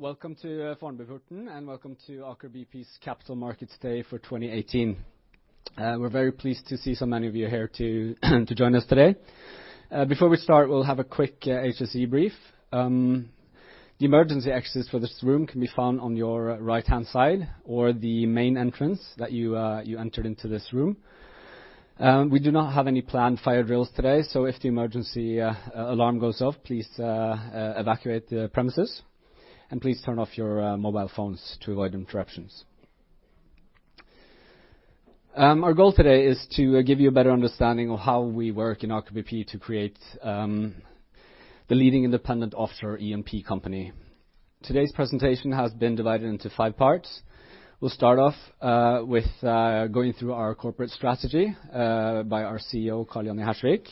Welcome to Fornebuporten and welcome to Aker BP's Capital Markets Day for 2018. We're very pleased to see so many of you here to join us today. Before we start, we'll have a quick HSE brief. The emergency exits for this room can be found on your right-hand side or the main entrance that you entered into this room. We do not have any planned fire drills today, so if the emergency alarm goes off, please evacuate the premises. Please turn off your mobile phones to avoid interruptions. Our goal today is to give you a better understanding of how we work in Aker BP to create the leading independent offshore E&P company. Today's presentation has been divided into five parts. We'll start off with going through our corporate strategy by our CEO, Karl Johnny Hersvik,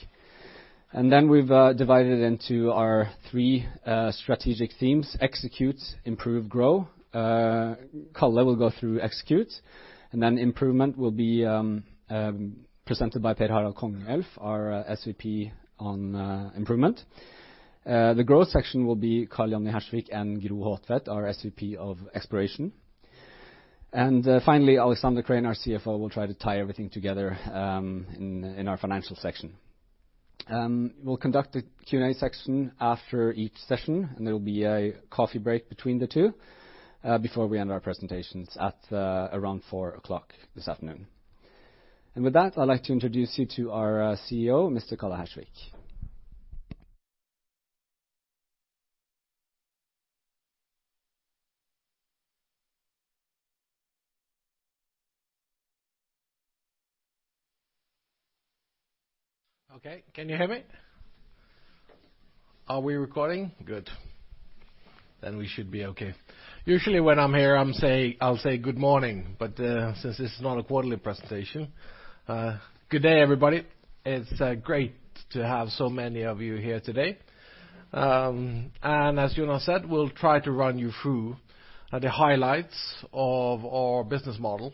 and then we've divided into our three strategic themes, execute, improve, grow. Karl will go through execute, then improvement will be presented by Per Harald Kongelf, our SVP on improvement. The growth section will be Karl Johnny Hersvik and Gro Haatvedt, our SVP of exploration. Finally, Alexander Krane, our CFO, will try to tie everything together in our financial section. We'll conduct a Q&A section after each session. There will be a coffee break between the two, before we end our presentations at around 4:00 P.M. this afternoon. With that, I'd like to introduce you to our CEO, Mr. Karl Johnny Hersvik. Okay. Can you hear me? Are we recording? Good. We should be okay. Usually when I'm here, I'll say good morning, since this is not a quarterly presentation, good day, everybody. It's great to have so many of you here today. As Jonas said, we'll try to run you through the highlights of our business model.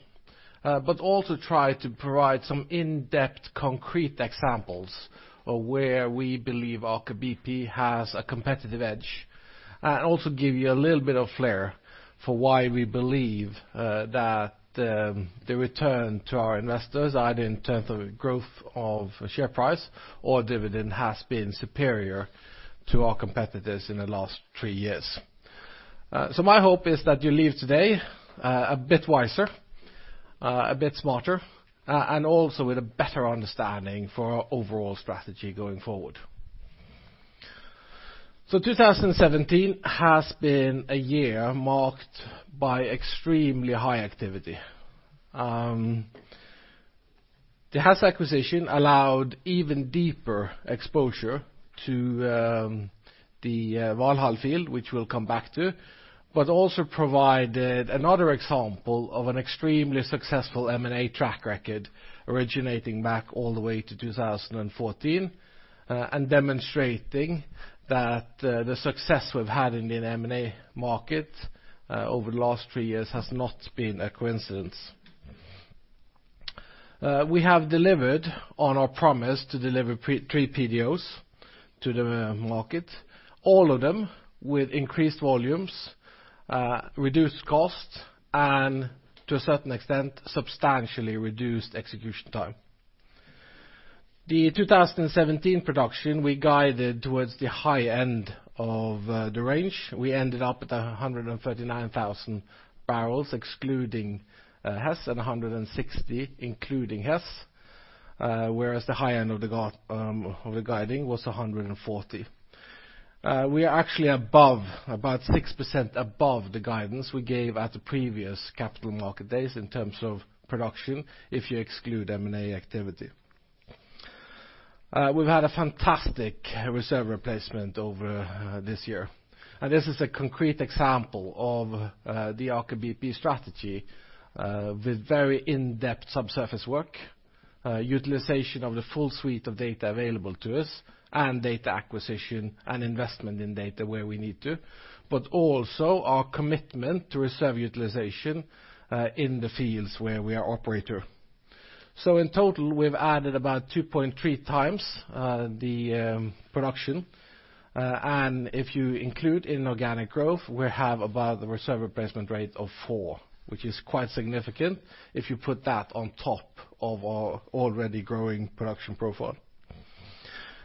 Also try to provide some in-depth, concrete examples of where we believe Aker BP has a competitive edge. Also give you a little bit of flair for why we believe that the return to our investors, either in terms of growth of share price or dividend, has been superior to our competitors in the last three years. My hope is that you leave today a bit wiser, a bit smarter, and also with a better understanding for our overall strategy going forward. 2017 has been a year marked by extremely high activity. The Hess acquisition allowed even deeper exposure to the Valhall field, which we'll come back to, but also provided another example of an extremely successful M&A track record originating back all the way to 2014, demonstrating that the success we've had in the M&A market over the last three years has not been a coincidence. We have delivered on our promise to deliver three PDOs to the market, all of them with increased volumes, reduced costs and, to a certain extent, substantially reduced execution time. The 2017 production we guided towards the high end of the range. We ended up at 139,000 barrels excluding Hess, and 160 including Hess. Whereas the high end of the guiding was 140. We are actually about 6% above the guidance we gave at the previous capital market days in terms of production, if you exclude M&A activity. We've had a fantastic reserve replacement over this year, and this is a concrete example of the Aker BP strategy with very in-depth subsurface work, utilization of the full suite of data available to us, and data acquisition and investment in data where we need to, but also our commitment to reserve utilization in the fields where we are operator. In total, we've added about 2.3 times the production. If you include inorganic growth, we have about the reserve replacement rate of four, which is quite significant if you put that on top of our already growing production profile.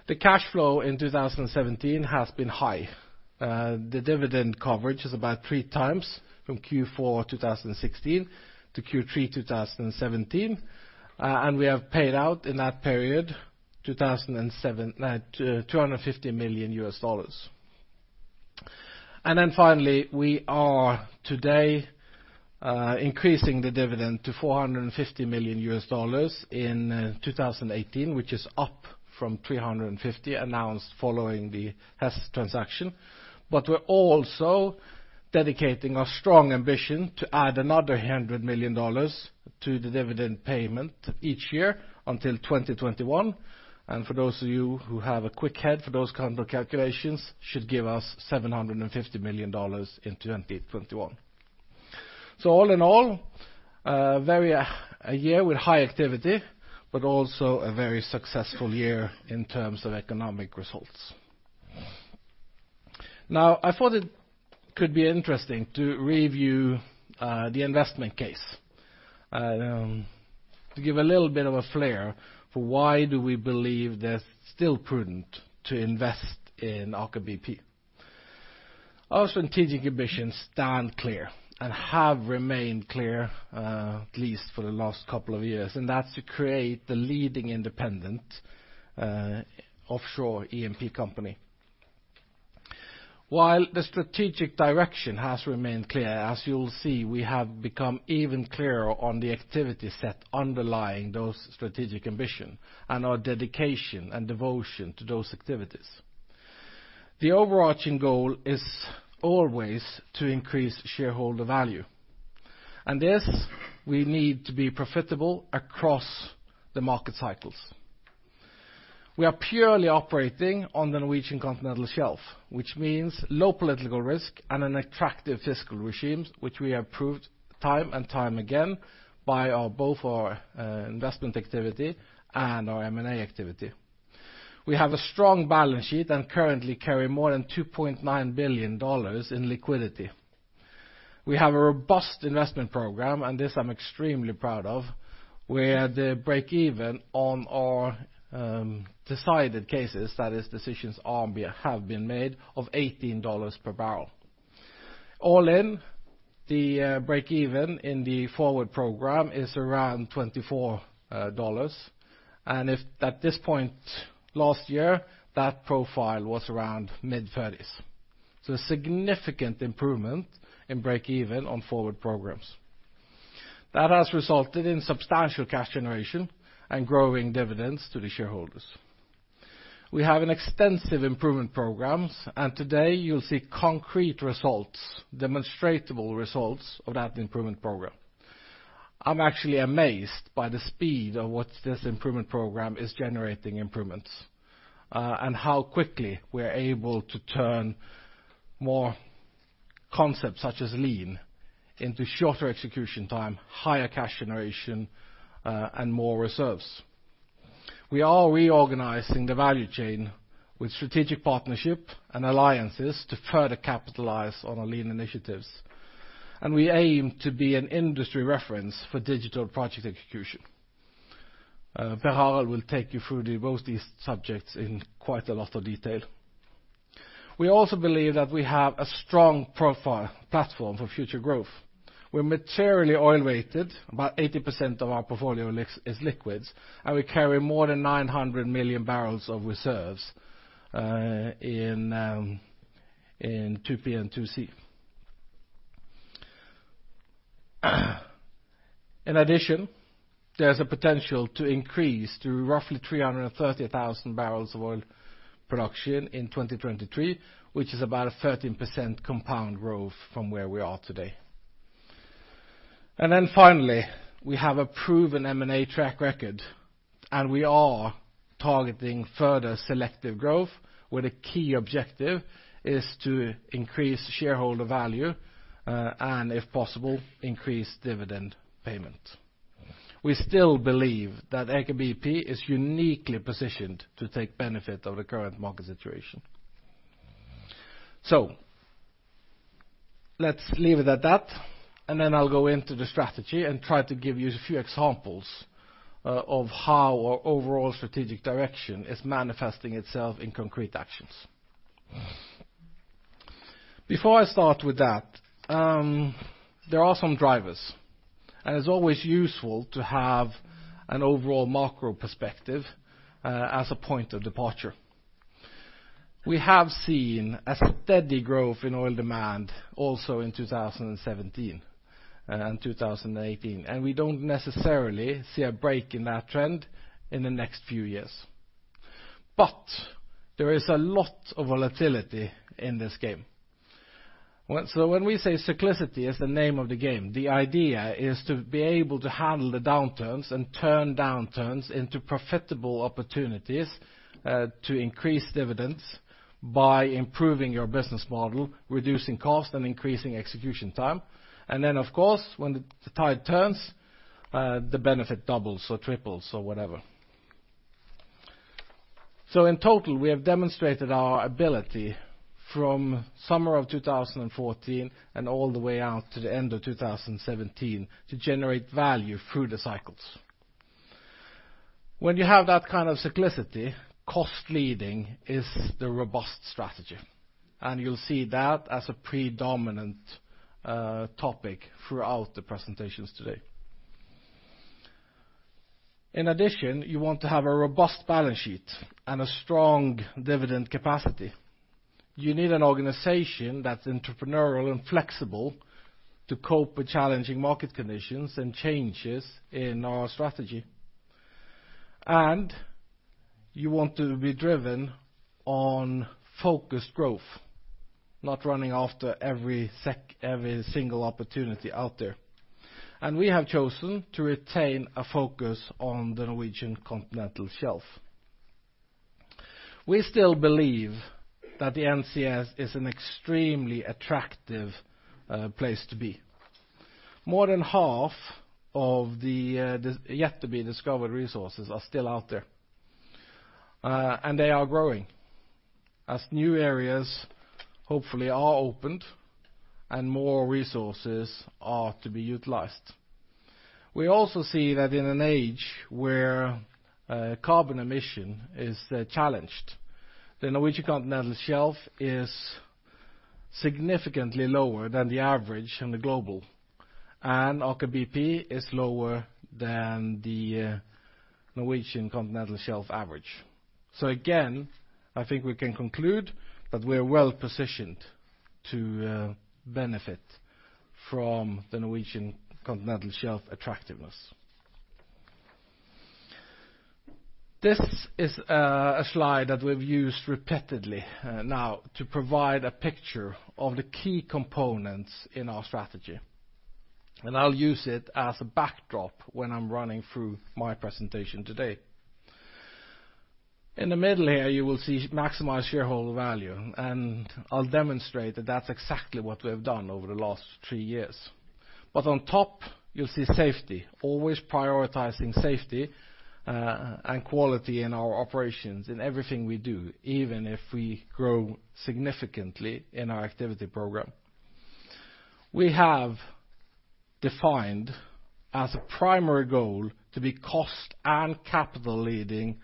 The cash flow in 2017 has been high. The dividend coverage is about three times from Q4 2016 to Q3 2017. We have paid out in that period $250 million. Finally, we are today increasing the dividend to $450 million in 2018, which is up from $350 million announced following the Hess transaction. We're also dedicating our strong ambition to add another $100 million to the dividend payment each year until 2021. For those of you who have a quick head for those kind of calculations, should give us $750 million in 2021. All in all, a year with high activity, but also a very successful year in terms of economic results. Now, I thought it could be interesting to review the investment case, to give a little bit of a flair for why do we believe that it's still prudent to invest in Aker BP. Our strategic ambitions stand clear and have remained clear, at least for the last couple of years, and that's to create the leading independent offshore E&P company. While the strategic direction has remained clear, as you'll see, we have become even clearer on the activities that underlie those strategic ambition and our dedication and devotion to those activities. The overarching goal is always to increase shareholder value. This, we need to be profitable across the market cycles. We are purely operating on the Norwegian Continental Shelf, which means low political risk and an attractive fiscal regime, which we have proved time and time again by both our investment activity and our M&A activity. We have a strong balance sheet and currently carry more than $2.9 billion in liquidity. We have a robust investment program, this I'm extremely proud of, where the break even on our decided cases, that is decisions have been made, of $18 per barrel. All in, the break even in the forward program is around $24. If at this point last year, that profile was around mid-$30s. A significant improvement in break even on forward programs. That has resulted in substantial cash generation and growing dividends to the shareholders. We have an extensive improvement programs, and today you'll see concrete results, demonstrable results of that improvement program. I'm actually amazed by the speed of what this improvement program is generating improvements, and how quickly we're able to turn more concepts such as lean into shorter execution time, higher cash generation, and more reserves. We are reorganizing the value chain with strategic partnership and alliances to further capitalize on our lean initiatives. We aim to be an industry reference for digital project execution. Per Harald will take you through both these subjects in quite a lot of detail. We also believe that we have a strong profile platform for future growth. We're materially oil-weighted. About 80% of our portfolio is liquids, and we carry more than 900 million barrels of reserves in 2P and 2C. In addition, there's a potential to increase to roughly 330,000 barrels of oil production in 2023, which is about a 13% compound growth from where we are today. Finally, we have a proven M&A track record, and we are targeting further selective growth where the key objective is to increase shareholder value, and if possible, increase dividend payment. We still believe that Aker BP is uniquely positioned to take benefit of the current market situation. Let's leave it at that, I'll go into the strategy and try to give you a few examples of how our overall strategic direction is manifesting itself in concrete actions. Before I start with that, there are some drivers. It's always useful to have an overall macro perspective as a point of departure. We have seen a steady growth in oil demand also in 2017 and 2018, we don't necessarily see a break in that trend in the next few years. There is a lot of volatility in this game. When we say cyclicity is the name of the game, the idea is to be able to handle the downturns and turn downturns into profitable opportunities to increase dividends by improving your business model, reducing cost, and increasing execution time. Of course, when the tide turns, the benefit doubles or triples or whatever. In total, we have demonstrated our ability from summer of 2014 and all the way out to the end of 2017 to generate value through the cycles. When you have that kind of cyclicity, cost leading is the robust strategy, you'll see that as a predominant topic throughout the presentations today. In addition, you want to have a robust balance sheet and a strong dividend capacity. You need an organization that's entrepreneurial and flexible to cope with challenging market conditions and changes in our strategy. You want to be driven on focused growth, not running after every single opportunity out there. We have chosen to retain a focus on the Norwegian Continental Shelf. We still believe that the NCS is an extremely attractive place to be. More than half of the yet-to-be-discovered resources are still out there, they are growing as new areas hopefully are opened and more resources are to be utilized. We also see that in an age where carbon emission is challenged, the Norwegian Continental Shelf is significantly lower than the average in the global, Aker BP is lower than the Norwegian Continental Shelf average. Again, I think we can conclude that we are well-positioned to benefit from the Norwegian Continental Shelf attractiveness. This is a slide that we've used repeatedly now to provide a picture of the key components in our strategy. I'll use it as a backdrop when I'm running through my presentation today. In the middle here, you will see maximize shareholder value, I'll demonstrate that that's exactly what we have done over the last three years. On top, you'll see safety. Always prioritizing safety and quality in our operations, in everything we do, even if we grow significantly in our activity program. We have defined as a primary goal to be cost and capital leading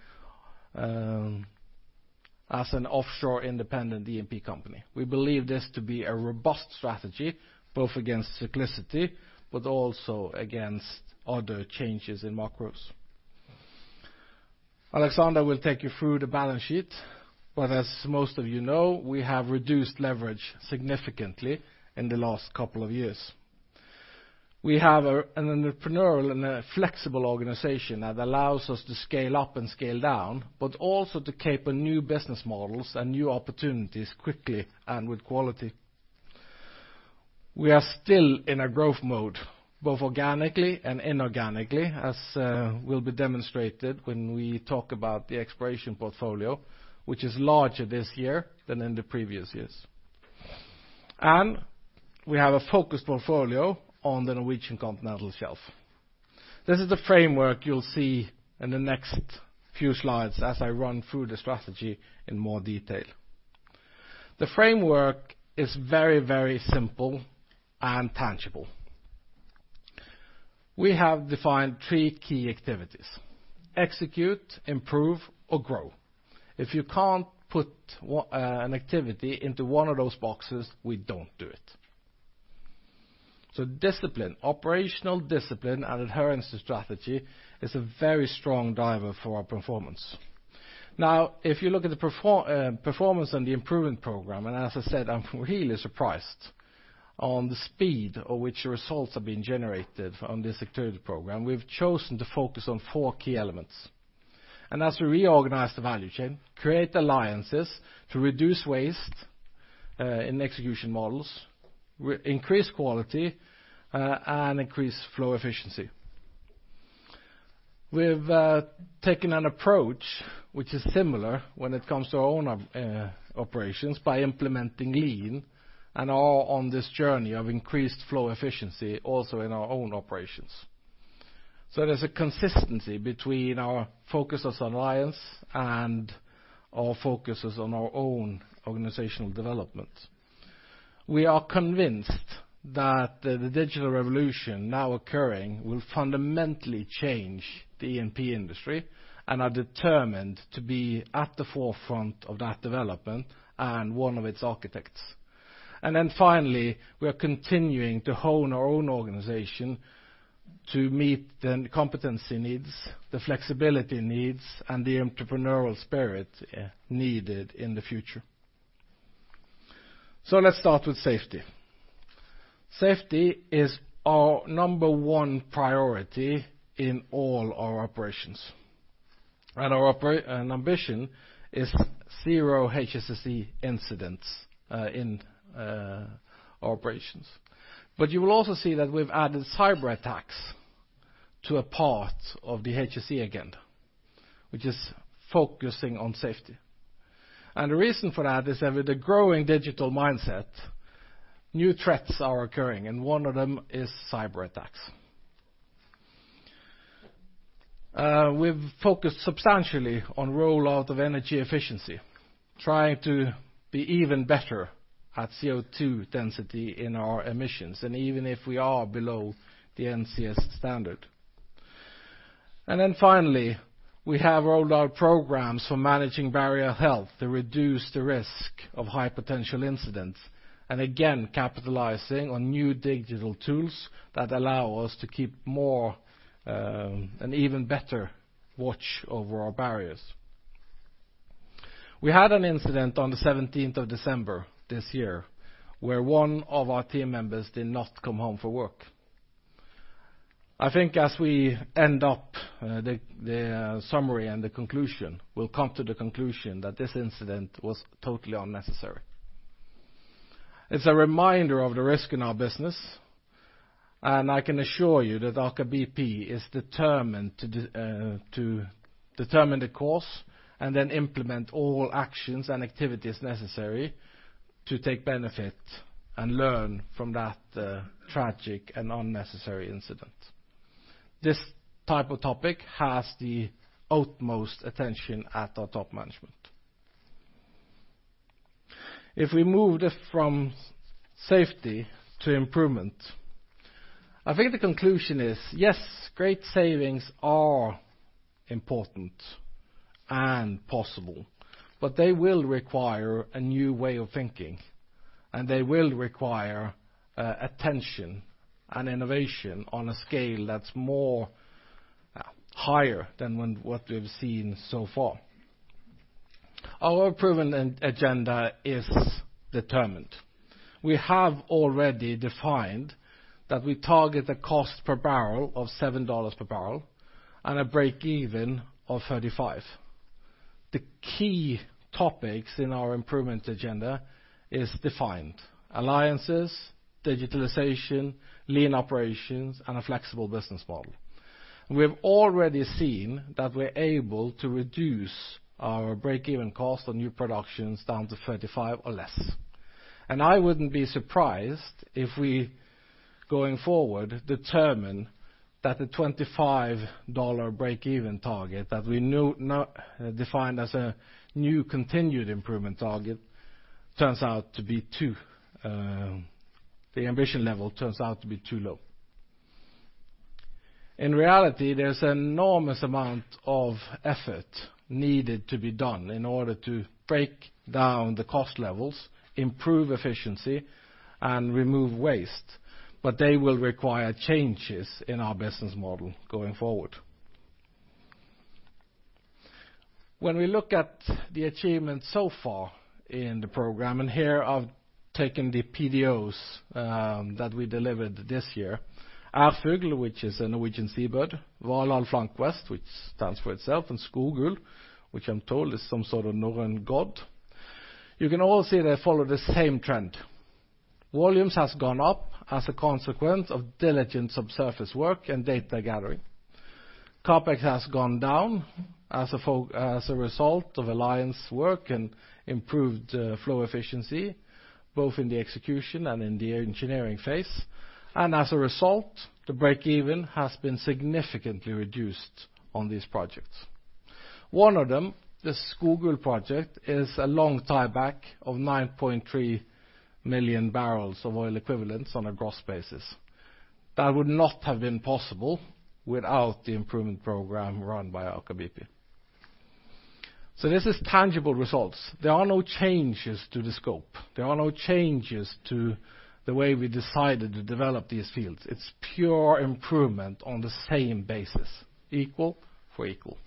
as an offshore independent E&P company. We believe this to be a robust strategy, both against cyclicity but also against other changes in macros. Alexander will take you through the balance sheet. As most of you know, we have reduced leverage significantly in the last couple of years. We have an entrepreneurial and a flexible organization that allows us to scale up and scale down, but also to [capture] new business models and new opportunities quickly and with quality. We are still in a growth mode, both organically and inorganically, as will be demonstrated when we talk about the exploration portfolio, which is larger this year than in the previous years. We have a focused portfolio on the Norwegian Continental Shelf. This is the framework you'll see in the next few slides as I run through the strategy in more detail. The framework is very simple and tangible. We have defined three key activities: execute, improve, or grow. If you can't put an activity into one of those boxes, we don't do it. Discipline, operational discipline and adherence to strategy is a very strong driver for our performance. Now, if you look at the performance on the improvement program, as I said, I'm really surprised on the speed at which the results are being generated on this activity program. We've chosen to focus on four key elements. As we reorganize the value chain, create alliances to reduce waste in execution models, increase quality, and increase flow efficiency. We've taken an approach which is similar when it comes to our own operations by implementing lean and are on this journey of increased flow efficiency also in our own operations. There's a consistency between our focus on alliance and our focuses on our own organizational development. We are convinced that the digital revolution now occurring will fundamentally change the E&P industry and are determined to be at the forefront of that development and one of its architects. Finally, we are continuing to hone our own organization to meet the competency needs, the flexibility needs, and the entrepreneurial spirit needed in the future. Let's start with safety. Safety is our number 1 priority in all our operations. Our ambition is zero HSSE incidents in our operations. You will also see that we've added cyberattacks to a part of the HSE agenda, which is focusing on safety. The reason for that is that with the growing digital mindset, new threats are occurring, and one of them is cyberattacks. We've focused substantially on rollout of energy efficiency, trying to be even better at CO2 density in our emissions, even if we are below the NCS standard. Finally, we have rolled out programs for managing barrier health to reduce the risk of high-potential incidents, and again, capitalizing on new digital tools that allow us to keep more an even better watch over our barriers. We had an incident on the 17th of December this year, where one of our team members did not come home from work. I think as we end up the summary and the conclusion, we'll come to the conclusion that this incident was totally unnecessary. It's a reminder of the risk in our business. I can assure you that Aker BP is determined to determine the course and then implement all actions and activities necessary to take benefit and learn from that tragic and unnecessary incident. This type of topic has the utmost attention at our top management. If we move from safety to improvement, I think the conclusion is, yes, great savings are important and possible. They will require a new way of thinking and they will require attention and innovation on a scale that's higher than what we've seen so far. Our proven agenda is determined. We have already defined that we target a cost per barrel of $7 per barrel and a break-even of $35. The key topics in our improvement agenda is defined: alliances, digitalization, lean operations, and a flexible business model. We have already seen that we're able to reduce our break-even cost on new productions down to $35 or less. I wouldn't be surprised if we, going forward, determine that the $25 break-even target that we now defined as a new continued improvement target, the ambition level turns out to be too low. In reality, there's an enormous amount of effort needed to be done in order to break down the cost levels, improve efficiency, and remove waste. They will require changes in our business model going forward. When we look at the achievements so far in the program, here I've taken the PDOs that we delivered this year. Ærfugl, which is a Norwegian seabird, Valhall Flank West, which stands for itself, and Skogul, which I'm told is some sort of northern god. You can all see they follow the same trend. Volumes has gone up as a consequence of diligent subsurface work and data gathering. CapEx has gone down as a result of alliance work and improved flow efficiency, both in the execution and in the engineering phase. As a result, the break-even has been significantly reduced on these projects. One of them, the Skogul project, is a long tieback of 9.3 million barrels of oil equivalents on a gross basis. That would not have been possible without the improvement program run by Aker BP. This is tangible results. There are no changes to the scope. There are no changes to the way we decided to develop these fields. It's pure improvement on the same basis, equal for equal.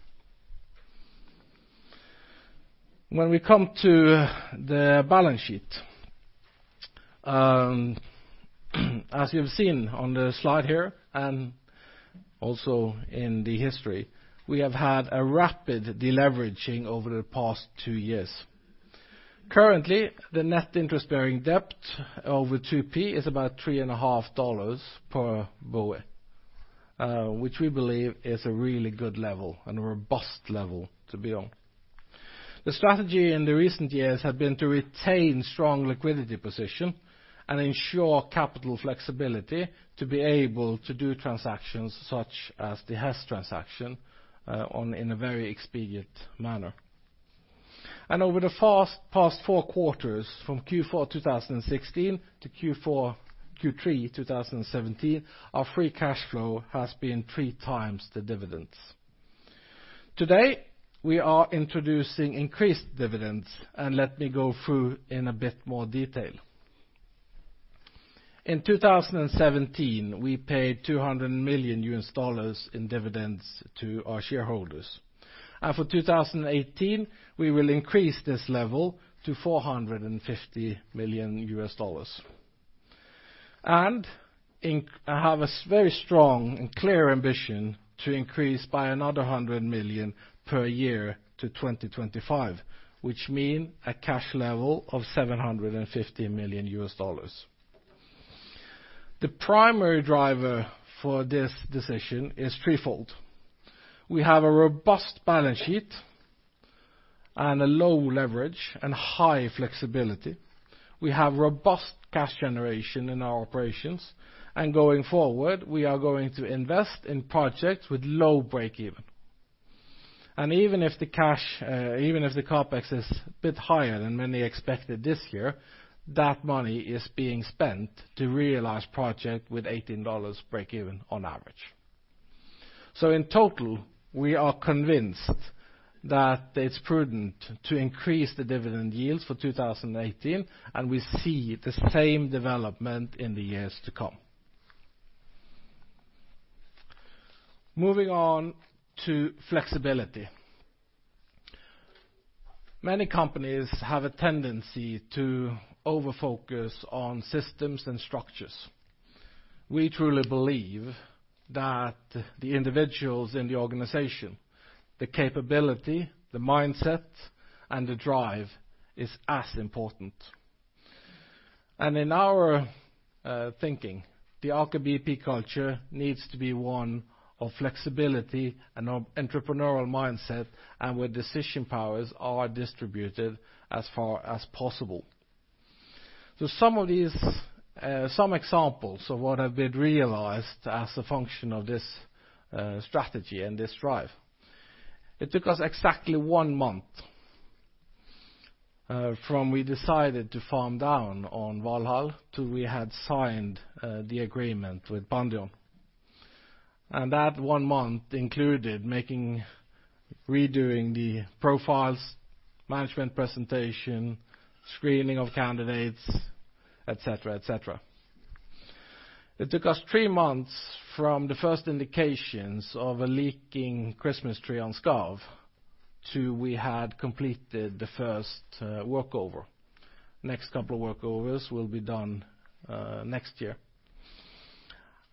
When we come to the balance sheet, as you've seen on the slide here. Also in the history, we have had a rapid deleveraging over the past two years. Currently, the net interest-bearing debt over 2P is about $3.5 per BOE which we believe is a really good level and a robust level to be on. The strategy in the recent years have been to retain strong liquidity position and ensure capital flexibility to be able to do transactions such as the Hess transaction in a very expedient manner. Over the past four quarters, from Q4 2016 to Q3 2017, our free cash flow has been three times the dividends. Today, we are introducing increased dividends. Let me go through in a bit more detail. In 2017, we paid $200 million in dividends to our shareholders. For 2018, we will increase this level to $450 million. I have a very strong and clear ambition to increase by another $100 million per year to 2021, which mean a cash level of $750 million. The primary driver for this decision is threefold. We have a robust balance sheet and a low leverage and high flexibility. We have robust cash generation in our operations. Going forward, we are going to invest in projects with low break-even. Even if the CapEx is a bit higher than many expected this year, that money is being spent to realize project with $18 break-even on average. In total, we are convinced that it's prudent to increase the dividend yields for 2018, and we see the same development in the years to come. Moving on to flexibility. Many companies have a tendency to over-focus on systems and structures. We truly believe that the individuals in the organization, the capability, the mindset, and the drive is as important. In our thinking, the Aker BP culture needs to be one of flexibility and entrepreneurial mindset, and where decision powers are distributed as far as possible. Some examples of what have been realized as a function of this strategy and this drive. It took us exactly one month from we decided to farm down on Valhall, till we had signed the agreement with Pandion. That one month included redoing the profiles, management presentation, screening of candidates, et cetera. It took us three months from the first indications of a leaking Christmas tree on Skarv to we had completed the first workover. Next couple of workovers will be done next year.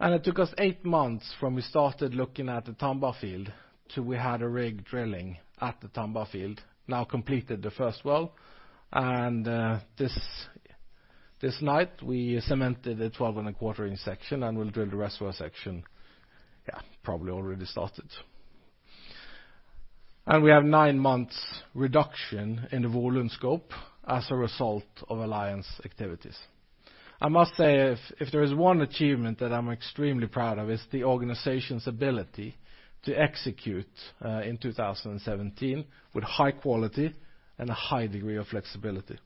It took us eight months from we started looking at the Tambar field, till we had a rig drilling at the Tambar field, now completed the first well. This night, we cemented a 12 and a quarter-inch section section and we'll drill the rest of our section, probably already started. We have nine months reduction in the volume scope as a result of alliance activities. I must say, if there is one achievement that I'm extremely proud of, it's the organization's ability to execute, in 2017, with high quality and a high degree of flexibility.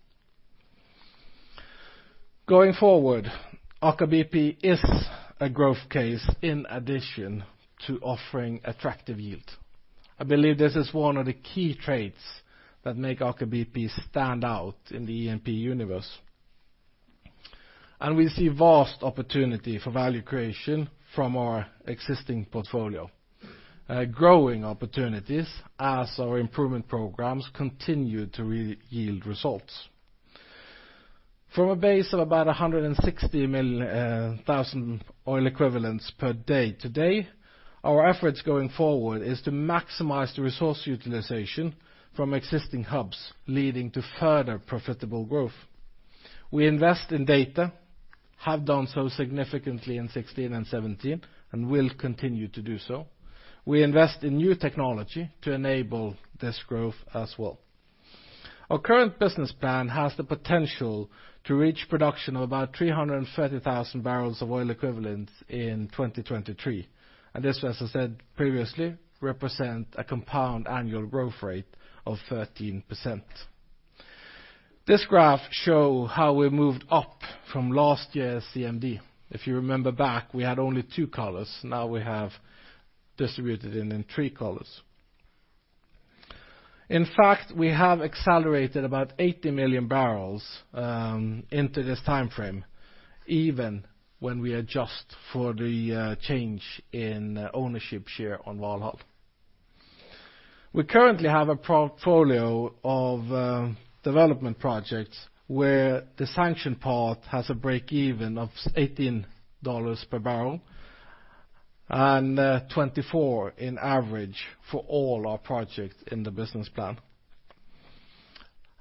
Going forward, Aker BP is a growth case in addition to offering attractive yield. I believe this is one of the key traits that make Aker BP stand out in the E&P universe. We see vast opportunity for value creation from our existing portfolio. Growing opportunities as our improvement programs continue to yield results. From a base of about 160,000 oil equivalents per day to day, our efforts going forward is to maximize the resource utilization from existing hubs, leading to further profitable growth. We invest in data, have done so significantly in 2016 and 2017, and will continue to do so. We invest in new technology to enable this growth as well. Our current business plan has the potential to reach production of about 330,000 barrels of oil equivalents in 2023. This, as I said previously, represent a compound annual growth rate of 13%. This graph show how we moved up from last year's CMD. If you remember back, we had only two colors. Now we have distributed it in three colors. In fact, we have accelerated about 80 million barrels into this time frame, even when we adjust for the change in ownership share on Valhall. We currently have a portfolio of development projects where the sanction part has a break-even of $18 per barrel and $24 in average for all our projects in the business plan.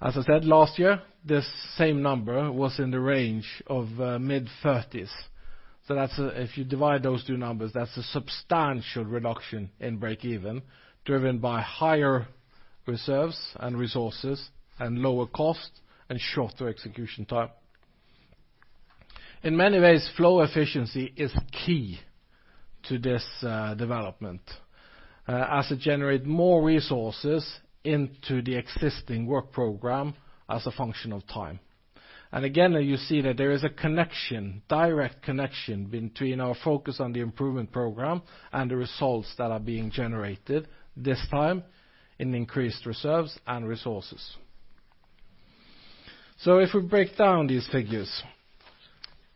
As I said last year, this same number was in the range of mid-30s. If you divide those two numbers, that's a substantial reduction in break-even driven by higher reserves and resources and lower cost and shorter execution time. In many ways, flow efficiency is key to this development, as it generate more resources into the existing work program as a function of time. Again, you see that there is a direct connection between our focus on the improvement program and the results that are being generated this time in increased reserves and resources. If we break down these figures,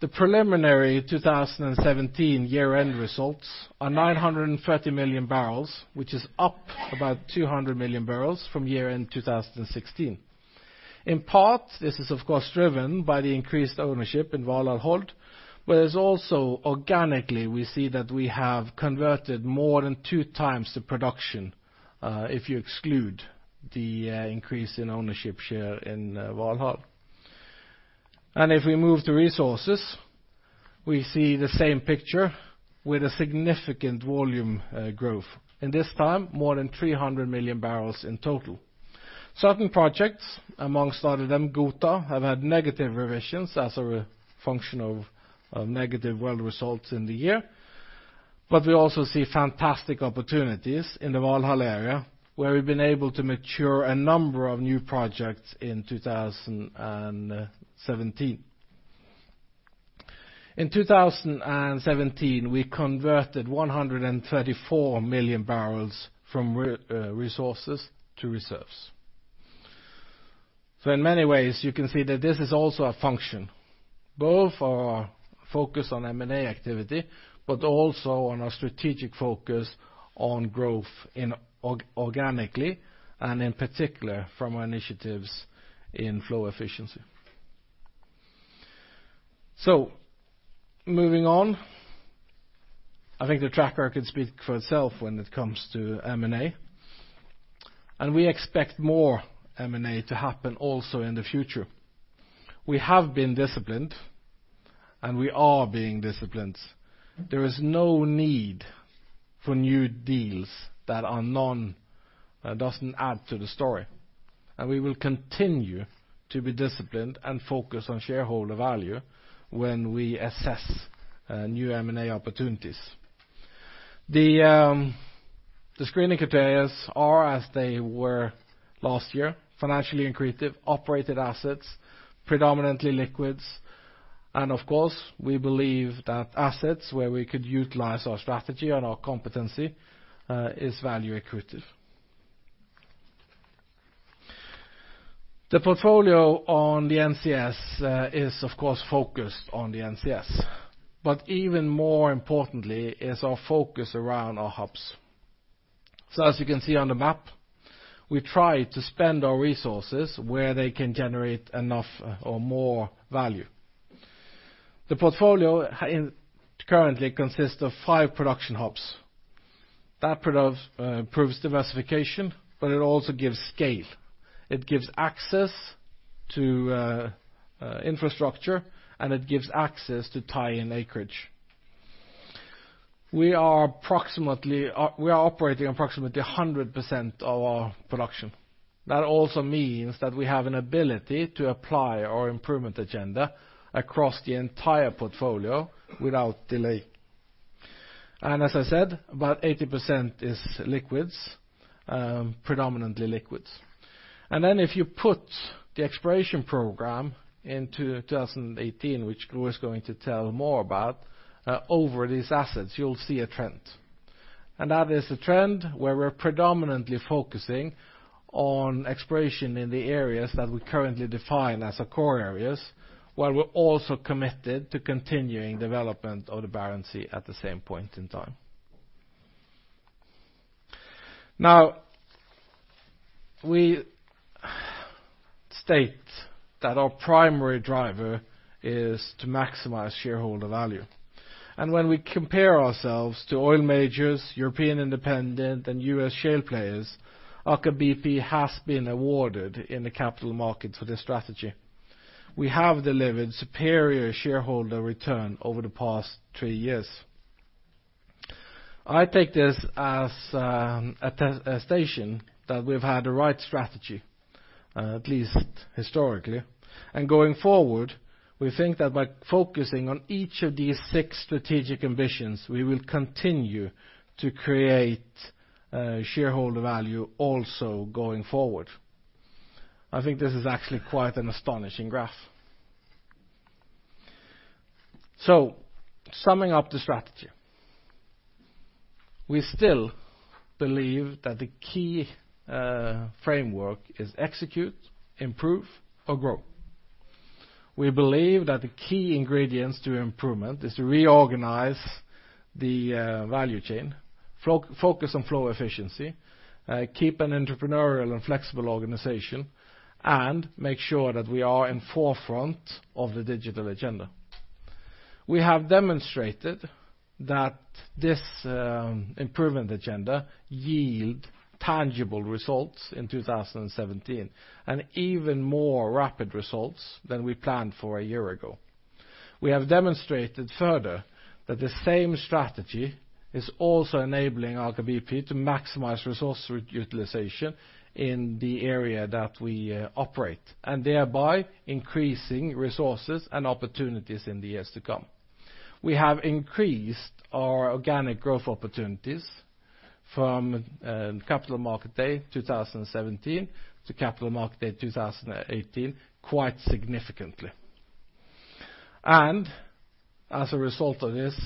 the preliminary 2017 year-end results are 930 million barrels, which is up about 200 million barrels from year-end 2016. In part, this is of course driven by the increased ownership in Valhall, Hod, but it's also organically we see that we have converted more than two times the production if you exclude the increase in ownership share in Valhall. If we move to resources, we see the same picture with a significant volume growth. In this time, more than 300 million barrels in total. Certain projects, amongst lot of them, Gohta, have had negative revisions as a function of negative well results in the year. We also see fantastic opportunities in the Valhall area, where we've been able to mature a number of new projects in 2017. In 2017, we converted 134 million barrels from resources to reserves. In many ways, you can see that this is also a function, both our focus on M&A activity, but also on our strategic focus on growth organically, and in particular, from our initiatives in flow efficiency. Moving on, I think the track record speaks for itself when it comes to M&A. We expect more M&A to happen also in the future. We have been disciplined, and we are being disciplined. There is no need for new deals that doesn't add to the story. We will continue to be disciplined and focus on shareholder value when we assess new M&A opportunities. The screening criteria are as they were last year, financially accretive, operated assets, predominantly liquids. Of course, we believe that assets where we could utilize our strategy and our competency is value accretive. The portfolio on the NCS is, of course, focused on the NCS. Even more importantly is our focus around our hubs. As you can see on the map, we try to spend our resources where they can generate enough or more value. The portfolio currently consists of five production hubs. That proves diversification, but it also gives scale. It gives access to infrastructure, and it gives access to infill tie-backs acreage. We are operating approximately 100% of our production. That also means that we have an ability to apply our improvement agenda across the entire portfolio without delay. As I said, about 80% is predominantly liquids. If you put the exploration program into 2018, which Gro is going to tell more about, over these assets, you'll see a trend. That is a trend where we're predominantly focusing on exploration in the areas that we currently define as our core areas, while we're also committed to continuing development of the Barents Sea at the same point in time. We state that our primary driver is to maximize shareholder value. When we compare ourselves to oil majors, European independent, and U.S. shale players, Aker BP has been awarded in the capital market for this strategy. We have delivered superior shareholder return over the past three years. I take this as an indication that we've had the right strategy, at least historically. Going forward, we think that by focusing on each of these 6 strategic ambitions, we will continue to create shareholder value also going forward. I think this is actually quite an astonishing graph. Summing up the strategy. We still believe that the key framework is execute, improve, or grow. We believe that the key ingredients to improvement is to reorganize the value chain, focus on flow efficiency, keep an entrepreneurial and flexible organization, and make sure that we are in forefront of the digital agenda. We have demonstrated that this improvement agenda yield tangible results in 2017, and even more rapid results than we planned for a year ago. We have demonstrated further that the same strategy is also enabling Aker BP to maximize resource utilization in the area that we operate, and thereby increasing resources and opportunities in the years to come. We have increased our organic growth opportunities from Capital Market Day 2017 to Capital Market Day 2018 quite significantly. As a result of this,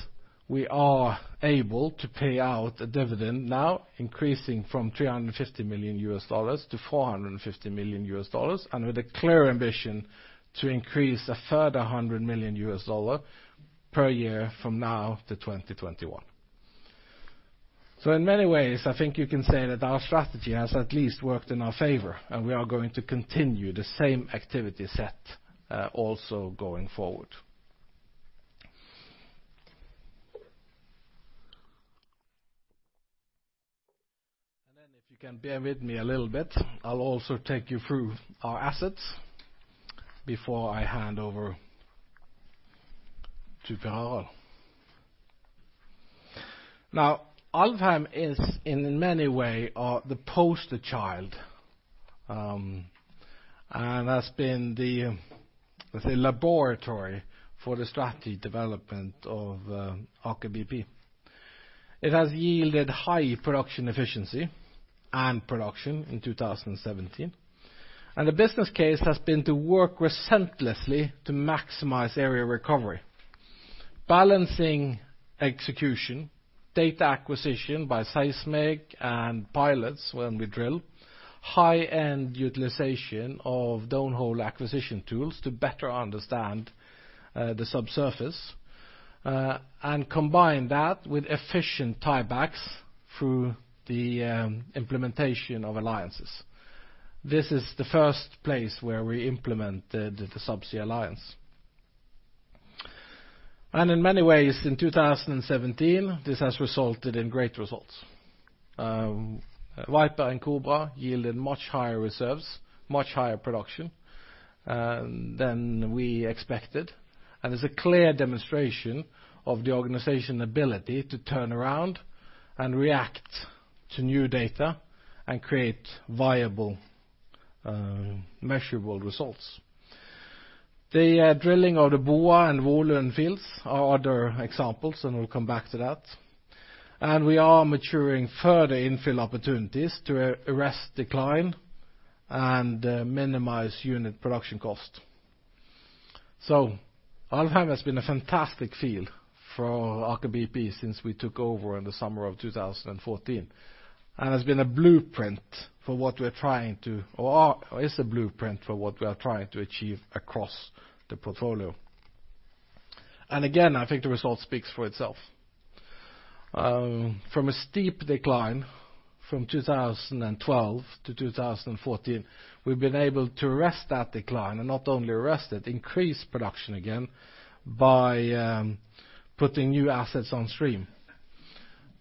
we are able to pay out a dividend now increasing from $350 million to $450 million, and with a clear ambition to increase a further $100 million per year from now to 2021. In many ways, I think you can say that our strategy has at least worked in our favor, and we are going to continue the same activity set also going forward. If you can bear with me a little bit, I'll also take you through our assets before I hand over to Per Harald. Alvheim is in many way the poster child, and has been the, let's say, laboratory for the strategy development of Aker BP. It has yielded high production efficiency and production in 2017. The business case has been to work relentlessly to maximize area recovery. Balancing execution, data acquisition by seismic and pilots when we drill, high-end utilization of downhole acquisition tools to better understand the subsurface, and combine that with efficient infill tie-backs through the implementation of alliances. This is the first place where we implemented the subsea alliance. In many ways, in 2017, this has resulted in great results. Viper and Kobra yielded much higher reserves, much higher production than we expected, and is a clear demonstration of the organization ability to turn around and react to new data and create viable, measurable results. The drilling of the Boa and Volund fields are other examples, and we'll come back to that. We are maturing further infill opportunities to arrest decline and minimize unit production cost. Alvheim has been a fantastic field for Aker BP since we took over in the summer of 2014 and is a blueprint for what we are trying to achieve across the portfolio. Again, I think the result speaks for itself. From a steep decline from 2012 to 2014, we have been able to arrest that decline and not only arrest it, increase production again by putting new assets on stream.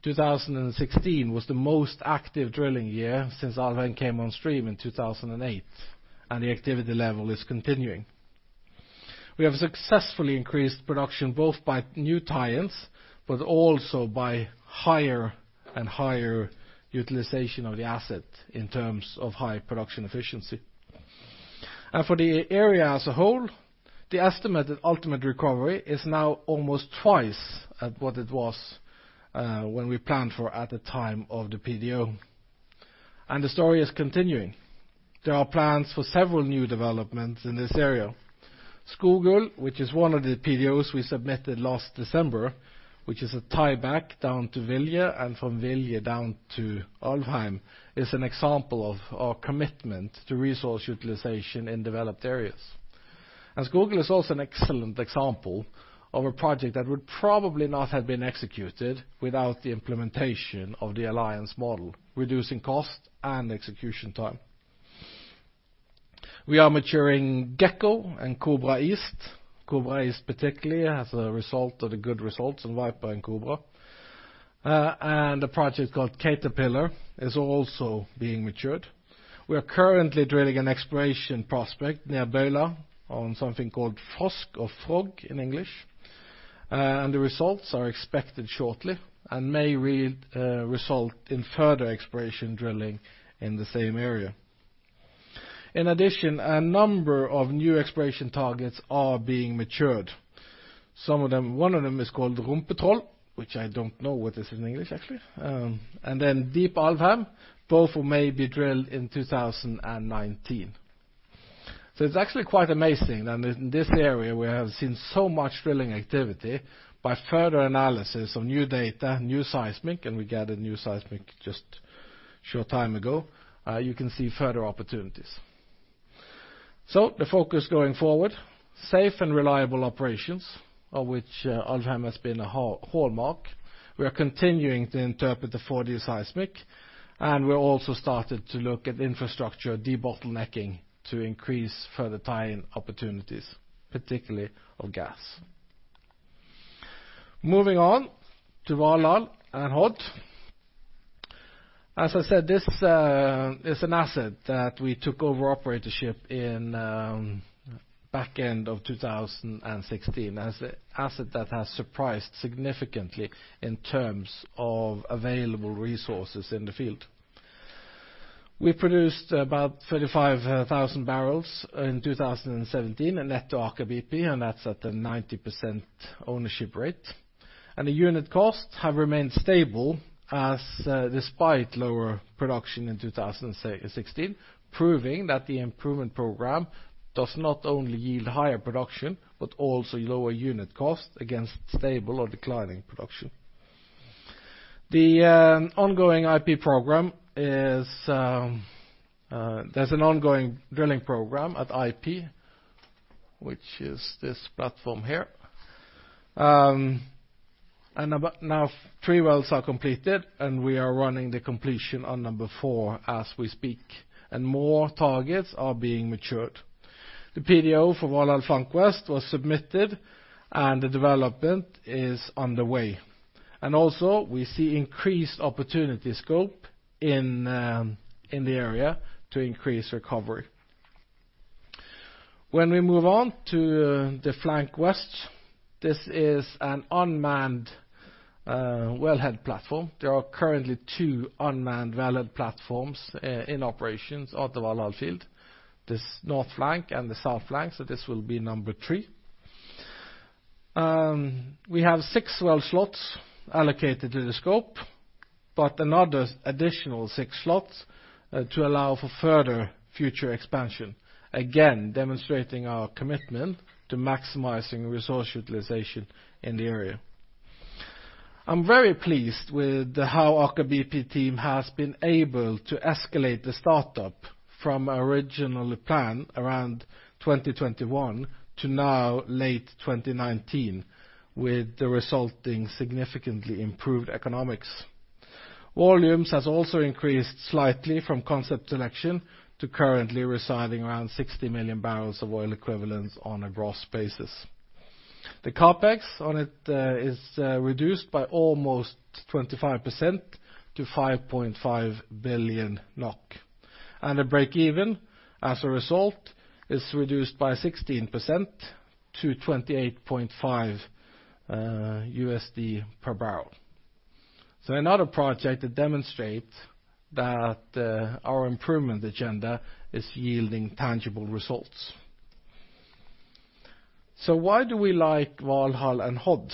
2016 was the most active drilling year since Alvheim came on stream in 2008. The activity level is continuing. We have successfully increased production both by new tie-ins, but also by higher and higher utilization of the asset in terms of high production efficiency. For the area as a whole, the estimated ultimate recovery is now almost twice at what it was when we planned for at the time of the PDO. The story is continuing. There are plans for several new developments in this area. Skogul, which is one of the PDOs we submitted last December, which is a tieback down to Vilje and from Vilje down to Alvheim, is an example of our commitment to resource utilization in developed areas. Skogul is also an excellent example of a project that would probably not have been executed without the implementation of the alliance model, reducing cost and execution time. We are maturing Gekko and Kobra East. Kobra East particularly as a result of the good results in Viper and Kobra. A project called Caterpillar is also being matured. We are currently drilling an exploration prospect near Bøyla on something called Frosk or Frog in English. The results are expected shortly and may result in further exploration drilling in the same area. In addition, a number of new exploration targets are being matured. One of them is called Rumpetroll, which I don't know what is in English, actually. Deep Alvheim, both may be drilled in 2019. It is actually quite amazing that in this area we have seen so much drilling activity by further analysis of new data, new seismic, and we gathered new seismic just short time ago. You can see further opportunities. The focus going forward, safe and reliable operations, of which Alvheim has been a hallmark. We are continuing to interpret the 4D seismic. We also started to look at infrastructure debottlenecking to increase further tie-in opportunities, particularly of gas. Moving on to Valhall and Hod. As I said, this is an asset that we took over operatorship in back end of 2016 as an asset that has surprised significantly in terms of available resources in the field. We produced about 35,000 barrels in 2017, net to Aker BP. That is at a 90% ownership rate. The unit costs have remained stable as despite lower production in 2016, proving that the improvement program does not only yield higher production, but also lower unit cost against stable or declining production. There is an ongoing drilling program at IP, which is this platform here. Now three wells are completed. We are running the completion on number four as we speak. More targets are being matured. The PDO for Valhall Flank West was submitted. The development is underway. Also, we see increased opportunity scope in the area to increase recovery. When we move on to the Flank West, this is an unmanned wellhead platform. There are currently two unmanned wellhead platforms in operations at the Valhall field, this North Flank and the South Flank, so this will be number three. We have six well slots allocated to the scope, but another additional six slots to allow for further future expansion. Again, demonstrating our commitment to maximizing resource utilization in the area. I'm very pleased with how Aker BP team has been able to escalate the startup from originally planned around 2021 to now late 2019, with the resulting significantly improved economics. Volumes has also increased slightly from concept selection to currently residing around 60 million barrels of oil equivalents on a gross basis. The CapEx on it is reduced by almost 25% to 5.5 billion NOK. The break even, as a result, is reduced by 16% to $28.5 per barrel. Another project that demonstrate that our improvement agenda is yielding tangible results. Why do we like Valhall and Hod?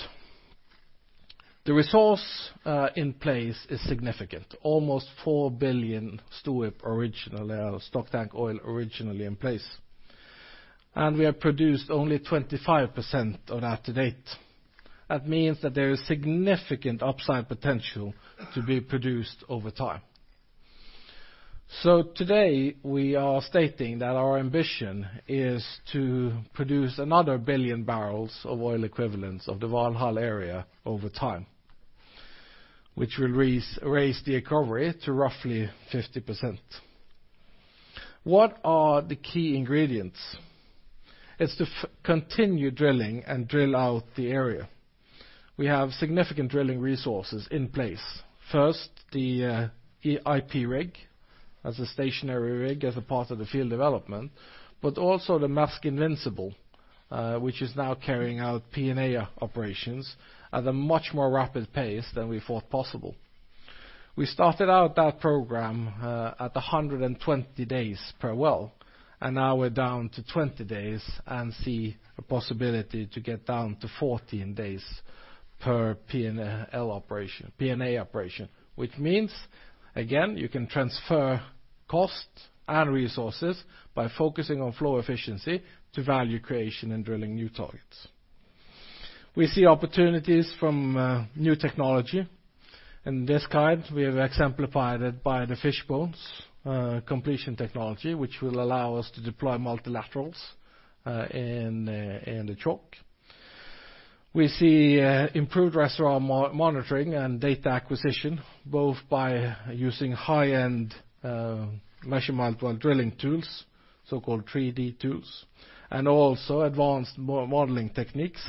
The resource in place is significant, almost 4 billion stock tank oil originally in place. We have produced only 25% of that to date. That means that there is significant upside potential to be produced over time. Today, we are stating that our ambition is to produce another billion barrels of oil equivalents of the Valhall area over time, which will raise the recovery to roughly 50%. What are the key ingredients? It's to continue drilling and drill out the area. We have significant drilling resources in place. First, the IP rig as a stationary rig as a part of the field development, but also the Maersk Invincible, which is now carrying out P&A operations at a much more rapid pace than we thought possible. We started out that program at 120 days per well, and now we're down to 20 days and see a possibility to get down to 14 days per P&A operation. Which means, again, you can transfer cost and resources by focusing on flow efficiency to value creation and drilling new targets. We see opportunities from new technology. In this kind, we have exemplified it by the Fishbones completion technology, which will allow us to deploy multilaterals in the chalk. We see improved reservoir monitoring and data acquisition, both by using high-end measurement while drilling tools, so-called 3D tools. Also advanced modeling techniques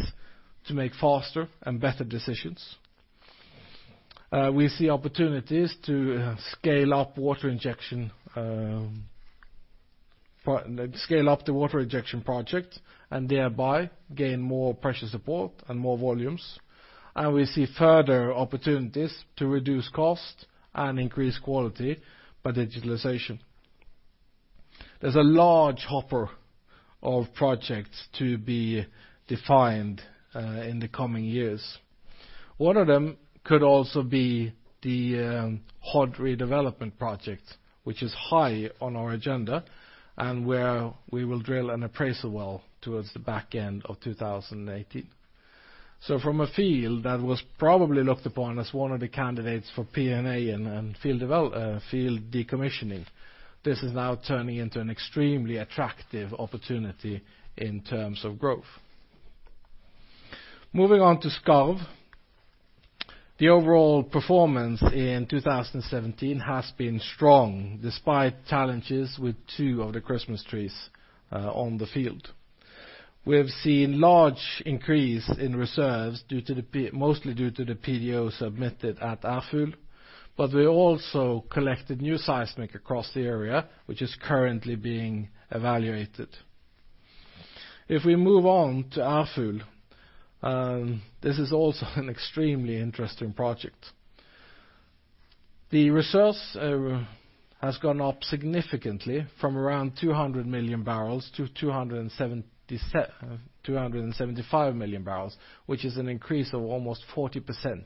to make faster and better decisions. We see opportunities to scale up the water injection project, thereby gain more pressure support and more volumes. We see further opportunities to reduce cost and increase quality by digitalization. There's a large hopper of projects to be defined in the coming years. One of them could also be the Hod redevelopment project, which is high on our agenda, and where we will drill an appraisal well towards the back end of 2018. From a field that was probably looked upon as one of the candidates for P&A and field decommissioning, this is now turning into an extremely attractive opportunity in terms of growth. Moving on to Skarv. The overall performance in 2017 has been strong, despite challenges with two of the Christmas trees on the field. We have seen large increase in reserves, mostly due to the PDO submitted at Ærfugl. We also collected new seismic across the area, which is currently being evaluated. We move on to Ærfugl, this is also an extremely interesting project. The resource has gone up significantly from around 200 million barrels to 275 million barrels, which is an increase of almost 40%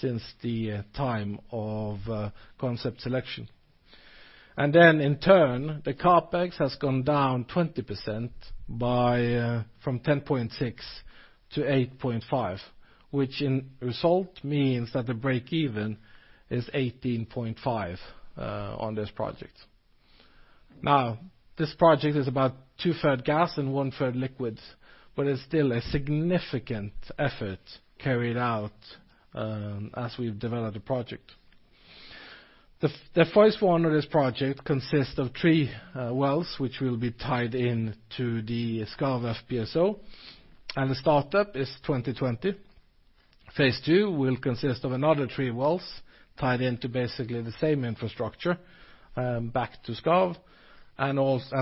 since the time of concept selection. In turn, the CapEx has gone down 20% from $10.6 billion to $8.5 billion, which in result means that the break even is $18.5 on this project. This project is about two-thirds gas and one-third liquids, but it's still a significant effort carried out as we've developed the project. Phase 1 of this project consists of three wells, which will be tied in to the Skarv FPSO. The startup is 2020. Phase 2 will consist of another three wells tied into basically the same infrastructure, back to Skarv,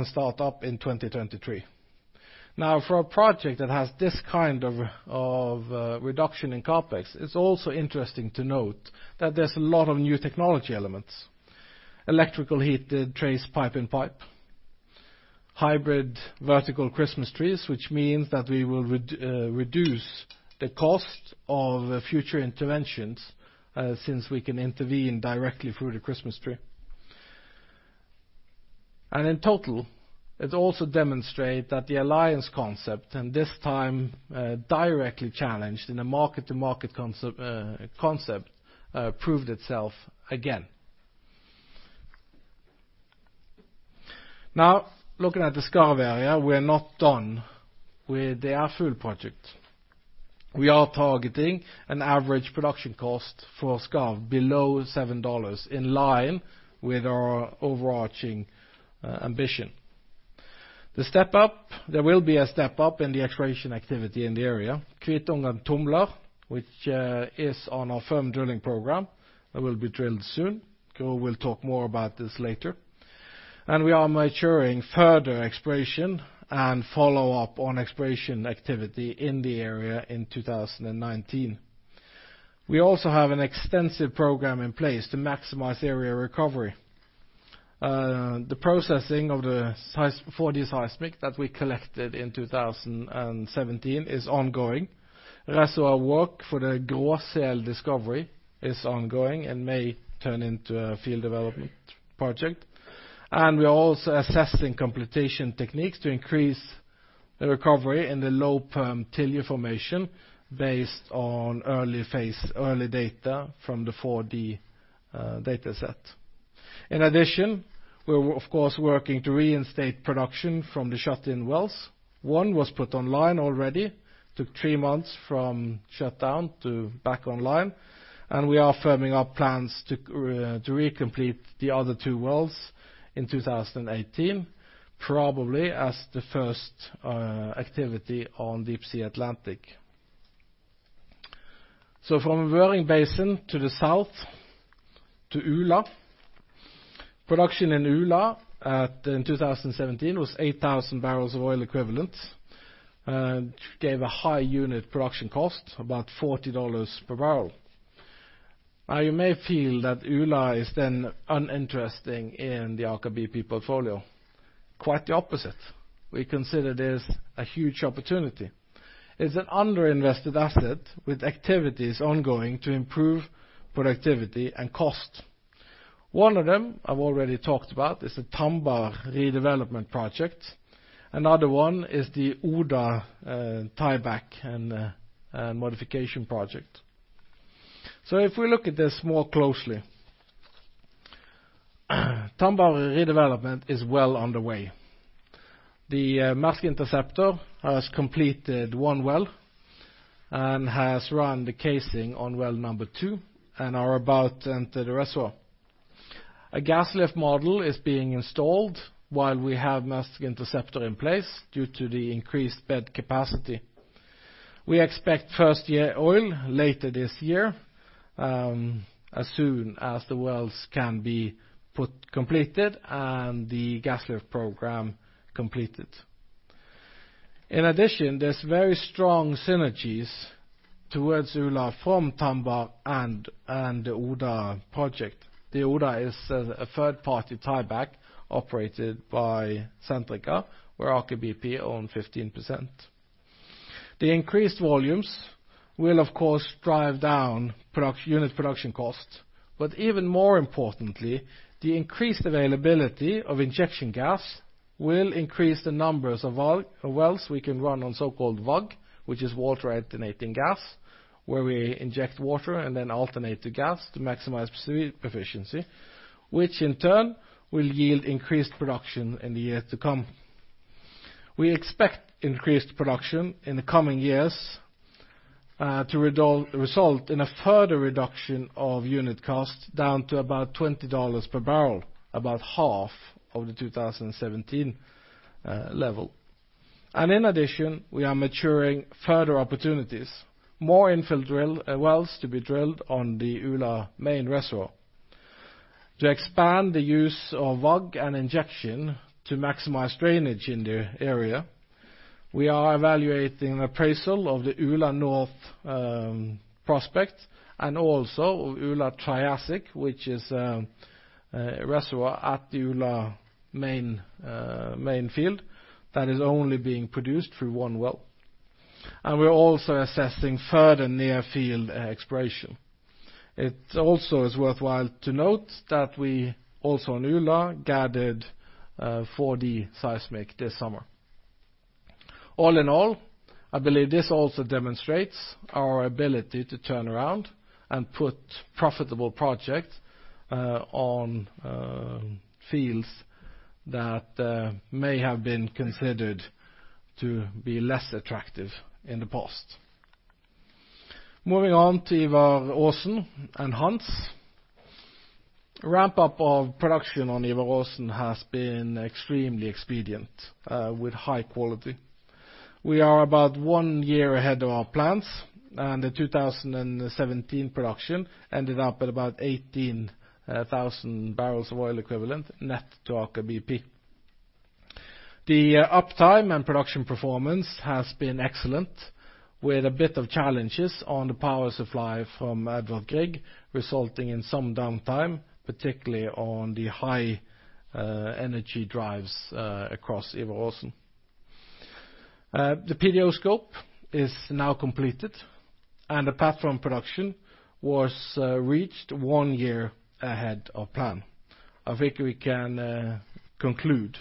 start up in 2023. For a project that has this kind of reduction in CapEx, it's also interesting to note that there's a lot of new technology elements. Electrical heated trace pipe-in-pipe. Hybrid vertical Christmas trees, which means that we will reduce the cost of future interventions, since we can intervene directly through the Christmas tree. In total, it also demonstrates that the alliance concept, and this time directly challenged in a market-to-market concept proved itself again. Looking at the Skarv area, we are not done with the Ærfugl project. We are targeting an average production cost for Skarv below $7, in line with our overarching ambition. There will be a step up in the exploration activity in the area. Kvitungen/Tumler, which is on our firm drilling program, will be drilled soon. Gro will talk more about this later. We are maturing further exploration and follow up on exploration activity in the area in 2019. We also have an extensive program in place to maximize area recovery. The processing of the 4D seismic that we collected in 2017 is ongoing. Reservoir work for the Gråsel discovery is ongoing and may turn into a field development project. We are also assessing completion techniques to increase the recovery in the low perm Tilje formation based on early data from the 4D data set. In addition, we're, of course, working to reinstate production from the shut-in wells. One was put online already. Took three months from shut down to back online, we are firming up plans to recomplete the other two wells in 2018, probably as the first activity on Deepsea Atlantic. From Vøring basin to the south to Ula. Production in Ula in 2017 was 8,000 barrels of oil equivalent and gave a high unit production cost, about $40 per barrel. You may feel that Ula is then uninteresting in the Aker BP portfolio. Quite the opposite. We consider this a huge opportunity. It's an under-invested asset with activities ongoing to improve productivity and cost. One of them I've already talked about is the Tambar redevelopment project. Another one is the Oda tieback and modification project. If we look at this more closely, Tambar redevelopment is well underway. The Maersk Interceptor has completed one well and has run the casing on well number 2 and are about to enter the reservoir. A gas lift model is being installed while we have Maersk Interceptor in place due to the increased bed capacity. We expect first year oil later this year, as soon as the wells can be completed and the gas lift program completed. In addition, there's very strong synergies towards Ula from Tambar and the Oda project. The Oda is a third-party tieback operated by Centrica, where Aker BP own 15%. The increased volumes will, of course, drive down unit production cost. Even more importantly, the increased availability of injection gas will increase the numbers of wells we can run on so-called WAG, which is water alternating gas, where we inject water and then alternate to gas to maximize sweep efficiency, which in turn will yield increased production in the years to come. We expect increased production in the coming years to result in a further reduction of unit cost down to about $20 per barrel, about half of the 2017 level. In addition, we are maturing further opportunities, more infill wells to be drilled on the Ula main reservoir. To expand the use of WAG and injection to maximize drainage in the area, we are evaluating appraisal of the Ula North prospect and also Ula Triassic, which is a reservoir at Ula main field that is only being produced through one well. We are also assessing further near-field exploration. It also is worthwhile to note that we also in Ula gathered 4D seismic this summer. All in all, I believe this also demonstrates our ability to turn around and put profitable projects on fields that may have been considered to be less attractive in the past. Moving on to Ivar Aasen and Hanz. Ramp-up of production on Ivar Aasen has been extremely expedient with high quality. We are about one year ahead of our plans, and the 2017 production ended up at about 18,000 barrels of oil equivalent net to Aker BP. The uptime and production performance has been excellent with a bit of challenges on the power supply from Edvard Grieg, resulting in some downtime, particularly on the high energy drives across Ivar Aasen. The PDO scope is now completed, and the platform production was reached one year ahead of plan. I think we can conclude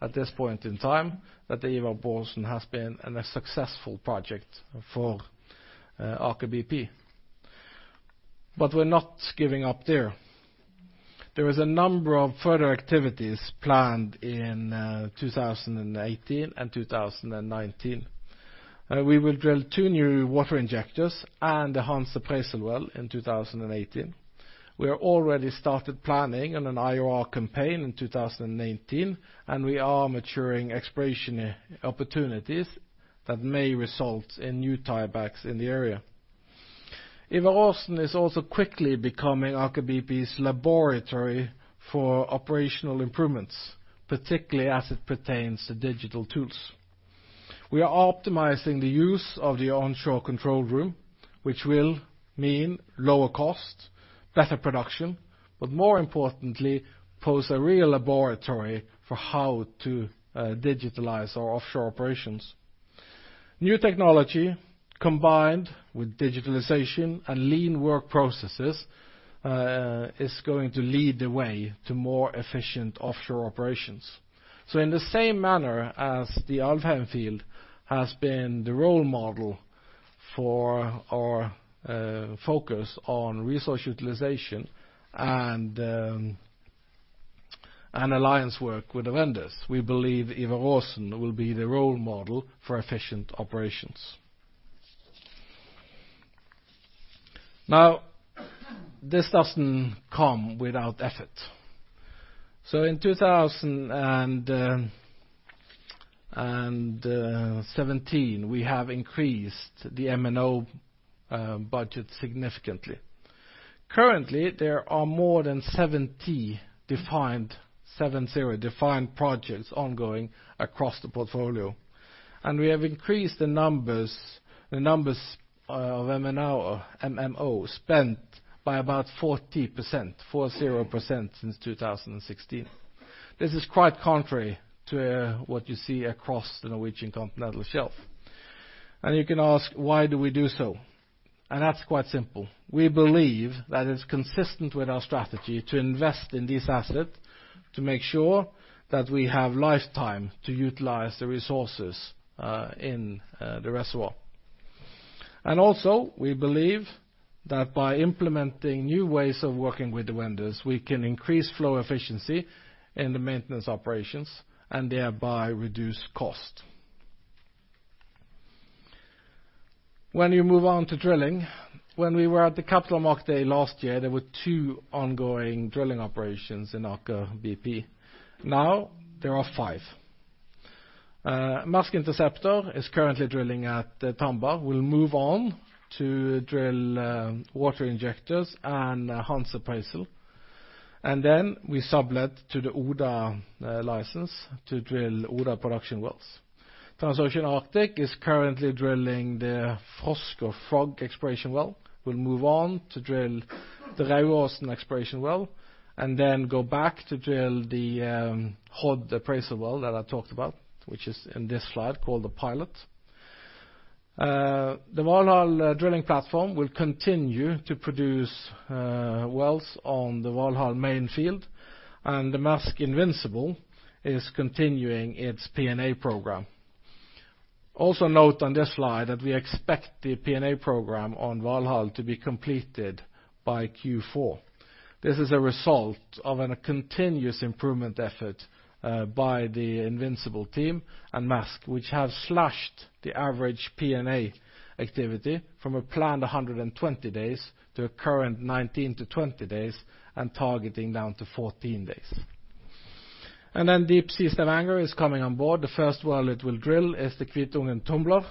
at this point in time that Ivar Aasen has been a successful project for Aker BP. We're not giving up there. There is a number of further activities planned in 2018 and 2019. We will drill two new water injectors and enhance appraisal well in 2018. We have already started planning on an IOR campaign in 2019, and we are maturing exploration opportunities that may result in new tie-backs in the area. Ivar Aasen is also quickly becoming Aker BP's laboratory for operational improvements, particularly as it pertains to digital tools. We are optimizing the use of the onshore control room, which will mean lower cost, better production, but more importantly, pose a real laboratory for how to digitalize our offshore operations. New technology, combined with digitalization and lean work processes, is going to lead the way to more efficient offshore operations. In the same manner as the Alvheim field has been the role model for our focus on resource utilization and alliance work with the vendors, we believe Ivar Aasen will be the role model for efficient operations. This doesn't come without effort. In 2017, we have increased the M&O budget significantly. Currently, there are more than 70 defined, seven-zero, defined projects ongoing across the portfolio. And we have increased the numbers of M&O spent by about 40%, four-zero percent, since 2016. This is quite contrary to what you see across the Norwegian Continental Shelf. You can ask, why do we do so? That's quite simple. We believe that it's consistent with our strategy to invest in this asset to make sure that we have lifetime to utilize the resources in the reservoir. Also, we believe that by implementing new ways of working with the vendors, we can increase flow efficiency in the maintenance operations and thereby reduce cost. When you move on to drilling, when we were at the Capital Markets Day last year, there were two ongoing drilling operations in Aker BP. Now there are five. Maersk Interceptor is currently drilling at Tambar. We'll move on to drill water injectors and Hanz appraisal. Then we sublet to the Oda license to drill Oda production wells. Transocean Arctic is currently drilling the Frosk or Frog exploration well. We'll move on to drill the Raudåsen exploration well and then go back to drill the Hod appraisal well that I talked about, which is in this slide called the pilot. The Valhall drilling platform will continue to produce wells on the Valhall main field. The Maersk Invincible is continuing its P&A program. Also note on this slide that we expect the P&A program on Valhall to be completed by Q4. This is a result of a continuous improvement effort by the Invincible team and Maersk, which have slashed the average P&A activity from a planned 120 days to a current 19-20 days and targeting down to 14 days. Then Deepsea Stavanger is coming on board. The first well it will drill is the Kvitungen and Tumler.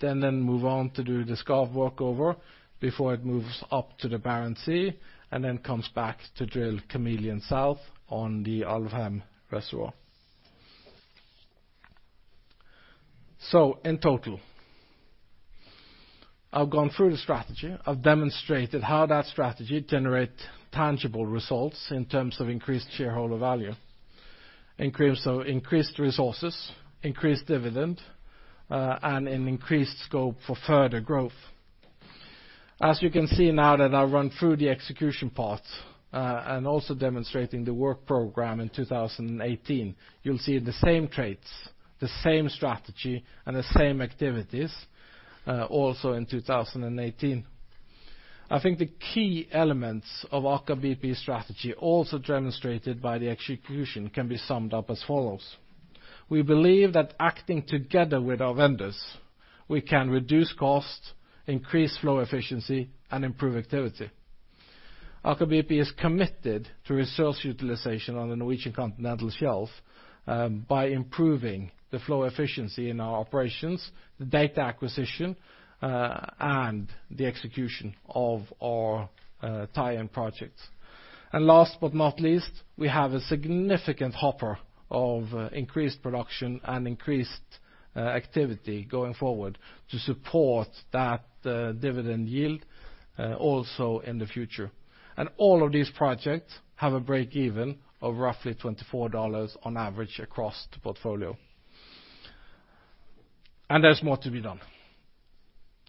Then move on to do the Skarv workover before it moves up to the Barents Sea and then comes back to drill Kameleon South on the Alvheim reservoir. In total, I've gone through the strategy. I've demonstrated how that strategy generates tangible results in terms of increased shareholder value. So increased resources, increased dividend, and an increased scope for further growth. As you can see now that I run through the execution part and also demonstrating the work program in 2018, you'll see the same traits, the same strategy and the same activities, also in 2018. I think the key elements of Aker BP strategy also demonstrated by the execution, can be summed up as follows. We believe that acting together with our vendors, we can reduce cost, increase flow efficiency and improve activity. Aker BP is committed to resource utilization on the Norwegian Continental Shelf, by improving the flow efficiency in our operations, the data acquisition, and the execution of our tie-in projects. Last but not least, we have a significant hopper of increased production and increased activity going forward to support that dividend yield, also in the future. All of these projects have a break even of roughly $24 on average across the portfolio. There's more to be done.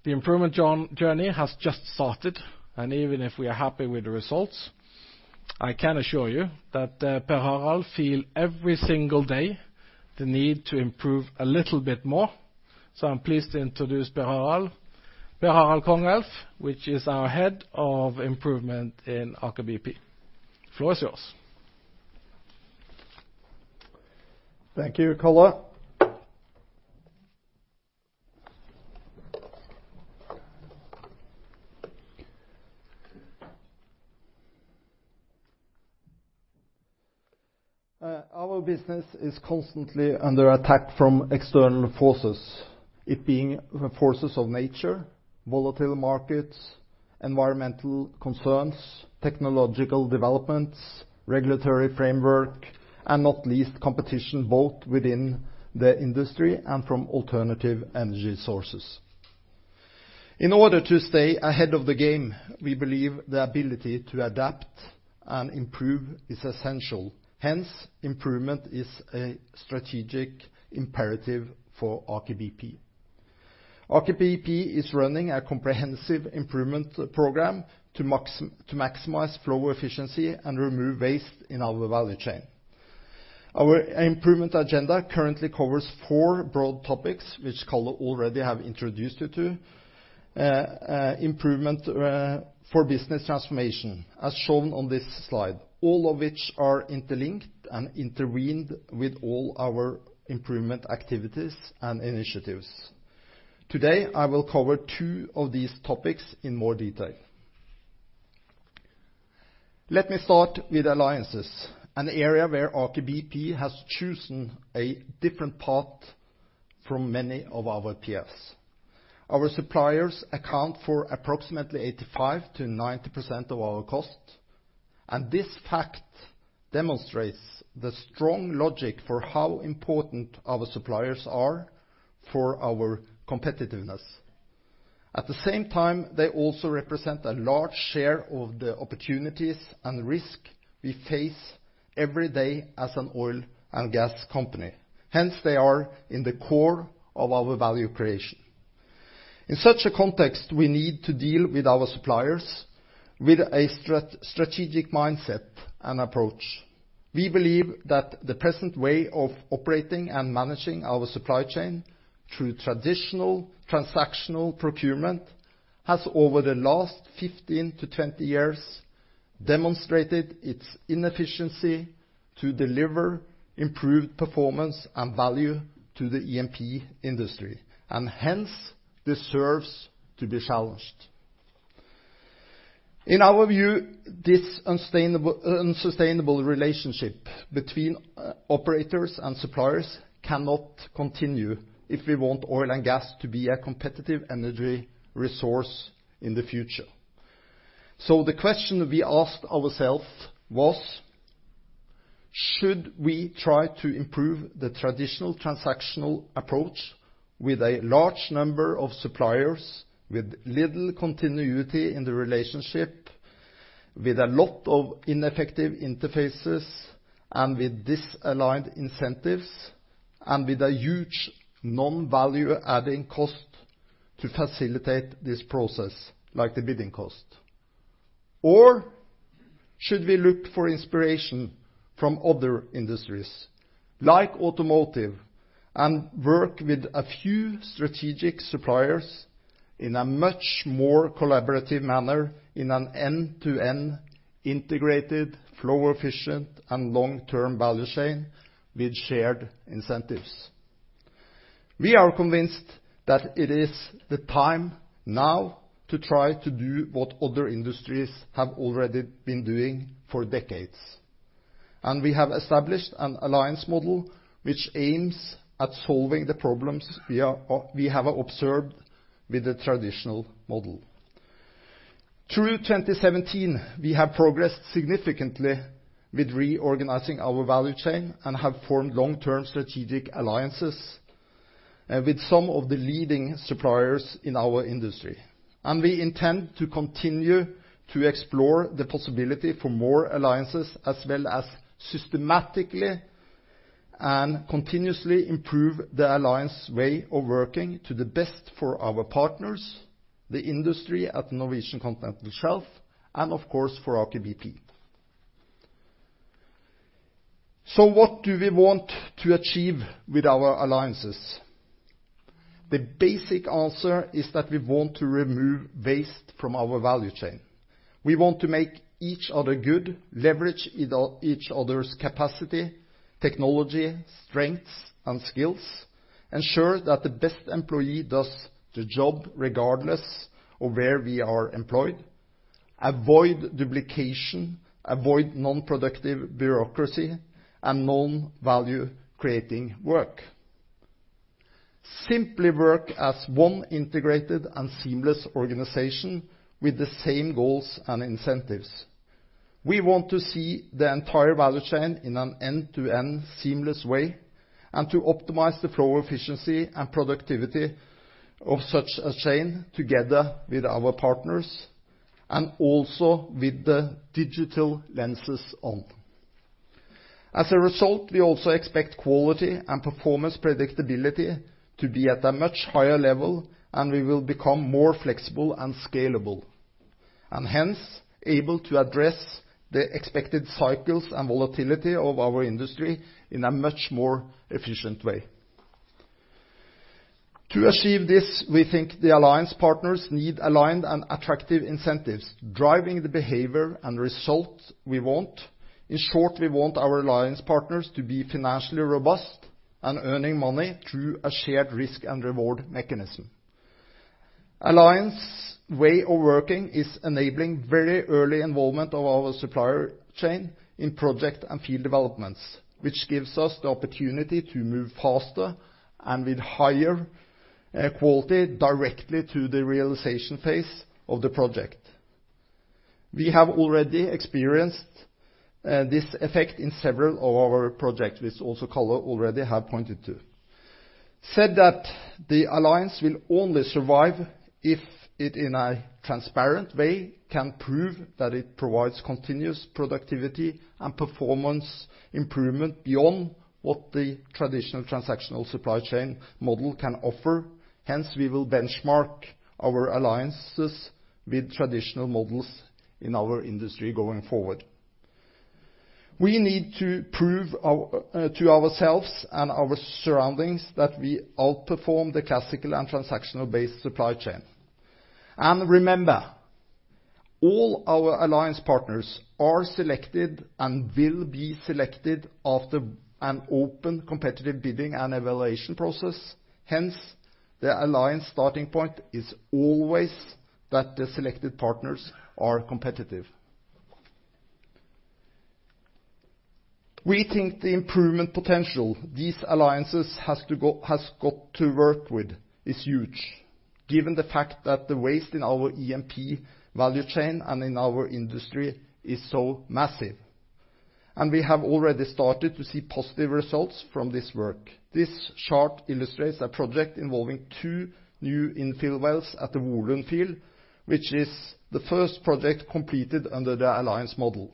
The improvement journey has just started, and even if we are happy with the results, I can assure you that Per Harald feel every single day the need to improve a little bit more. So I'm pleased to introduce Per Harald. Per Harald Kongelf, which is our head of improvement in Aker BP. Floor is yours. Thank you, Karl. Our business is constantly under attack from external forces, it being forces of nature, volatile markets, environmental concerns, technological developments, regulatory framework, and not least competition both within the industry and from alternative energy sources. In order to stay ahead of the game, we believe the ability to adapt and improve is essential. Hence, improvement is a strategic imperative for Aker BP. Aker BP is running a comprehensive improvement program to maximize flow efficiency and remove waste in our value chain. Our improvement agenda currently covers four broad topics, which Karl already have introduced you to. Improvement for business transformation, as shown on this slide, all of which are interlinked and intertwined with all our improvement activities and initiatives. Today, I will cover two of these topics in more detail. Let me start with alliances, an area where Aker BP has chosen a different path from many of our peers. Our suppliers account for approximately 85%-90% of our cost, and this fact demonstrates the strong logic for how important our suppliers are for our competitiveness. At the same time, they also represent a large share of the opportunities and risk we face every day as an oil and gas company. Hence, they are in the core of our value creation. In such a context, we need to deal with our suppliers with a strategic mindset and approach. We believe that the present way of operating and managing our supply chain through traditional transactional procurement has, over the last 15-20 years, demonstrated its inefficiency to deliver improved performance and value to the E&P industry, and hence deserves to be challenged. In our view, this unsustainable relationship between operators and suppliers cannot continue if we want oil and gas to be a competitive energy resource in the future. The question we asked ourselves was, should we try to improve the traditional transactional approach with a large number of suppliers, with little continuity in the relationship, with a lot of ineffective interfaces and with disaligned incentives, and with a huge non-value-adding cost to facilitate this process, like the bidding cost? Should we look for inspiration from other industries like automotive, and work with a few strategic suppliers in a much more collaborative manner in an end-to-end integrated flow efficient and long-term value chain with shared incentives? We are convinced that it is the time now to try to do what other industries have already been doing for decades. We have established an alliance model which aims at solving the problems we have observed with the traditional model. Through 2017, we have progressed significantly with reorganizing our value chain and have formed long-term strategic alliances with some of the leading suppliers in our industry. We intend to continue to explore the possibility for more alliances as well as systematically and continuously improve the alliance way of working to the best for our partners, the industry at Norwegian Continental Shelf, and of course, for Aker BP. What do we want to achieve with our alliances? The basic answer is that we want to remove waste from our value chain. We want to make each other good, leverage each other's capacity, technology, strengths, and skills, ensure that the best employee does the job regardless of where we are employed. Avoid duplication, avoid non-productive bureaucracy, and non-value-creating work. Simply work as one integrated and seamless organization with the same goals and incentives. We want to see the entire value chain in an end-to-end seamless way and to optimize the flow efficiency and productivity of such a chain together with our partners and also with the digital lenses on. As a result, we also expect quality and performance predictability to be at a much higher level, and we will become more flexible and scalable. Hence, able to address the expected cycles and volatility of our industry in a much more efficient way. To achieve this, we think the alliance partners need aligned and attractive incentives driving the behavior and results we want. In short, we want our alliance partners to be financially robust and earning money through a shared risk and reward mechanism. Alliance way of working is enabling very early involvement of our supplier chain in project and field developments, which gives us the opportunity to move faster and with higher quality directly to the realization phase of the project. We have already experienced this effect in several of our projects, which also Karl already have pointed to. Said that, the alliance will only survive if it, in a transparent way, can prove that it provides continuous productivity and performance improvement beyond what the traditional transactional supply chain model can offer. Hence, we will benchmark our alliances with traditional models in our industry going forward. We need to prove to ourselves and our surroundings that we outperform the classical and transactional-based supply chain. Remember, all our alliance partners are selected and will be selected after an open, competitive bidding and evaluation process. Hence, the alliance starting point is always that the selected partners are competitive. We think the improvement potential these alliances has got to work with is huge, given the fact that the waste in our E&P value chain and in our industry is so massive. We have already started to see positive results from this work. This chart illustrates a project involving two new infill wells at the Volund field, which is the first project completed under the alliance model.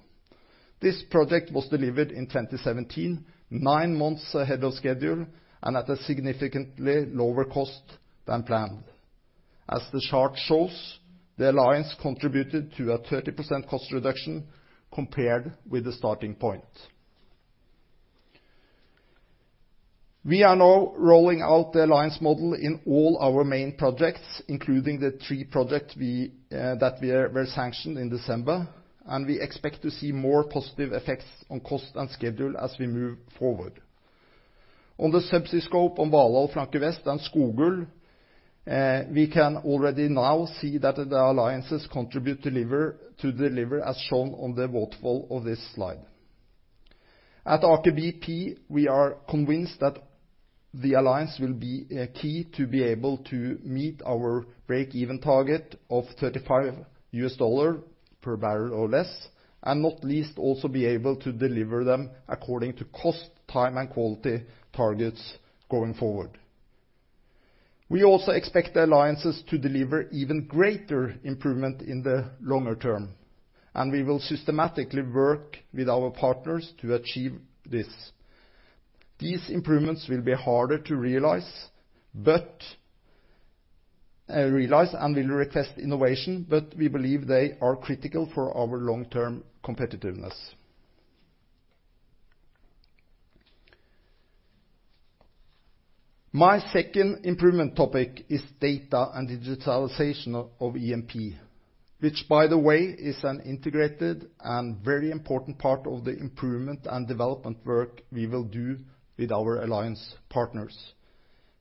This project was delivered in 2017, nine months ahead of schedule, and at a significantly lower cost than planned. As the chart shows, the alliance contributed to a 30% cost reduction compared with the starting point. We are now rolling out the alliance model in all our main projects, including the three project that were sanctioned in December, and we expect to see more positive effects on cost and schedule as we move forward. On the subsea scope on Valhall Flank West and Skogul, we can already now see that the alliances contribute to deliver as shown on the waterfall of this slide. Aker BP, we are convinced that the alliance will be a key to be able to meet our break-even target of $35 per barrel or less, and not least, also be able to deliver them according to cost, time, and quality targets going forward. We also expect the alliances to deliver even greater improvement in the longer term, and we will systematically work with our partners to achieve this. These improvements will be harder to realize and will request innovation, but we believe they are critical for our long-term competitiveness. My second improvement topic is data and digitalization of E&P, which, by the way, is an integrated and very important part of the improvement and development work we will do with our alliance partners.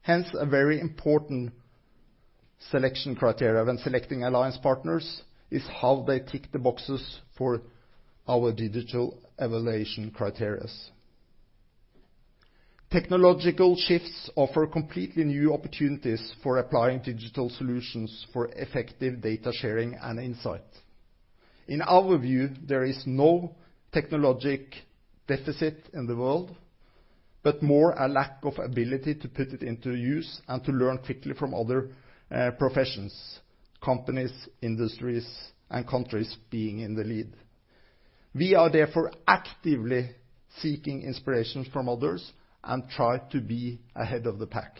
Hence, a very important selection criterias when selecting alliance partners is how they tick the boxes for our digital evaluation criterias. Technological shifts offer completely new opportunities for applying digital solutions for effective data sharing and insight. In our view, there is no technologic deficit in the world, but more a lack of ability to put it into use and to learn quickly from other professions, companies, industries, and countries being in the lead. We are therefore actively seeking inspirations from others and try to be ahead of the pack.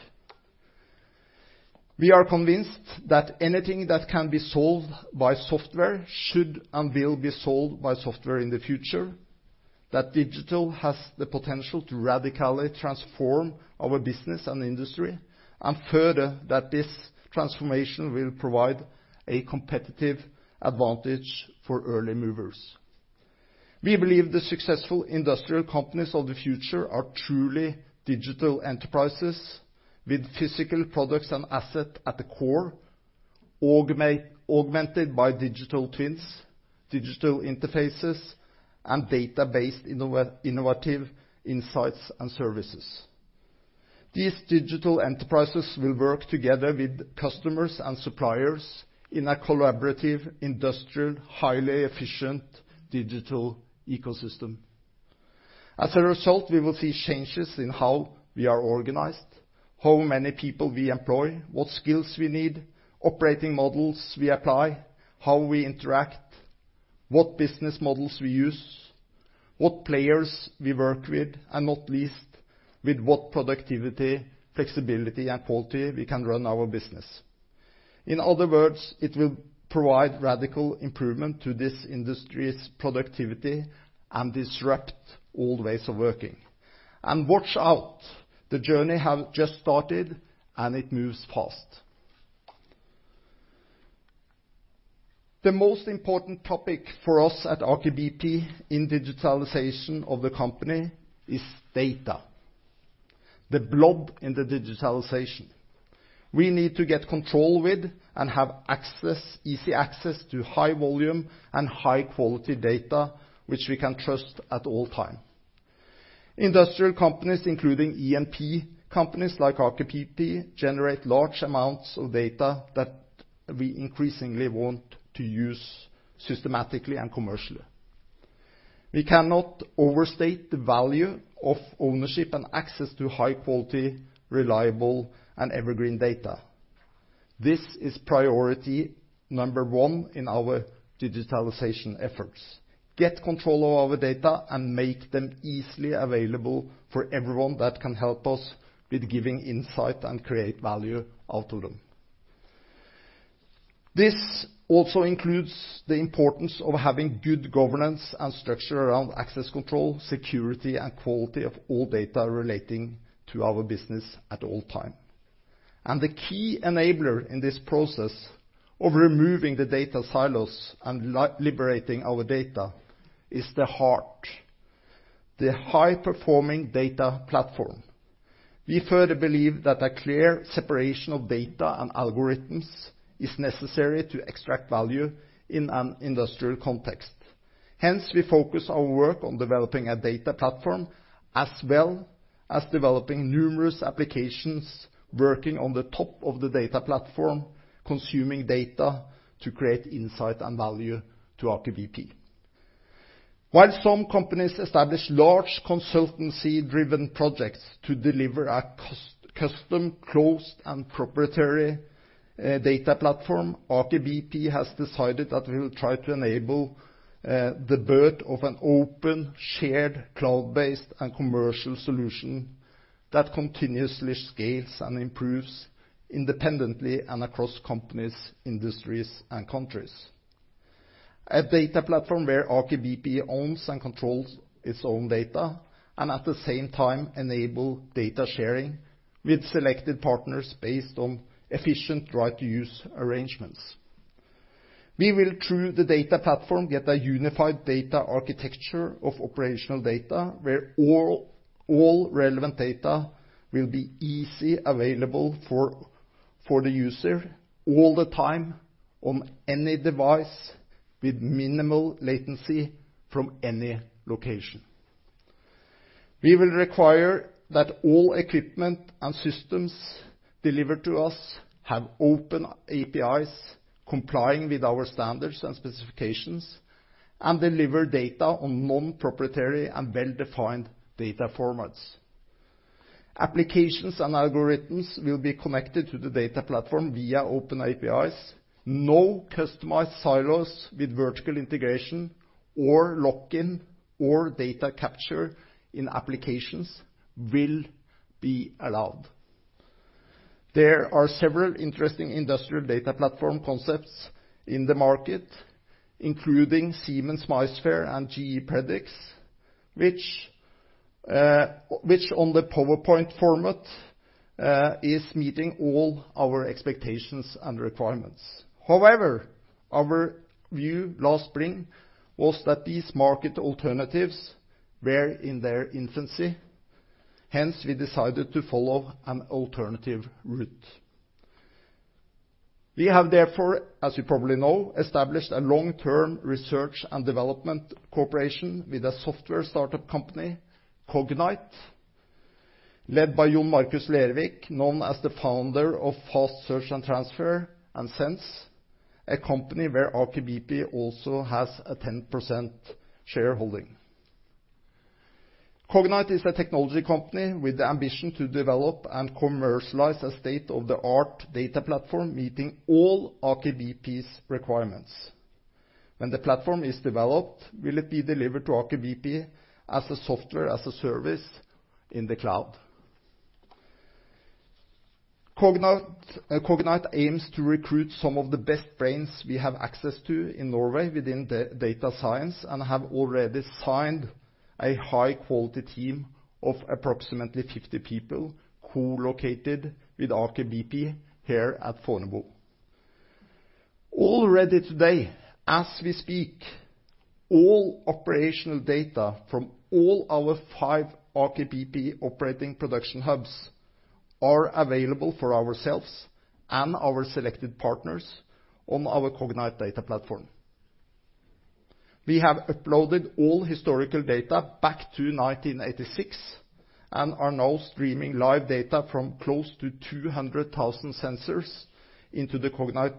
We are convinced that anything that can be solved by software should and will be solved by software in the future. That digital has the potential to radically transform our business and industry, and further, that this transformation will provide a competitive advantage for early movers. We believe the successful industrial companies of the future are truly digital enterprises with physical products and asset at the core, augmented by digital twins, digital interfaces, and data-based innovative insights and services. These digital enterprises will work together with customers and suppliers in a collaborative, industrial, highly efficient digital ecosystem. As a result, we will see changes in how we are organized, how many people we employ, what skills we need, operating models we apply, how we interact, what business models we use, what players we work with, and not least, with what productivity, flexibility, and quality we can run our business. In other words, it will provide radical improvement to this industry's productivity and disrupt old ways of working. Watch out, the journey has just started, and it moves fast. The most important topic for us at Aker BP in digitalization of the company is data, the glue in the digitalization. We need to get control with and have easy access to high volume and high-quality data, which we can trust at all time. Industrial companies, including E&P companies like Aker BP, generate large amounts of data that we increasingly want to use systematically and commercially. We cannot overstate the value of ownership and access to high-quality, reliable, and evergreen data. This is priority number one in our digitalization efforts, get control of our data and make them easily available for everyone that can help us with giving insight and create value out of them. This also includes the importance of having good governance and structure around access control, security, and quality of all data relating to our business at all time. The key enabler in this process of removing the data silos and liberating our data is the heart, the high-performing data platform. We further believe that a clear separation of data and algorithms is necessary to extract value in an industrial context. Hence, we focus our work on developing a data platform, as well as developing numerous applications, working on the top of the data platform, consuming data to create insight and value to Aker BP. While some companies establish large consultancy-driven projects to deliver a custom, closed, and proprietary data platform, Aker BP has decided that we will try to enable the birth of an open, shared, cloud-based, and commercial solution that continuously scales and improves independently and across companies, industries, and countries. A data platform where Aker BP owns and controls its own data and at the same time enable data sharing with selected partners based on efficient right to use arrangements. We will, through the data platform, get a unified data architecture of operational data where all relevant data will be easily available for the user all the time on any device with minimal latency from any location. We will require that all equipment and systems delivered to us have open APIs complying with our standards and specifications and deliver data on non-proprietary and well-defined data formats. Applications and algorithms will be connected to the data platform via open APIs. No customized silos with vertical integration or lock-in, or data capture in applications will be allowed. There are several interesting industrial data platform concepts in the market, including Siemens MindSphere and GE Predix, which on the PowerPoint format, is meeting all our expectations and requirements. However, our view last spring was that these market alternatives were in their infancy. Hence, we decided to follow an alternative route. We have therefore, as you probably know, established a long-term research and development cooperation with a software startup company, Cognite, led by John Markus Lervik, known as the founder of Fast Search & Transfer and Cxense, a company where Aker BP also has a 10% shareholding. Cognite is a technology company with the ambition to develop and commercialize a state-of-the-art data platform meeting all Aker BP's requirements. When the platform is developed, will it be delivered to Aker BP as a software, as a service in the cloud. Cognite aims to recruit some of the best brains we have access to in Norway within data science and have already signed a high-quality team of approximately 50 people co-located with Aker BP here at Fornebu. Already today, as we speak, all operational data from all our five Aker BP operating production hubs are available for ourselves and our selected partners on our Cognite data platform. We have uploaded all historical data back to 1986 and are now streaming live data from close to 200,000 sensors into the Cognite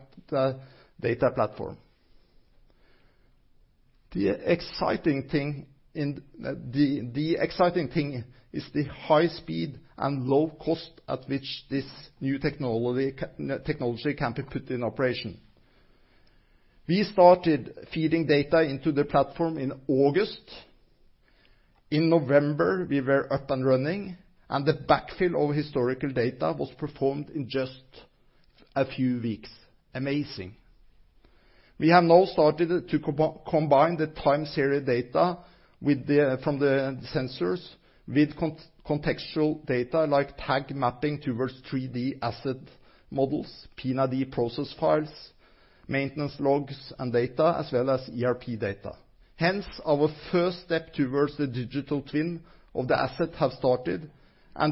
data platform. The exciting thing is the high speed and low cost at which this new technology can be put in operation. We started feeding data into the platform in August. In November, we were up and running, and the backfill of historical data was performed in just a few weeks. Amazing. We have now started to combine the time series data from the sensors with contextual data like tag mapping towards 3D asset models, P&ID process files, maintenance logs and data, as well as ERP data. Hence, our first step towards the digital twin of the asset has started,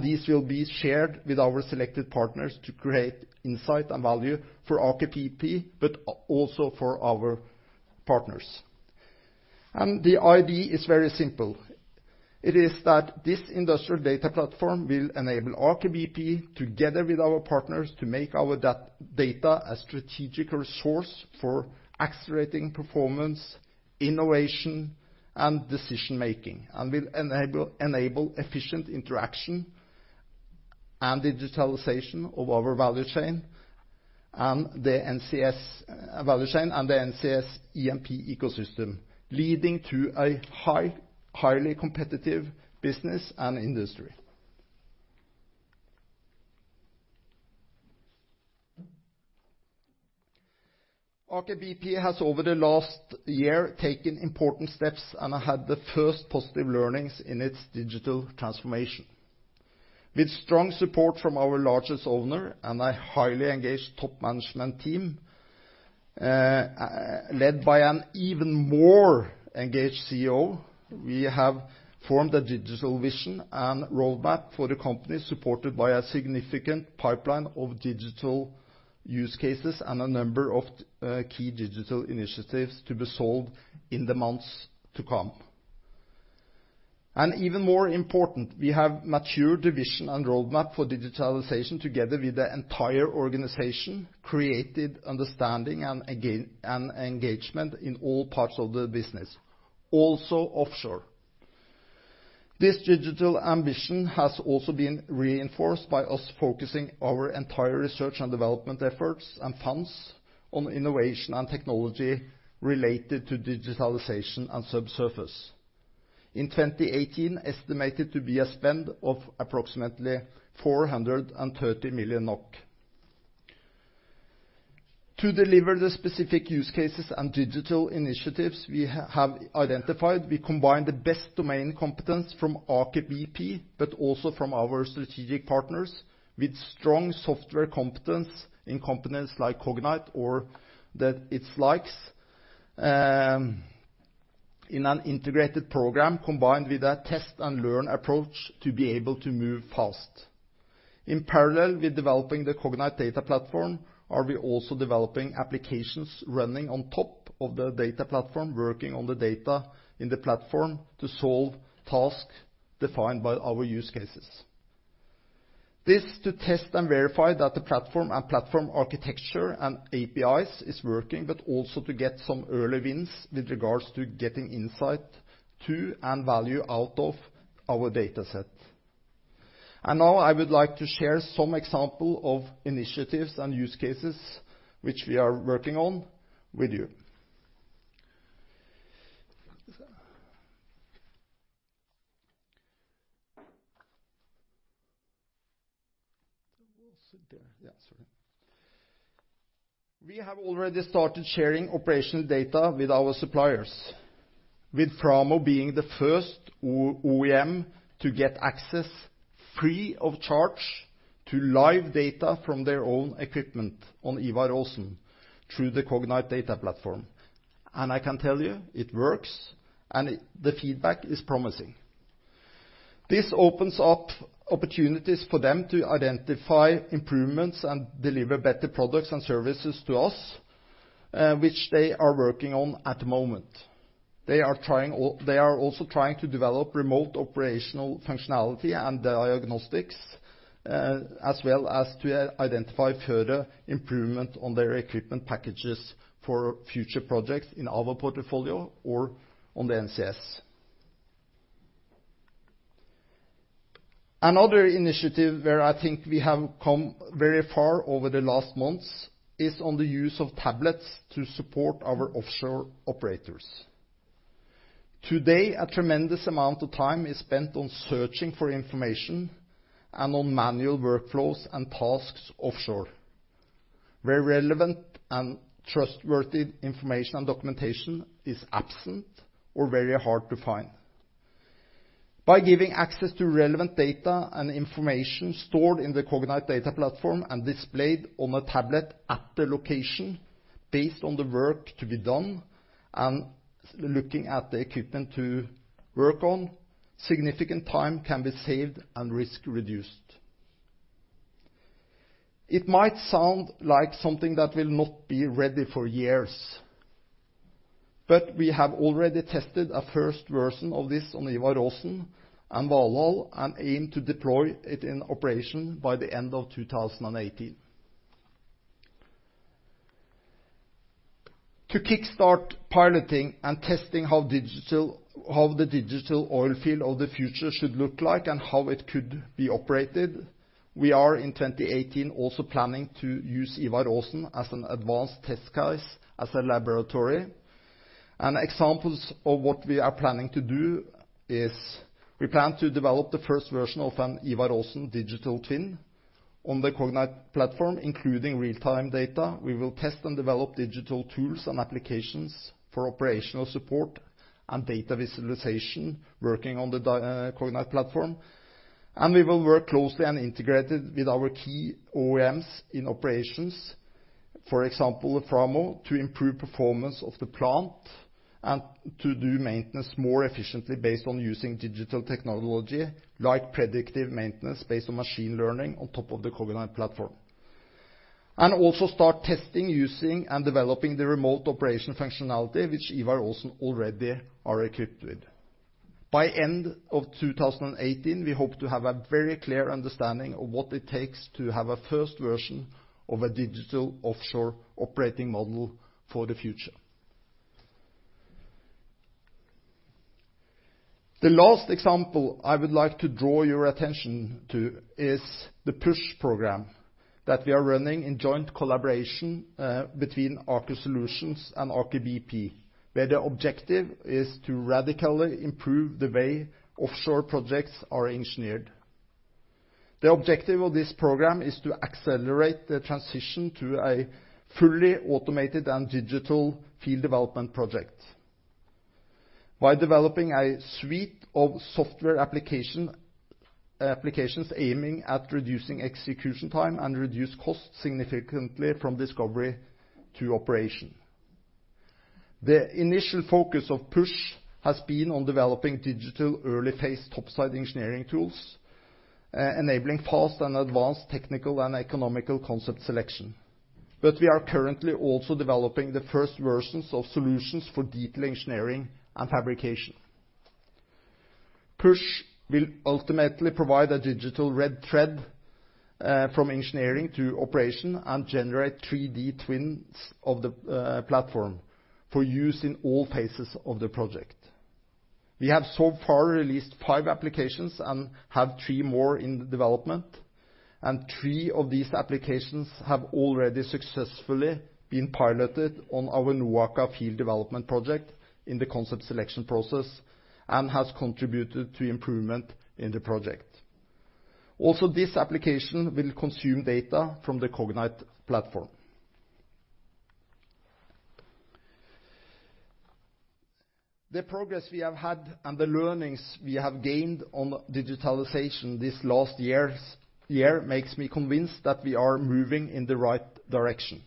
this will be shared with our selected partners to create insight and value for Aker BP, but also for our partners. The idea is very simple. It is that this industrial data platform will enable Aker BP, together with our partners, to make our data a strategic resource for accelerating performance, innovation and decision-making, will enable efficient interaction and digitalization of our value chain and the NCS E&P ecosystem, leading to a highly competitive business and industry. Aker BP has, over the last year, taken important steps and had the first positive learnings in its digital transformation. With strong support from our largest owner and a highly engaged top management team, led by an even more engaged CEO, we have formed a digital vision and roadmap for the company, supported by a significant pipeline of digital use cases and a number of key digital initiatives to be solved in the months to come. Even more important, we have matured the vision and roadmap for digitalization together with the entire organization, created understanding and engagement in all parts of the business, also offshore. This digital ambition has also been reinforced by us focusing our entire research and development efforts and funds on innovation and technology related to digitalization and subsurface. In 2018, estimated to be a spend of approximately 430 million NOK. To deliver the specific use cases and digital initiatives we have identified, we combine the best domain competence from Aker BP, but also from our strategic partners with strong software competence in companies like Cognite or its likes, in an integrated program, combined with a test-and-learn approach to be able to move fast. In parallel with developing the Cognite data platform, are we also developing applications running on top of the data platform, working on the data in the platform to solve tasks defined by our use cases. This is to test and verify that the platform and platform architecture and APIs is working, but also to get some early wins with regards to getting insight to and value out of our data set. Now I would like to share some example of initiatives and use cases which we are working on with you. I will sit there. Yeah, sorry. We have already started sharing operational data with our suppliers, with Framo being the first OEM to get access, free of charge, to live data from their own equipment on Ivar Aasen through the Cognite data platform. I can tell you, it works and the feedback is promising. This opens up opportunities for them to identify improvements and deliver better products and services to us, which they are working on at the moment. They are also trying to develop remote operational functionality and diagnostics, as well as to identify further improvement on their equipment packages for future projects in our portfolio or on the NCS. Another initiative where I think we have come very far over the last months is on the use of tablets to support our offshore operators. Today, a tremendous amount of time is spent on searching for information and on manual workflows and tasks offshore, where relevant and trustworthy information and documentation is absent or very hard to find. By giving access to relevant data and information stored in the Cognite data platform and displayed on a tablet at the location based on the work to be done and looking at the equipment to work on, significant time can be saved and risk reduced. It might sound like something that will not be ready for years, but we have already tested a first version of this on Ivar Aasen and Valhall and aim to deploy it in operation by the end of 2018. To kickstart piloting and testing how the digital oil field of the future should look like and how it could be operated, we are in 2018 also planning to use Ivar Aasen as an advanced test case as a laboratory. Examples of what we are planning to do is we plan to develop the first version of an Ivar Aasen digital twin on the Cognite platform, including real-time data. We will test and develop digital tools and applications for operational support and data visualization, working on the Cognite platform. We will work closely and integrated with our key OEMs in operations, for example, Framo, to improve performance of the plant and to do maintenance more efficiently based on using digital technology, like predictive maintenance based on machine learning on top of the Cognite platform. Also start testing, using, and developing the remote operation functionality, which Ivar Aasen already are equipped with. By end of 2018, we hope to have a very clear understanding of what it takes to have a first version of a digital offshore operating model for the future. The last example I would like to draw your attention to is the PUSH program that we are running in joint collaboration between Aker Solutions and Aker BP, where the objective is to radically improve the way offshore projects are engineered. The objective of this program is to accelerate the transition to a fully automated and digital field development project by developing a suite of software applications aiming at reducing execution time and reduce costs significantly from discovery to operation. The initial focus of PUSH has been on developing digital early phase topside engineering tools, enabling fast and advanced technical and economical concept selection. We are currently also developing the first versions of solutions for detail engineering and fabrication. PUSH will ultimately provide a digital red thread from engineering to operation and generate 3D twins of the platform for use in all phases of the project. We have so far released five applications and have three more in development, and three of these applications have already successfully been piloted on our NOAKA field development project in the concept selection process and has contributed to improvement in the project. This application will consume data from the Cognite platform. The progress we have had and the learnings we have gained on digitalization this last year makes me convinced that we are moving in the right direction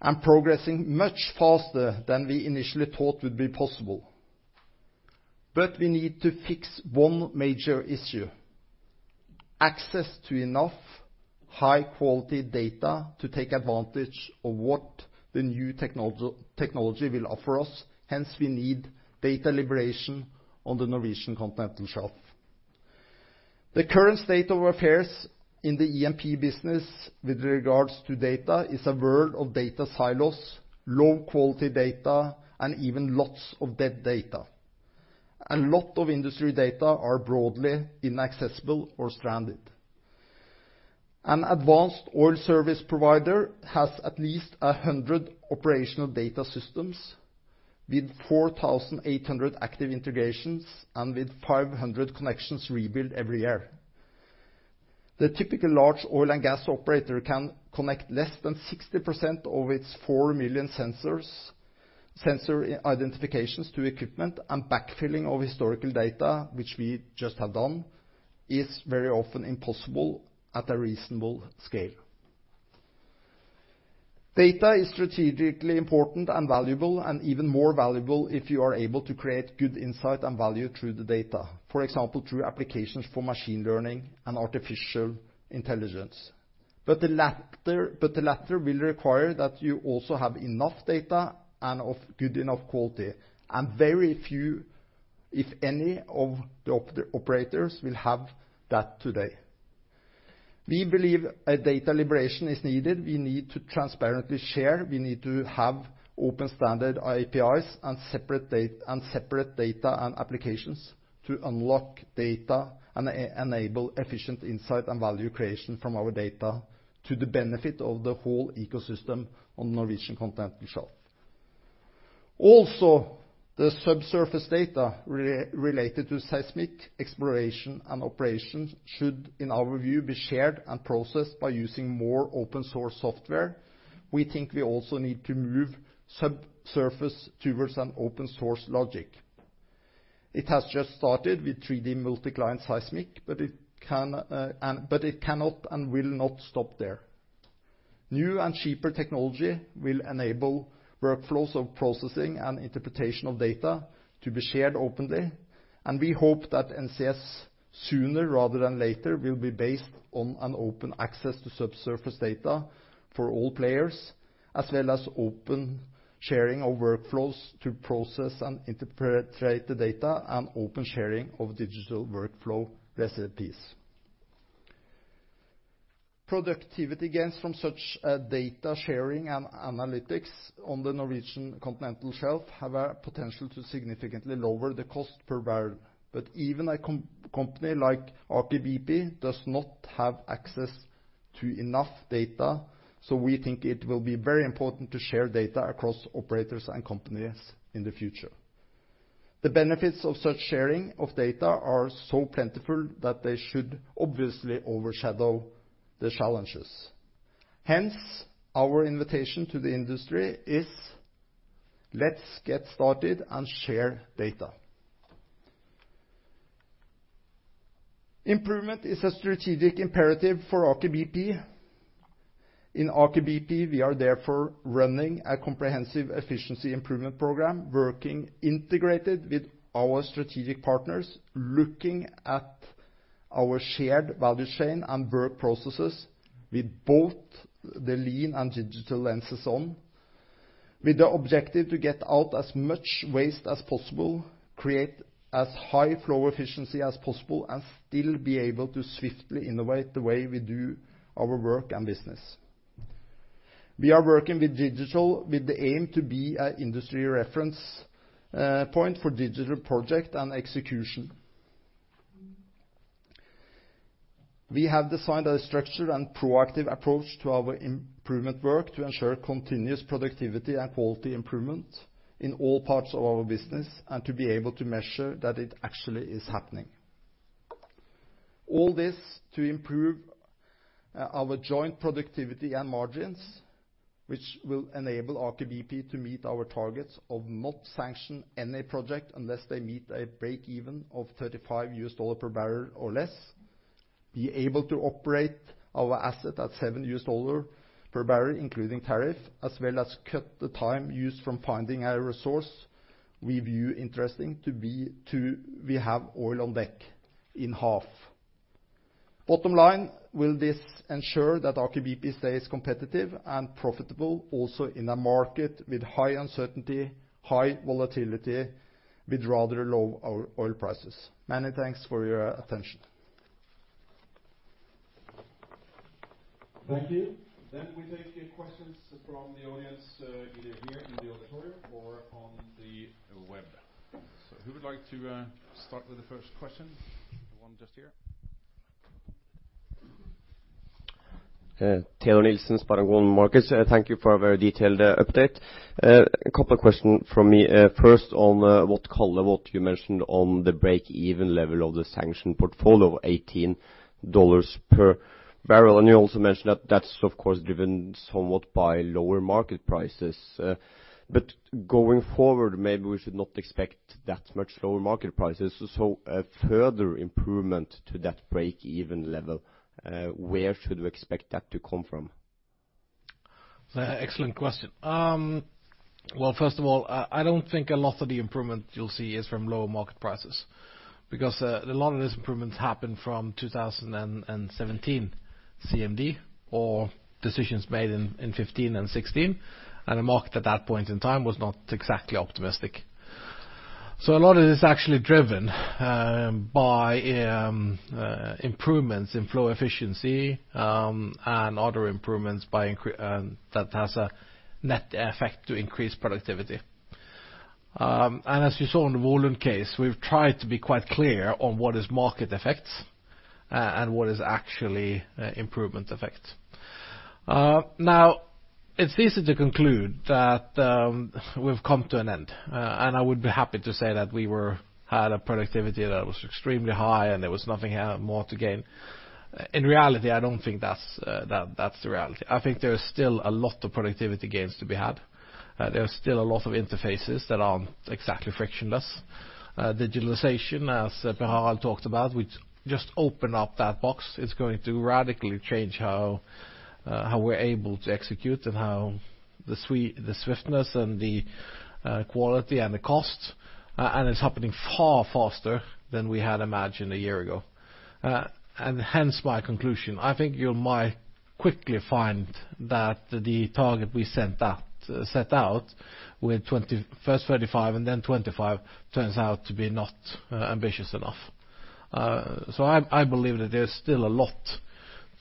and progressing much faster than we initially thought would be possible. We need to fix one major issue, access to enough high-quality data to take advantage of what the new technology will offer us, hence, we need data liberation on the Norwegian Continental Shelf. The current state of affairs in the E&P business with regards to data is a world of data silos, low-quality data, and even lots of dead data. A lot of industry data are broadly inaccessible or stranded. An advanced oil service provider has at least 100 operational data systems with 4,800 active integrations and with 500 connections rebuilt every year. The typical large oil and gas operator can connect less than 60% of its 4 million sensor identifications to equipment and backfilling of historical data, which we just have done, is very often impossible at a reasonable scale. Data is strategically important and valuable, and even more valuable if you are able to create good insight and value through the data. For example, through applications for machine learning and artificial intelligence. The latter will require that you also have enough data and of good enough quality. Very few, if any, of the operators will have that today. We believe a data liberation is needed. We need to transparently share, we need to have open standard APIs, and separate data and applications to unlock data and enable efficient insight and value creation from our data to the benefit of the whole ecosystem on the Norwegian Continental Shelf. Also, the subsurface data related to seismic exploration and operations should, in our view, be shared and processed by using more open-source software. We think we also need to move subsurface towards an open-source logic. It has just started with 3D multiclient seismic, it cannot and will not stop there. New and cheaper technology will enable workflows of processing and interpretation of data to be shared openly, and we hope that NCS sooner rather than later will be based on an open access to subsurface data for all players, as well as open sharing of workflows to process and interpret the data and open sharing of digital workflow recipes. Productivity gains from such data sharing and analytics on the Norwegian Continental Shelf have a potential to significantly lower the cost per barrel. Even a company like Aker BP does not have access to enough data. We think it will be very important to share data across operators and companies in the future. The benefits of such sharing of data are so plentiful that they should obviously overshadow the challenges. Hence, our invitation to the industry is, let's get started and share data. Improvement is a strategic imperative for Aker BP. In Aker BP, we are therefore running a comprehensive efficiency improvement program, working integrated with our strategic partners, looking at our shared value chain and work processes with both the lean and digital lenses on, with the objective to get out as much waste as possible, create as high flow efficiency as possible, and still be able to swiftly innovate the way we do our work and business. We are working with digital, with the aim to be an industry reference point for digital project and execution. We have designed a structured and proactive approach to our improvement work to ensure continuous productivity and quality improvement in all parts of our business, and to be able to measure that it actually is happening. All this to improve our joint productivity and margins, which will enable Aker BP to meet our targets of not sanction any project unless they meet a break-even of $35 USD per barrel or less, be able to operate our asset at $7 USD per barrel, including tariff, as well as cut the time used from finding a resource we view interesting to have oil on deck in half. Bottom line, will this ensure that Aker BP stays competitive and profitable also in a market with high uncertainty, high volatility with rather low oil prices? Many thanks for your attention. Thank you. We take questions from the audience, either here in the auditorium or on the web. Who would like to start with the first question? The one just here. Teodor Sveen-Nilsen, SpareBank 1 Markets. Thank you for a very detailed update. A couple of question from me. First, on what color, what you mentioned on the break-even level of the sanction portfolio, $18 per barrel. You also mentioned that's of course driven somewhat by lower market prices. Going forward, maybe we should not expect that much lower market prices. Further improvement to that break-even level, where should we expect that to come from? Excellent question. Well, first of all, I don't think a lot of the improvement you'll see is from lower market prices because a lot of these improvements happened from 2017 CMD or decisions made in 2015 and 2016, and the market at that point in time was not exactly optimistic. A lot of this is actually driven by improvements in flow efficiency, and other improvements that has a net effect to increase productivity. As you saw in the Volund case, we've tried to be quite clear on what is market effects, and what is actually improvement effects. Now, it's easy to conclude that we've come to an end, and I would be happy to say that we had a productivity that was extremely high, and there was nothing more to gain. In reality, I don't think that's the reality. I think there is still a lot of productivity gains to be had. There are still a lot of interfaces that aren't exactly frictionless. Digitalization, as Per Harald talked about, we just open up that box. It's going to radically change how we're able to execute and how the swiftness and the quality and the cost, and it's happening far faster than we had imagined a year ago. Hence my conclusion, I think you might quickly find that the target we set out with first 35 and then 25 turns out to be not ambitious enough. I believe that there's still a lot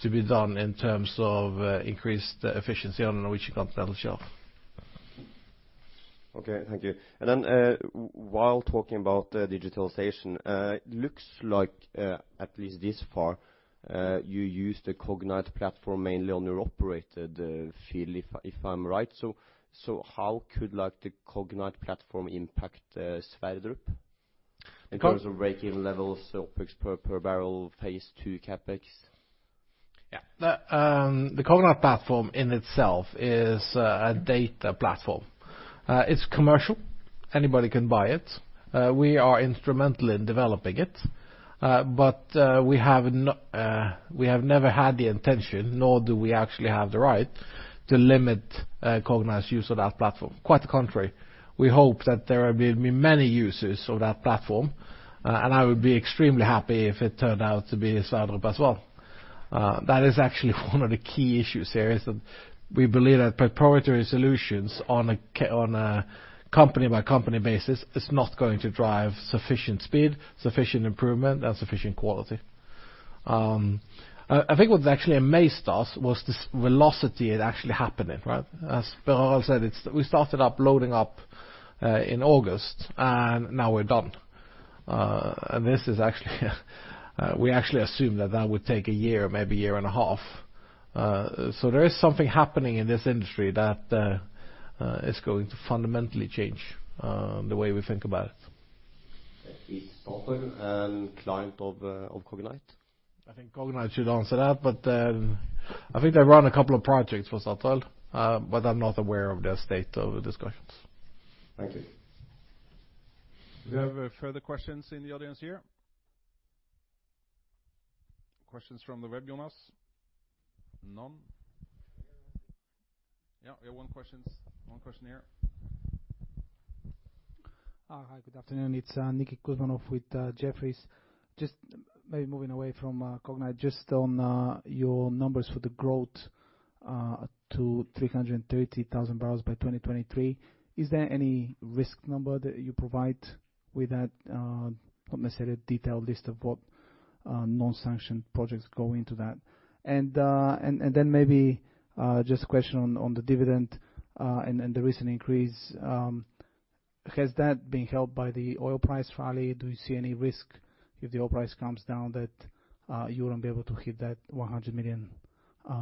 to be done in terms of increased efficiency on the Norwegian Continental Shelf. Okay. Thank you. Then, while talking about digitalization, looks like, at least this far, you use the Cognite platform mainly on your operated field, if I'm right. How could the Cognite platform impact the Sverdrup in terms of break-even levels, OpEx per barrel, phase two CapEx? Yeah. The Cognite platform in itself is a data platform. It's commercial. Anybody can buy it. We are instrumental in developing it. We have never had the intention, nor do we actually have the right to limit Cognite's use of that platform. Quite the contrary. We hope that there will be many users of that platform. I would be extremely happy if it turned out to be Sverdrup as well. That is actually one of the key issues here is that we believe that proprietary solutions on a company-by-company basis is not going to drive sufficient speed, sufficient improvement, and sufficient quality. I think what actually amazed us was the velocity it actually happened in. As Ivar Aasen said, we started uploading up in August, and now we're done. We actually assumed that that would take a year, maybe a year and a half. There is something happening in this industry that is going to fundamentally change the way we think about it. Is Statoil a client of Cognite? I think Cognite should answer that. I think they run a couple of projects for Statoil. I'm not aware of their state of discussions. Thank you. Do we have further questions in the audience here? Questions from the web, Jonas? None. Yeah, we have one question here. Hi, good afternoon. It's Nikolay Kuzmanov with Jefferies. Just maybe moving away from Cognite, just on your numbers for the growth to 330,000 barrels by 2023, is there any risk number that you provide with that, not necessarily a detailed list of what non-sanctioned projects go into that? Maybe just a question on the dividend and the recent increase. Has that been helped by the oil price rally? Do you see any risk if the oil price comes down that you won't be able to hit that $100 million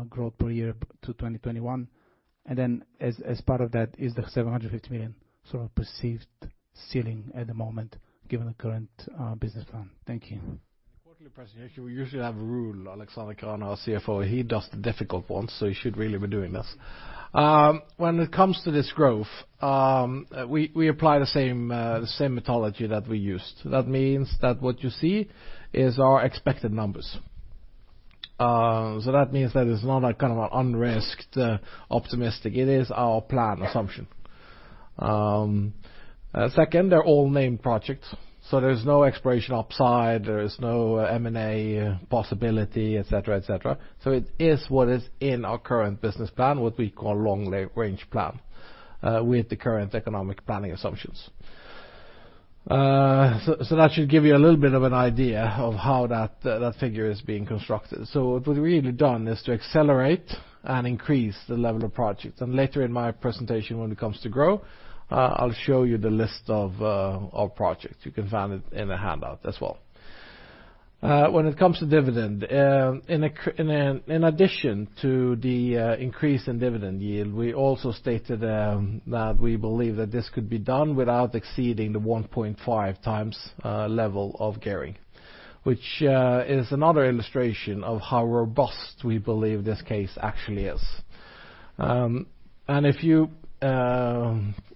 growth per year to 2021? As part of that, is the $750 million sort of perceived ceiling at the moment given the current business plan? Thank you. In the quarterly presentation, we usually have a rule, Alexander Krane, our CFO, he does the difficult ones, so he should really be doing this. When it comes to this growth, we apply the same methodology that we used. That means that what you see is our expected numbers. That means that it's not a kind of unrisked optimistic, it is our plan assumption. Second, they're all named projects, there's no exploration upside, there is no M&A possibility, et cetera. It is what is in our current business plan, what we call long-range plan with the current economic planning assumptions. That should give you a little bit of an idea of how that figure is being constructed. What we've really done is to accelerate and increase the level of projects. Later in my presentation, when it comes to growth, I'll show you the list of projects. You can find it in the handout as well. When it comes to dividend, in addition to the increase in dividend yield, we also stated that we believe that this could be done without exceeding the 1.5 times level of gearing, which is another illustration of how robust we believe this case actually is.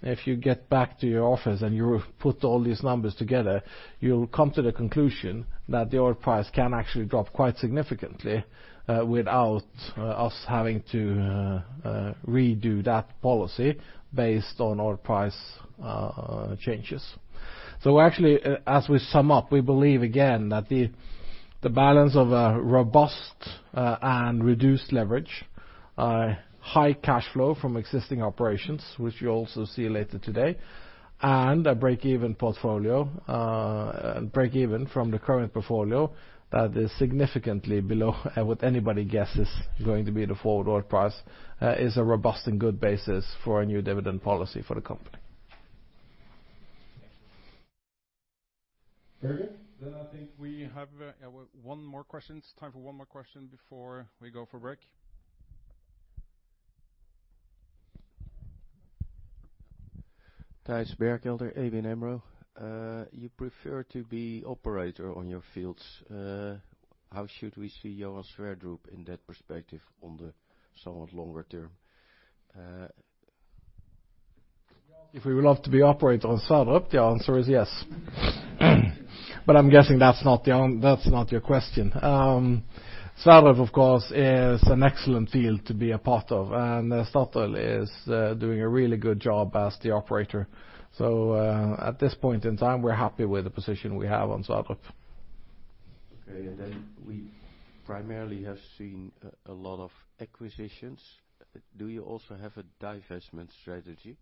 If you get back to your office and you put all these numbers together, you'll come to the conclusion that the oil price can actually drop quite significantly without us having to redo that policy based on oil price changes. Actually, as we sum up, we believe again that the balance of a robust and reduced leverage, high cash flow from existing operations, which you'll also see later today, and a break-even from the current portfolio that is significantly below what anybody guesses going to be the forward oil price is a robust and good basis for a new dividend policy for the company. Very good. I think we have time for one more question before we go for break. Thijs Berkelder, ABN AMRO. You prefer to be operator on your fields. How should we see Johan Sverdrup in that perspective on the somewhat longer term? If we would love to be operator on Sverdrup, the answer is yes. I'm guessing that's not your question. Sverdrup, of course, is an excellent field to be a part of, and Statoil is doing a really good job as the operator. At this point in time, we're happy with the position we have on Sverdrup. Okay, we primarily have seen a lot of acquisitions. Do you also have a divestment strategy?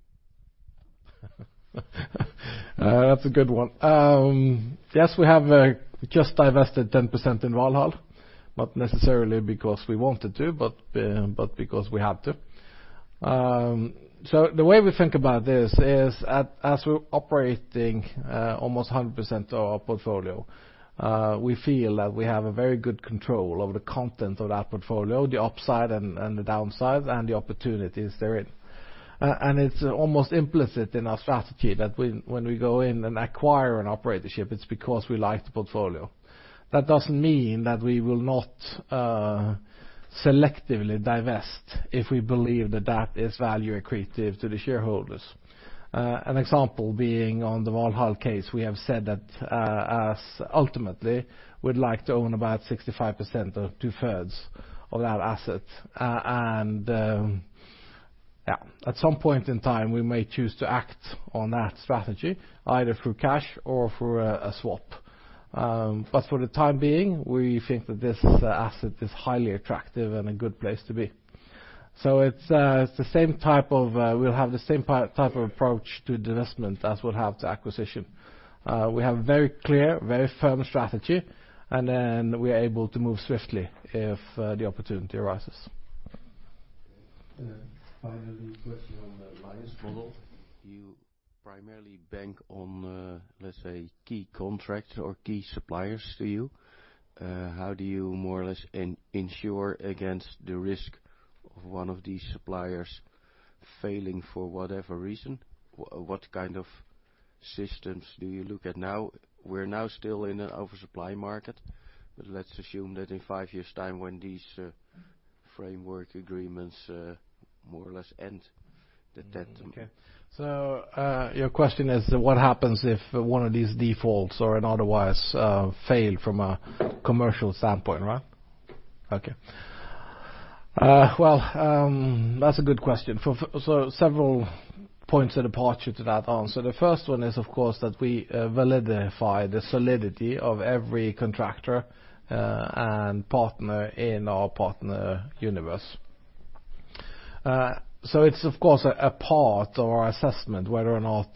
That's a good one. Yes, we have just divested 10% in Valhall. Not necessarily because we wanted to, but because we had to. The way we think about this is as we're operating almost 100% of our portfolio, we feel that we have a very good control over the content of that portfolio, the upside and the downsides, and the opportunities therein. It's almost implicit in our strategy that when we go in and acquire an operatorship, it's because we like the portfolio. That doesn't mean that we will not selectively divest if we believe that that is value accretive to the shareholders. An example being on the Valhall case, we have said that us ultimately would like to own about 65% or two-thirds of that asset. At some point in time, we may choose to act on that strategy, either through cash or through a swap. For the time being, we think that this asset is highly attractive and a good place to be. We'll have the same type of approach to divestment as we'll have to acquisition. We have a very clear, very firm strategy, we are able to move swiftly if the opportunity arises. Finally, question on the alliance model. You primarily bank on, let's say, key contracts or key suppliers to you. How do you more or less insure against the risk of one of these suppliers failing for whatever reason? What kind of systems do you look at now? We're now still in an oversupply market, let's assume that in five years' time when these framework agreements more or less end. Okay. Your question is what happens if one of these defaults or otherwise fail from a commercial standpoint, right? Okay. That's a good question. Several points of departure to that answer. The first one is, of course, that we validify the solidity of every contractor and partner in our partner universe. It's, of course, a part of our assessment whether or not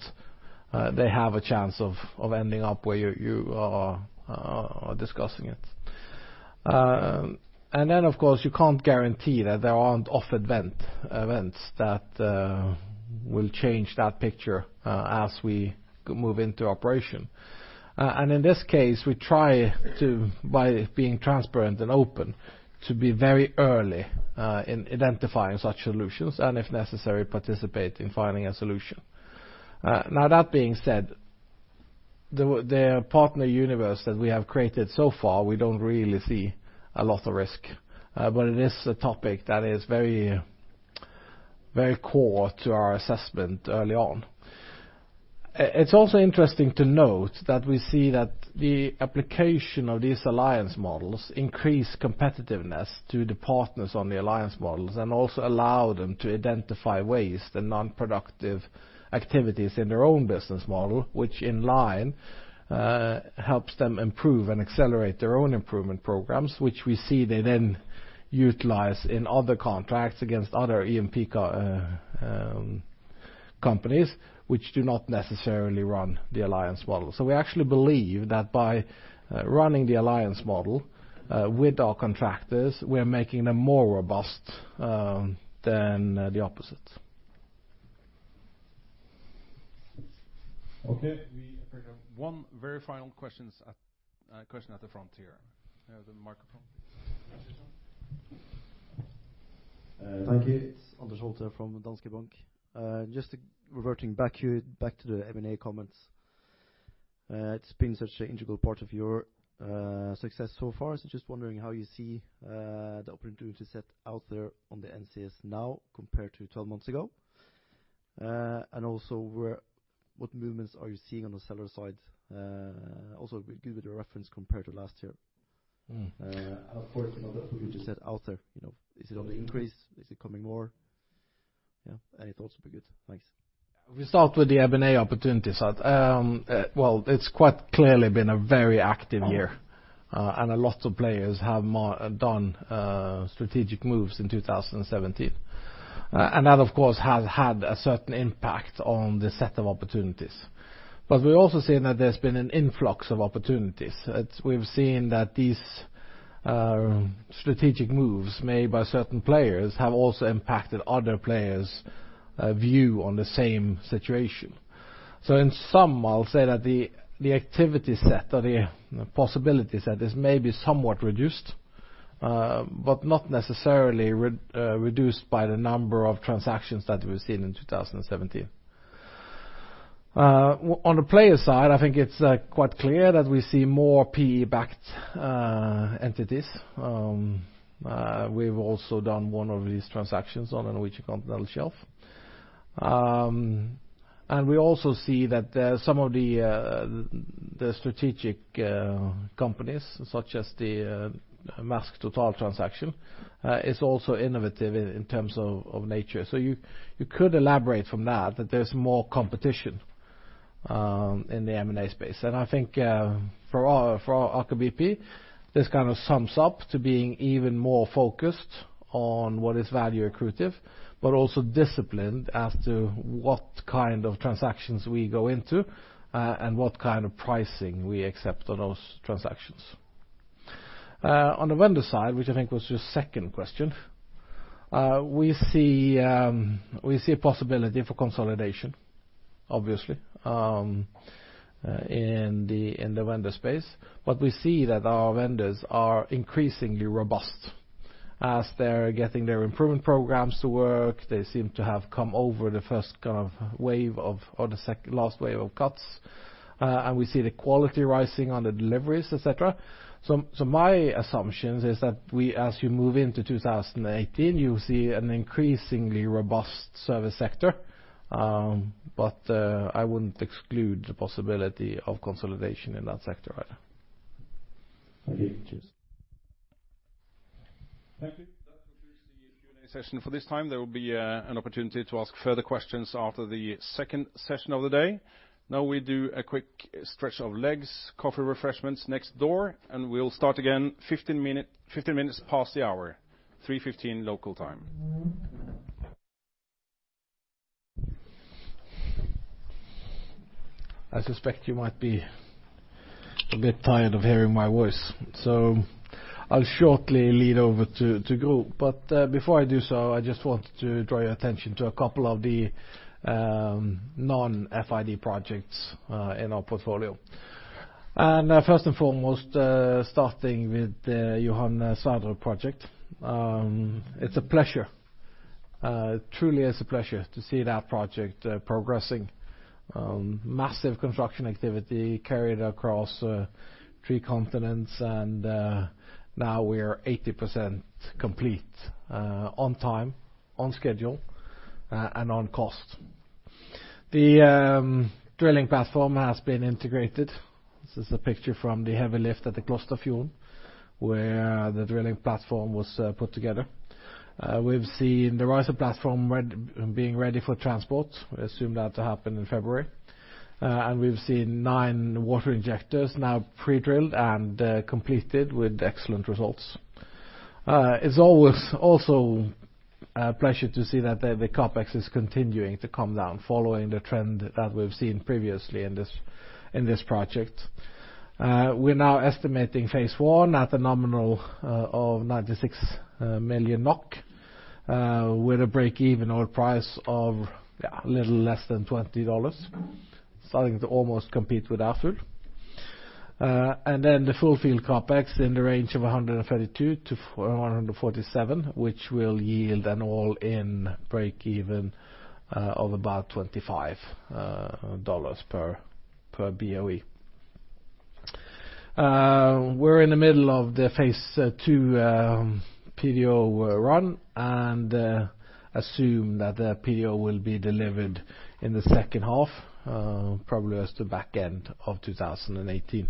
they have a chance of ending up where you are discussing it. Then, of course, you can't guarantee that there aren't off-event events that will change that picture as we move into operation. In this case, we try to, by being transparent and open, to be very early in identifying such solutions, and if necessary, participate in finding a solution. Now that being said, the partner universe that we have created so far, we don't really see a lot of risk. It is a topic that is very core to our assessment early on. It's also interesting to note that we see that the application of these alliance models increase competitiveness to the partners on the alliance models and also allow them to identify waste and non-productive activities in their own business model, which in line helps them improve and accelerate their own improvement programs, which we see they then utilize in other contracts against other E&P companies which do not necessarily run the alliance model. We actually believe that by running the alliance model with our contractors, we are making them more robust than the opposite. Okay. We have one very final question at the front here. The microphone, please. Thank you. It's Anders Holte from Danske Bank. Just reverting back to the M&A comments. It's been such an integral part of your success so far. Just wondering how you see the opportunity set out there on the NCS now compared to 12 months ago. Also what movements are you seeing on the seller side? Also give it a reference compared to last year. Of course, the opportunity set out there. Is it on the increase? Is it coming more? Yeah. Any thoughts would be good. Thanks. We start with the M&A opportunities. Well, it's quite clearly been a very active year. A lot of players have done strategic moves in 2017. That, of course, has had a certain impact on the set of opportunities. We've also seen that there's been an influx of opportunities. We've seen that these strategic moves made by certain players have also impacted other players' view on the same situation. In sum, I'll say that the activity set or the possibility set is maybe somewhat reduced, but not necessarily reduced by the number of transactions that we've seen in 2017. On the player side, I think it's quite clear that we see more PE-backed entities. We've also done one of these transactions on the Norwegian Continental Shelf. We also see that some of the strategic companies, such as the Maersk Total transaction, is also innovative in terms of nature. You could elaborate from that there's more competition in the M&A space. I think for Aker BP, this kind of sums up to being even more focused on what is value accretive, but also disciplined as to what kind of transactions we go into and what kind of pricing we accept on those transactions. On the vendor side, which I think was your second question, we see a possibility for consolidation, obviously, in the vendor space. We see that our vendors are increasingly robust as they're getting their improvement programs to work. They seem to have come over the first kind of wave or the last wave of cuts. We see the quality rising on the deliveries, et cetera. My assumptions is that as you move into 2018, you'll see an increasingly robust service sector, I wouldn't exclude the possibility of consolidation in that sector either. Thank you. Cheers. Thank you. That concludes the Q&A session for this time. There will be an opportunity to ask further questions after the second session of the day. Now we do a quick stretch of legs, coffee refreshments next door, and we'll start again 15 minutes past the hour, 3:15 local time. I suspect you might be a bit tired of hearing my voice, so I'll shortly lead over to Gro. Before I do so, I just want to draw your attention to a couple of the non-FID projects in our portfolio. First and foremost, starting with the Johan Sverdrup project. It truly is a pleasure to see that project progressing. Massive construction activity carried across three continents and now we are 80% complete on time, on schedule, and on cost. The drilling platform has been integrated. This is a picture from the heavy lift at the Klosterfjorden where the drilling platform was put together. We've seen the riser platform being ready for transport. We assume that to happen in February. We've seen nine water injectors now pre-drilled and completed with excellent results. It's always also a pleasure to see that the CapEx is continuing to come down following the trend that we've seen previously in this project. We're now estimating phase 1 at a nominal of 96 million NOK with a break-even oil price of a little less than $20, starting to almost compete with Alvheim. The full field CapEx in the range of 132-147, which will yield an all-in break-even of about $25 per BOE. We're in the middle of the phase 2 PDO run and assume that the PDO will be delivered in the second half, probably as the back end of 2018.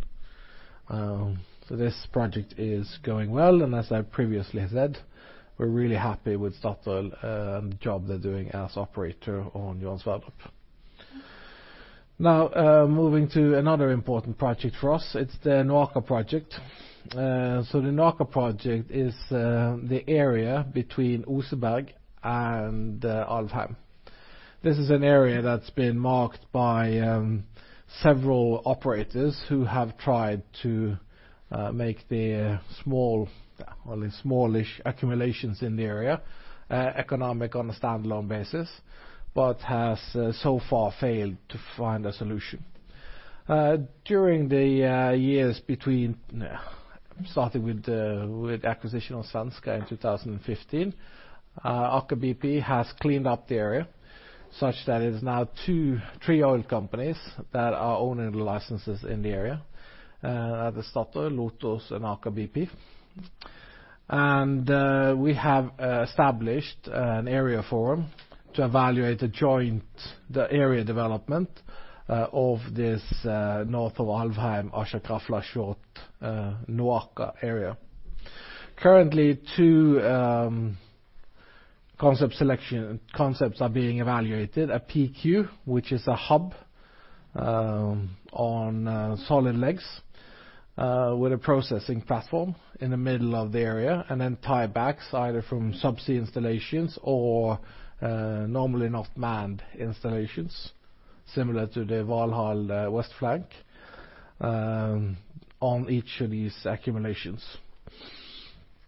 This project is going well, and as I previously said, we're really happy with Statoil and the job they're doing as operator on Johan Sverdrup. Moving to another important project for us, it's the NOAKA project. The NOAKA project is the area between Oseberg and Alvheim. This is an area that's been marked by several operators who have tried to make the small, really smallish accumulations in the area, economic on a standalone basis, but has so far failed to find a solution. During the years between starting with acquisition of Svenska in 2015, Aker BP has cleaned up the area such that it is now three oil companies that are owning the licenses in the area. That is Statoil, Lotos and Aker BP. We have established an area forum to evaluate the joint area development of this North of Alvheim, Askja, Krafla, NOAKA area. Currently, two concepts are being evaluated. A PDQ, which is a hub on solid legs with a processing platform in the middle of the area, then tie-backs, either from subsea installations or normally not manned installations similar to the Valhall Flank West on each of these accumulations.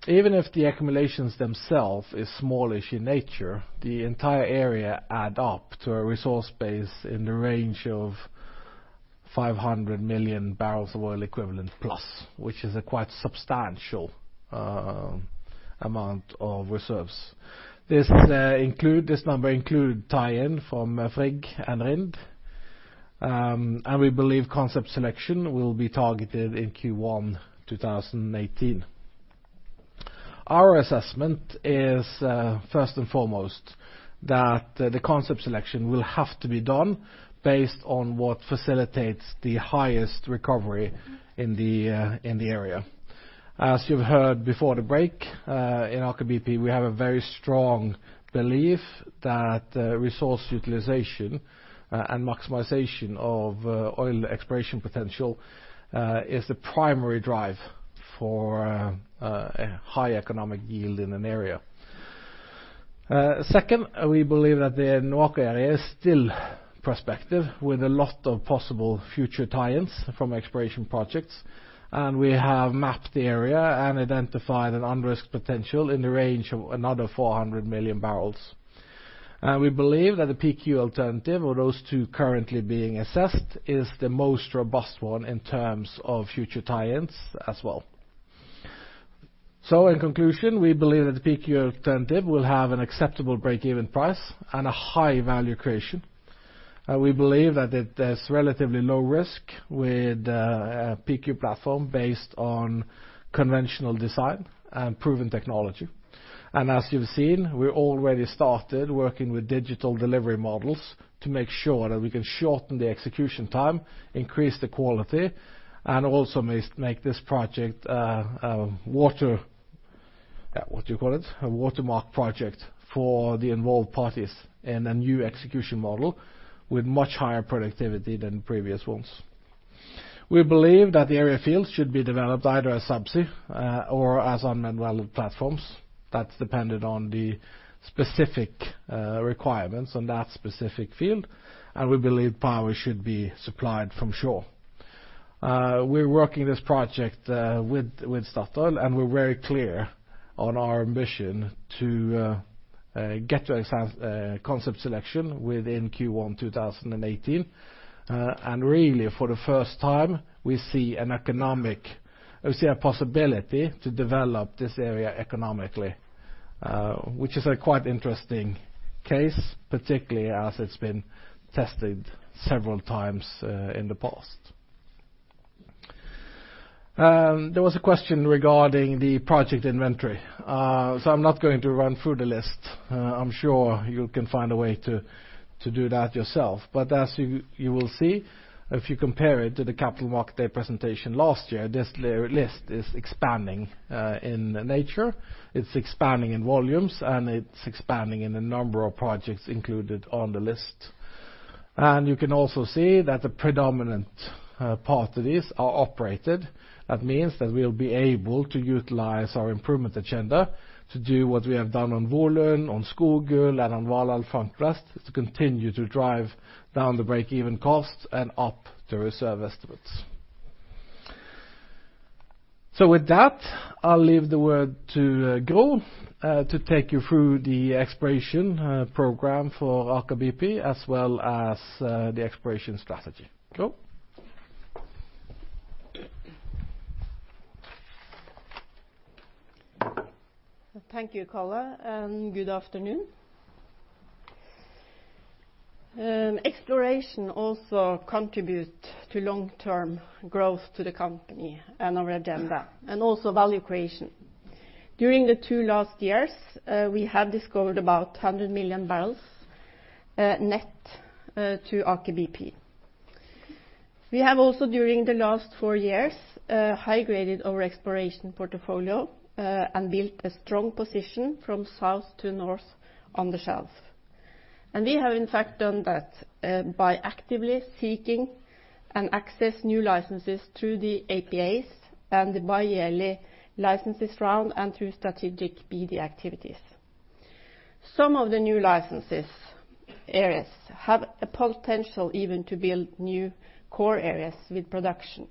Even if the accumulations themselves is smallish in nature, the entire area add up to a resource base in the range of 500 million barrels of oil equivalent plus, which is a quite substantial amount of reserves. This number include tie-in from Frigg and Rind, we believe concept selection will be targeted in Q1 2018. Our assessment is first and foremost that the concept selection will have to be done based on what facilitates the highest recovery in the area. As you've heard before the break, in Aker BP, we have a very strong belief that resource utilization and maximization of oil exploration potential is the primary drive for a high economic yield in an area. Second, we believe that the NOAKA area is still prospective with a lot of possible future tie-ins from exploration projects, we have mapped the area and identified an unrisked potential in the range of another 400 million barrels. We believe that the PDQ alternative of those two currently being assessed is the most robust one in terms of future tie-ins as well. In conclusion, we believe that the PDQ alternative will have an acceptable break-even price and a high value creation. We believe that there's relatively low risk with a PDQ platform based on conventional design and proven technology. As you've seen, we already started working with digital delivery models to make sure that we can shorten the execution time, increase the quality, and also make this project a watermark project for the involved parties in a new execution model with much higher productivity than previous ones. We believe that the area fields should be developed either as subsea or as unmanned welded platforms. That's dependent on the specific requirements on that specific field, we believe power should be supplied from shore. We're working this project with Statoil, we're very clear on our mission to get to a concept selection within Q1 2018. Really, for the first time, we see a possibility to develop this area economically, which is a quite interesting case, particularly as it's been tested several times in the past. There was a question regarding the project inventory. I'm not going to run through the list. I'm sure you can find a way to do that yourself. As you will see, if you compare it to the capital market day presentation last year, this list is expanding in nature. It's expanding in volumes, it's expanding in the number of projects included on the list. You can also see that the predominant part of these are operated. That means that we'll be able to utilize our improvement agenda to do what we have done on Volund, on Skogul, and on Valhall Flank North, to continue to drive down the break-even cost and up the reserve estimates. With that, I'll leave the word to Gro to take you through the exploration program for Aker BP, as well as the exploration strategy. Gro? Thank you, Karl, good afternoon. Exploration also contributes to long-term growth to the company and our agenda, and also value creation. During the two last years, we have discovered about 100 million barrels net to Aker BP. We have also, during the last four years, high-graded our exploration portfolio and built a strong position from south to north on the shelf. We have, in fact, done that by actively seeking and access new licenses through the APAs and the bi-yearly licenses round and through strategic BD activities. Some of the new licenses' areas have a potential even to build new core areas with production.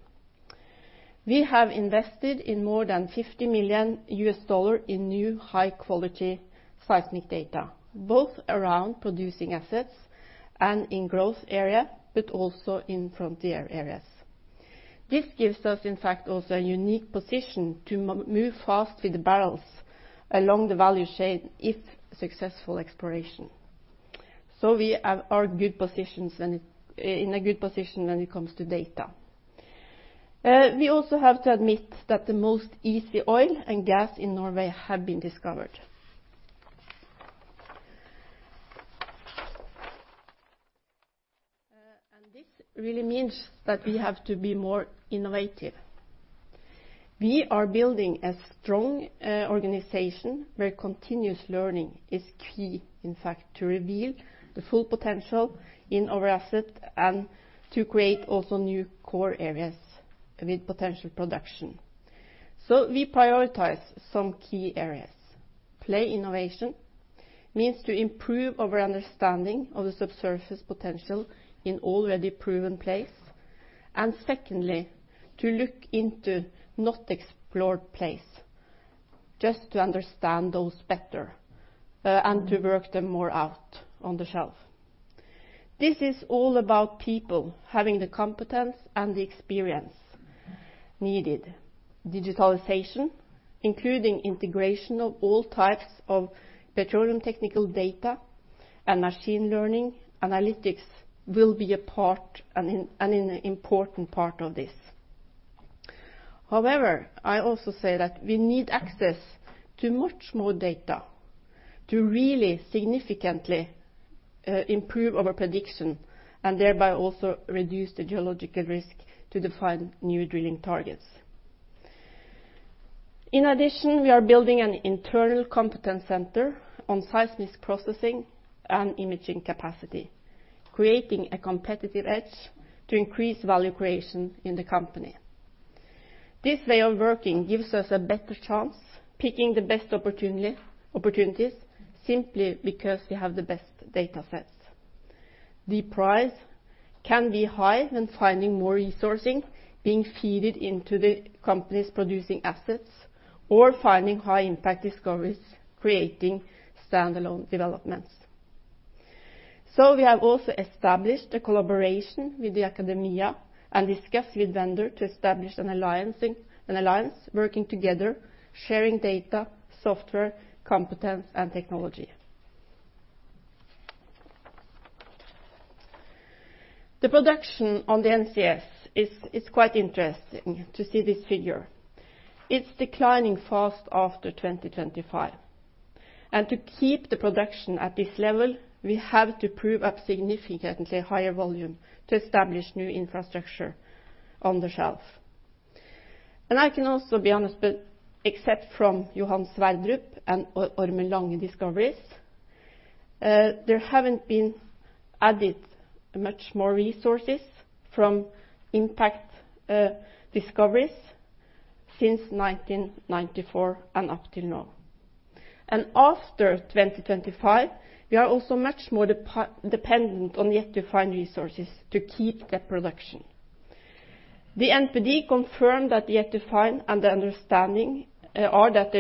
We have invested in more than $50 million in new high-quality seismic data, both around producing assets and in growth area, but also in frontier areas. This gives us, in fact, also a unique position to move fast with the barrels along the value chain if successful exploration. We are in a good position when it comes to data. We also have to admit that the most easy oil and gas in Norway have been discovered. This really means that we have to be more innovative. We are building a strong organization where continuous learning is key, in fact, to reveal the full potential in our asset and to create also new core areas with potential production. We prioritize some key areas. Play innovation means to improve our understanding of the subsurface potential in already proven plays. Secondly, to look into not explored plays, just to understand those better and to work them more out on the shelf. This is all about people having the competence and the experience needed. Digitalization, including integration of all types of petroleum technical data and machine learning analytics will be an important part of this. However, I also say that we need access to much more data to really significantly improve our prediction and thereby also reduce the geological risk to define new drilling targets. In addition, we are building an internal competence center on seismic processing and imaging capacity, creating a competitive edge to increase value creation in the company. This way of working gives us a better chance picking the best opportunities simply because we have the best data sets. The price can be high when finding more resources being fed into the company's producing assets or finding high impact discoveries, creating standalone developments. We have also established a collaboration with the academia and discussed with vendor to establish an alliance, working together, sharing data, software, competence, and technology. The production on the NCS is quite interesting to see this figure. It's declining fast after 2025. To keep the production at this level, we have to prove up significantly higher volume to establish new infrastructure on the shelf. I can also be honest, but except from Johan Sverdrup and Ormen Lange discoveries, there haven't been added much more resources from impact discoveries since 1994 and up till now. After 2025, we are also much more dependent on yet-to-find resources to keep the production. The NPD confirmed that the yet-to-find and the understanding are that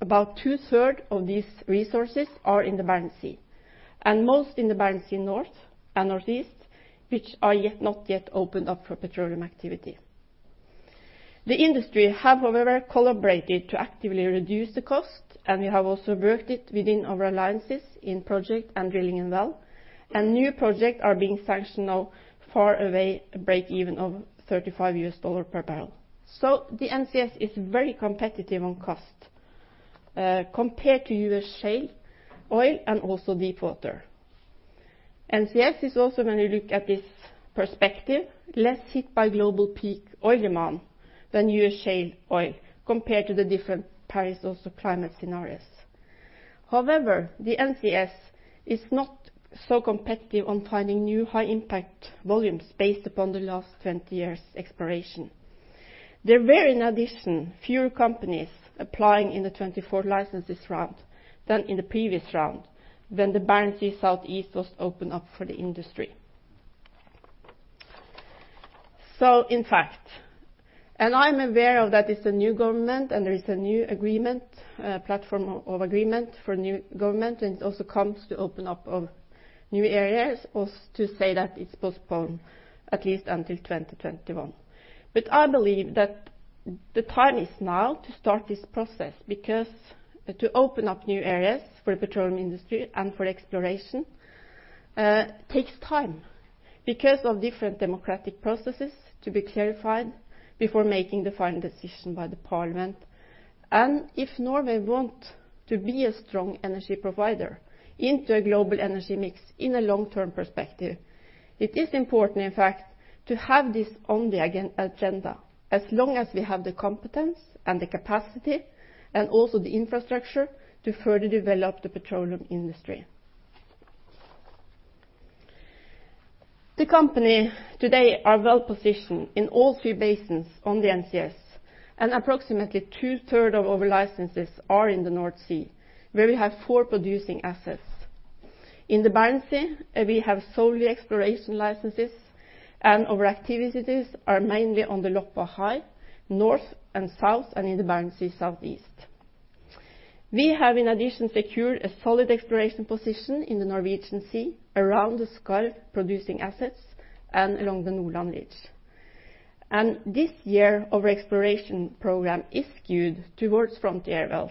about two-thirds of these resources are in the Barents Sea, and most in the Barents Sea North and Northeast, which are not yet opened up for petroleum activity. The industry have, however, collaborated to actively reduce the cost, and we have also worked it within our alliances in project and drilling well. New projects are being sanctioned now far away, breakeven of $35 U.S. per barrel. The NCS is very competitive on cost, compared to U.S. shale oil and also deepwater. NCS is also, when you look at this perspective, less hit by global peak oil demand than U.S. shale oil compared to the different Paris Climate scenarios. However, the NCS is not so competitive on finding new high-impact volumes based upon the last 20 years exploration. There were, in addition, fewer companies applying in the 24 licenses round than in the previous round when the Barents Sea Southeast was opened up for the industry. In fact, and I'm aware of that it's a new government and there is a new agreement, platform of agreement for new government, and it also comes to open up of new areas, or to say that it's postponed at least until 2021. I believe that the time is now to start this process, because to open up new areas for the petroleum industry and for exploration, takes time because of different democratic processes to be clarified before making the final decision by the parliament. If Norway want to be a strong energy provider into a global energy mix in a long-term perspective, it is important, in fact, to have this on the agenda, as long as we have the competence and the capacity and also the infrastructure to further develop the petroleum industry. The company today are well positioned in all three basins on the NCS, and approximately two-third of our licenses are in the North Sea, where we have four producing assets. In the Barents Sea, we have solely exploration licenses, and our activities are mainly on the Loppa High North and South and in the Barents Sea Southeast. We have, in addition, secured a solid exploration position in the Norwegian Sea around the Skarv producing assets and along the Nordland ridge. This year, our exploration program is skewed towards frontier wells.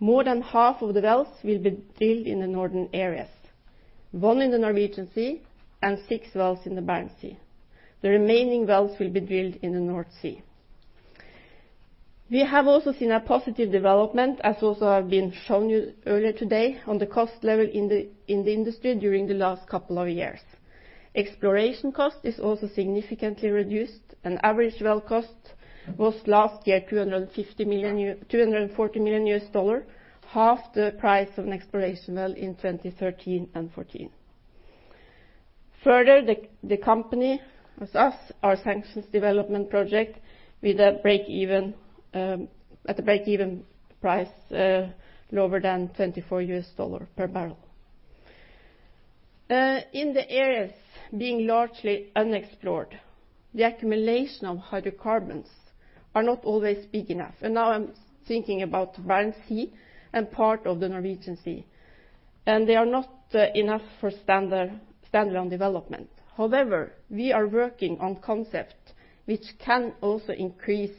More than half of the wells will be drilled in the northern areas, one in the Norwegian Sea and six wells in the Barents Sea. The remaining wells will be drilled in the North Sea. We have also seen a positive development, as also have been shown you earlier today, on the cost level in the industry during the last couple of years. Exploration cost is also significantly reduced, and average well cost was last year $240 million U.S., half the price of an exploration well in 2013 and 2014. Further, the company, with us, our sanctions development project at a breakeven price lower than $24 U.S. per barrel. In the areas being largely unexplored, the accumulation of hydrocarbons are not always big enough. Now I'm thinking about Barents Sea and part of the Norwegian Sea. They are not enough for standalone development. However, we are working on concept which can also increase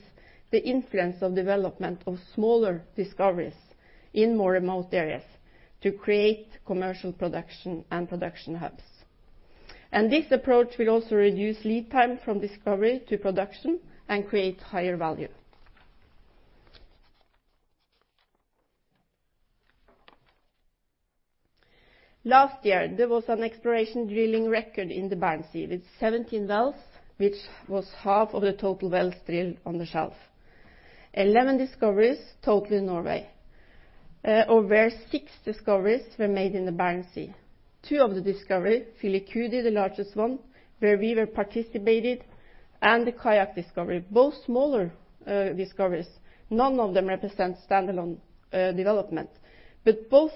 the influence of development of smaller discoveries in more remote areas to create commercial production and production hubs. This approach will also reduce lead time from discovery to production and create higher value. Last year, there was an exploration drilling record in the Barents Sea with 17 wells, which was half of the total wells drilled on the shelf. 11 discoveries total in Norway, or where 6 discoveries were made in the Barents Sea. Two of the discovery, Filicudi, the largest one, where we were participated, and the Kayak discovery, both smaller discoveries. None of them represent standalone development. But both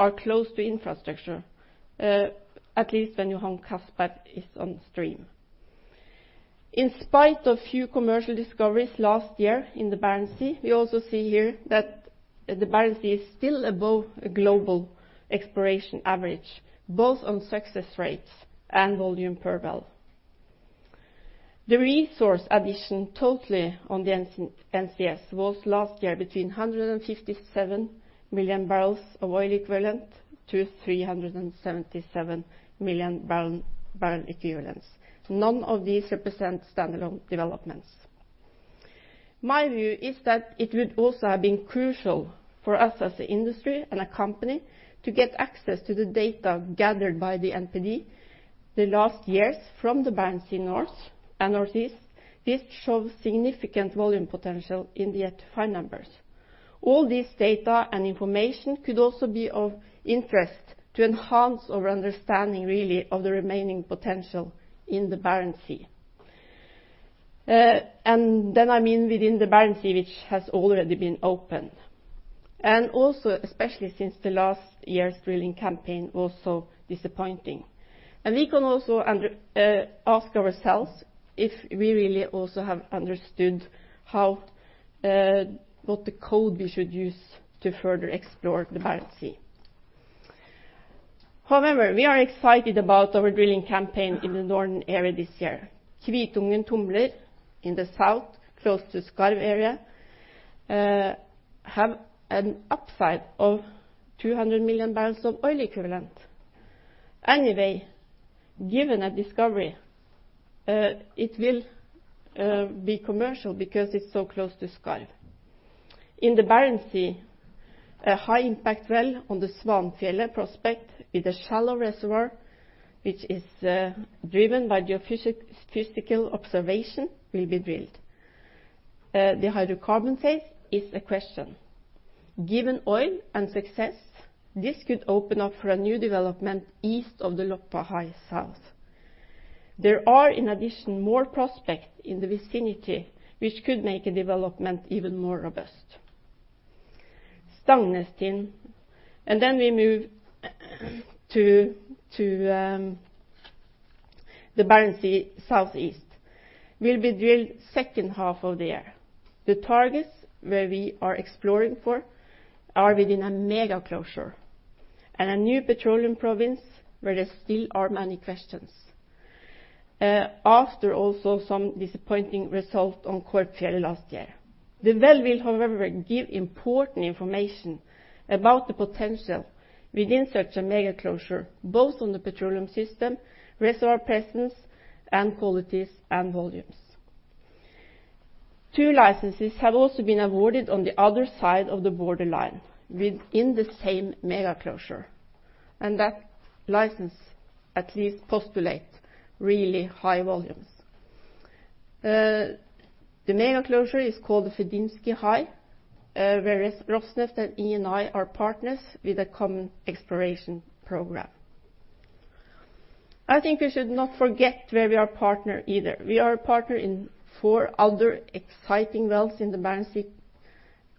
are close to infrastructure, at least when Johan Castberg is on stream. In spite of few commercial discoveries last year in the Barents Sea, we also see here that the Barents Sea is still above global exploration average, both on success rates and volume per well. The resource addition totally on the NCS was last year between 157 million barrels of oil equivalent to 377 million barrel equivalents. None of these represent standalone developments. My view is that it would also have been crucial for us as an industry and a company to get access to the data gathered by the NPD the last years from the Barents Sea North and Northeast. This shows significant volume potential in the F5 numbers. All this data and information could also be of interest to enhance our understanding really of the remaining potential in the Barents Sea. I mean within the Barents Sea, which has already been opened. Also especially since the last year's drilling campaign was so disappointing. We can also ask ourselves if we really also have understood what the code we should use to further explore the Barents Sea. However, we are excited about our drilling campaign in the northern area this year. Kvitungen Tumler in the south, close to Skarv area, have an upside of 200 million barrels of oil equivalent. Anyway, given a discovery, it will be commercial because it's so close to Skarv. In the Barents Sea, a high impact well on the Svanefjell prospect with a shallow reservoir, which is driven by geophysical observation will be drilled. The hydrocarbon case is a question. Given oil and success, this could open up for a new development east of the Loppa High South. There are, in addition, more prospects in the vicinity which could make a development even more robust. Stangnestind, and then we move to the Barents Sea Southeast, will be drilled second half of the year. The targets where we are exploring for are within a mega closure and a new petroleum province where there still are many questions. After also some disappointing result on Korpfjell last year. The well will, however, give important information about the potential within such a mega closure, both on the petroleum system, reservoir presence, and qualities, and volumes. Two licenses have also been awarded on the other side of the borderline within the same mega closure, and that license at least postulate really high volumes. The mega closure is called the Fedynsky High, whereas Rosneft and Eni are partners with a common exploration program. I think we should not forget where we are partner either. We are a partner in four other exciting wells in the Barents Sea,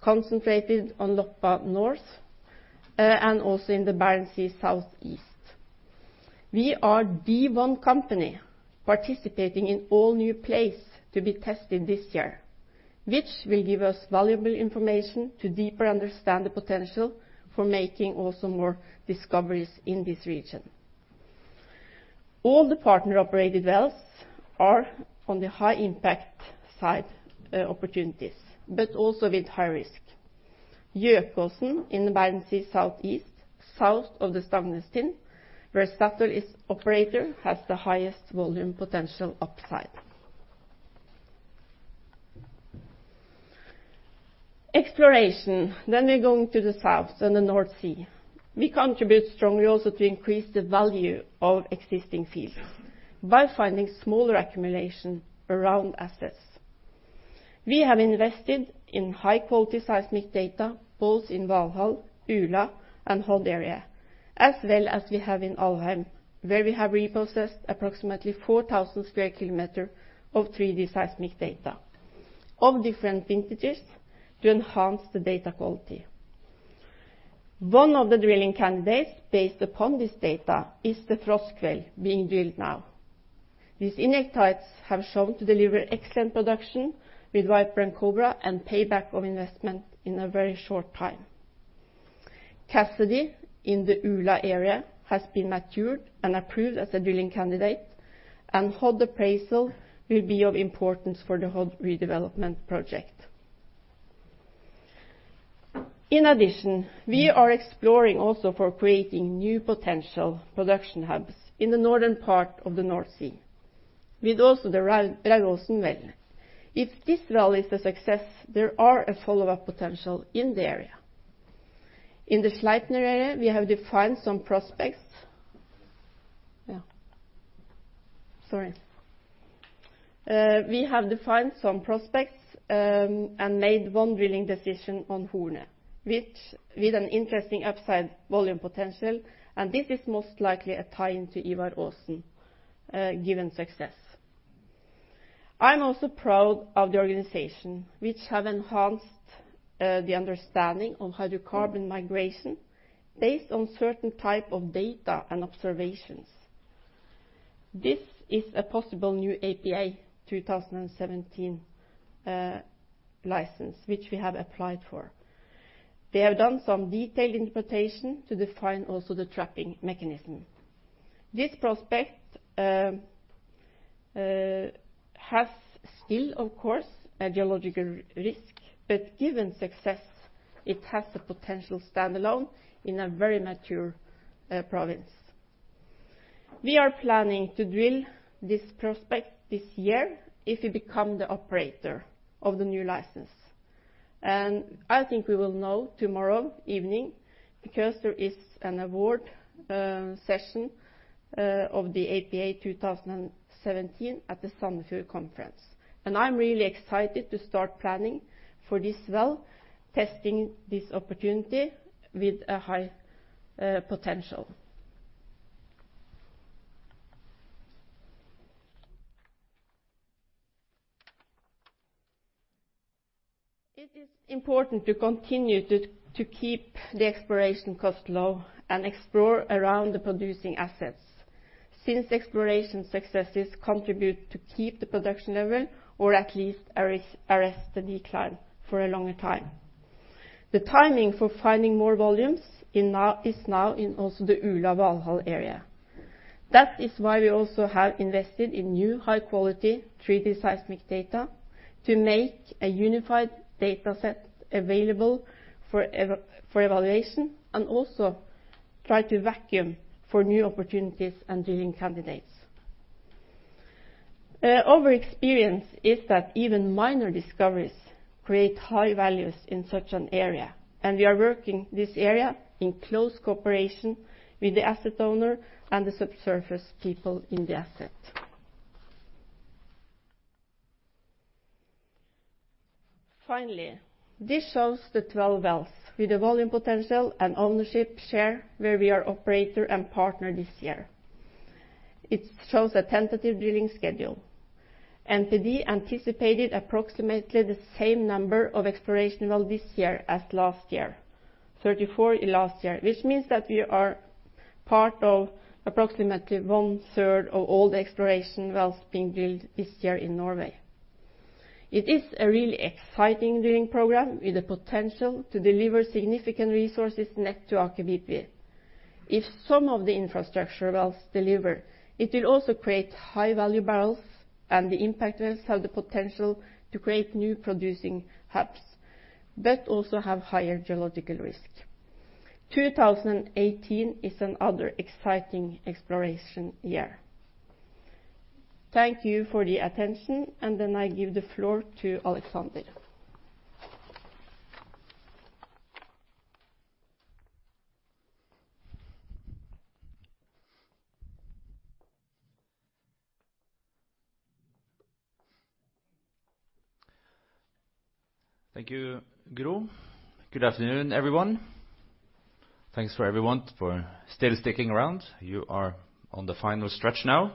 concentrated on Loppa North, and also in the Barents Sea Southeast. We are the one company participating in all new plays to be tested this year, which will give us valuable information to deeper understand the potential for making also more discoveries in this region. All the partner-operated wells are on the high impact side opportunities, but also with high risk. Gjøkåsen in the Barents Sea Southeast, south of the Stangnestind, where Statoil is operator, has the highest volume potential upside. Exploration. We're going to the south and the North Sea. We contribute strongly also to increase the value of existing fields by finding smaller accumulation around assets. We have invested in high quality seismic data both in Valhall, Ula, and Hod area, as well as we have in Alvheim, where we have reprocessed approximately 4,000 square kilometers of 3D seismic data of different vintages to enhance the data quality. One of the drilling candidates based upon this data is the Trost well being drilled now. These infill tie-backs have shown to deliver excellent production with Viper and Kobra, and payback of investment in a very short time. Cassidy in the Ula area has been matured and approved as a drilling candidate, and Hod appraisal will be of importance for the Hod redevelopment project. In addition, we are exploring also for creating new potential production hubs in the northern part of the North Sea with also the Ravåsen well. If this well is a success, there are a follow-up potential in the area. In the Sleipner area, we have defined some prospects. We have defined some prospects, and made one drilling decision on Horne, with an interesting upside volume potential, and this is most likely a tie-in to Ivar Aasen, given success. I'm also proud of the organization, which have enhanced the understanding of hydrocarbon migration based on certain type of data and observations. This is a possible new APA 2017 license, which we have applied for. They have done some detailed interpretation to define also the trapping mechanism. This prospect has still, of course, a geological risk, but given success, it has the potential standalone in a very mature province. We are planning to drill this prospect this year if we become the operator of the new license. I think we will know tomorrow evening because there is an award session of the APA 2017 at the Sandefjord Conference. I'm really excited to start planning for this well, testing this opportunity with a high potential. It is important to continue to keep the exploration cost low and explore around the producing assets, since exploration successes contribute to keep the production level or at least arrest the decline for a longer time. The timing for finding more volumes is now in also the Ula Valhall area. That is why we also have invested in new high-quality 3D seismic data to make a unified data set available for evaluation and also try to vacuum for new opportunities and drilling candidates. Our experience is that even minor discoveries create high values in such an area, and we are working this area in close cooperation with the asset owner and the subsurface people in the asset. Finally, this shows the 12 wells with the volume potential and ownership share where we are operator and partner this year. It shows a tentative drilling schedule. NPD anticipated approximately the same number of exploration well this year as last year, 34 last year, which means that we are part of approximately one-third of all the exploration wells being drilled this year in Norway. It is a really exciting drilling program with the potential to deliver significant resources net to Aker BP. If some of the infrastructure wells deliver, it will also create high-value barrels, and the impact wells have the potential to create new producing hubs, but also have higher geological risk. 2018 is another exciting exploration year. Thank you for the attention. I give the floor to Alexander. Thank you, Gro. Good afternoon, everyone. Thanks for everyone for still sticking around. You are on the final stretch now.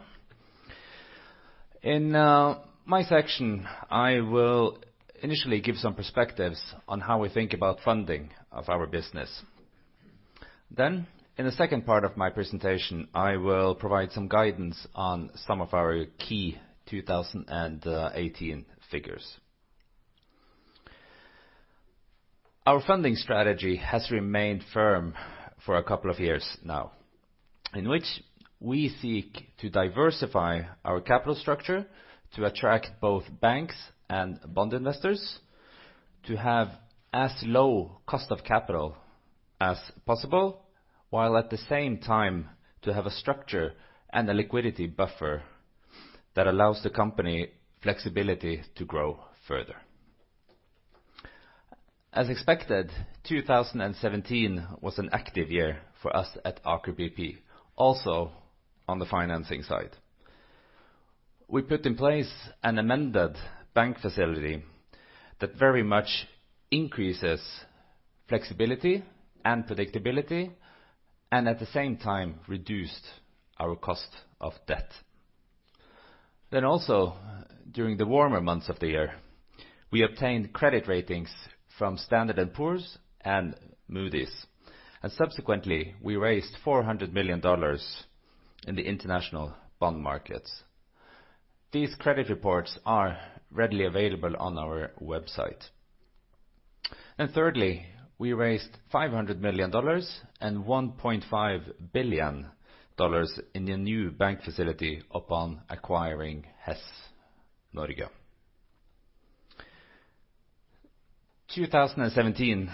In my section, I will initially give some perspectives on how we think about funding of our business. In the second part of my presentation, I will provide some guidance on some of our key 2018 figures. Our funding strategy has remained firm for a couple of years now, in which we seek to diversify our capital structure to attract both banks and bond investors to have as low cost of capital as possible, while at the same time to have a structure and a liquidity buffer that allows the company flexibility to grow further. As expected, 2017 was an active year for us at Aker BP, also on the financing side. We put in place an amended bank facility that very much increases flexibility and predictability, at the same time reduced our cost of debt. Also, during the warmer months of the year, we obtained credit ratings from Standard & Poor's and Moody's, subsequently, we raised $400 million in the international bond markets. These credit reports are readily available on our website. Thirdly, we raised $500 million and $1.5 billion in the new bank facility upon acquiring Hess Norge. 2017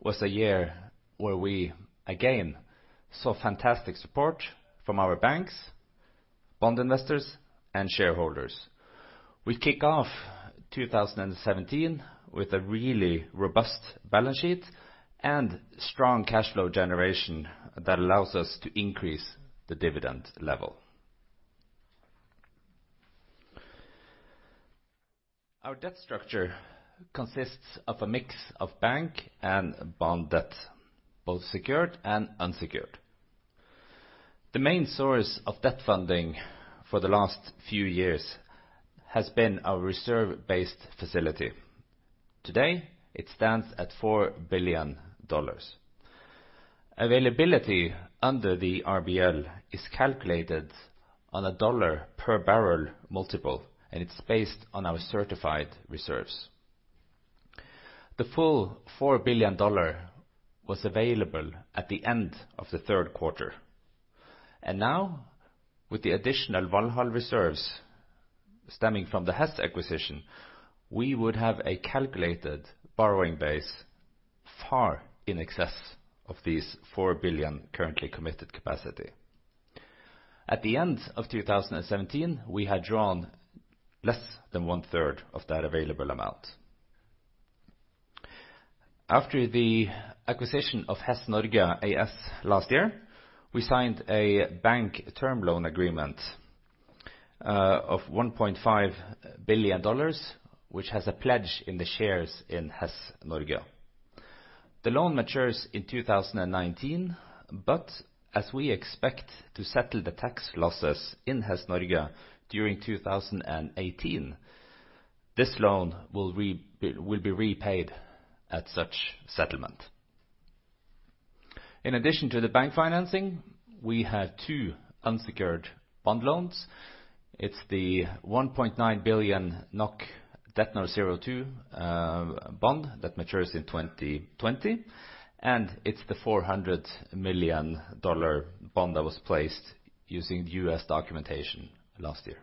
was a year where we again saw fantastic support from our banks, bond investors and shareholders. We kick off 2017 with a really robust balance sheet and strong cash flow generation that allows us to increase the dividend level. Our debt structure consists of a mix of bank and bond debt, both secured and unsecured. The main source of debt funding for the last few years has been our reserve-based facility. Today, it stands at $4 billion. Availability under the RBL is calculated on a dollar per barrel multiple, it's based on our certified reserves. The full $4 billion was available at the end of the third quarter. Now, with the additional Valhall reserves stemming from the Hess acquisition, we would have a calculated borrowing base far in excess of these $4 billion currently committed capacity. At the end of 2017, we had drawn less than one-third of that available amount. After the acquisition of Hess Norge AS last year, we signed a bank term loan agreement of $1.5 billion, which has a pledge in the shares in Hess Norge. The loan matures in 2019, but as we expect to settle the tax losses in Hess Norge during 2018, this loan will be repaid at such settlement. In addition to the bank financing, we have two unsecured bond loans. It's the 1.9 billion NOK DETNOR02 bond that matures in 2020, and it's the $400 million bond that was placed using the U.S. documentation last year.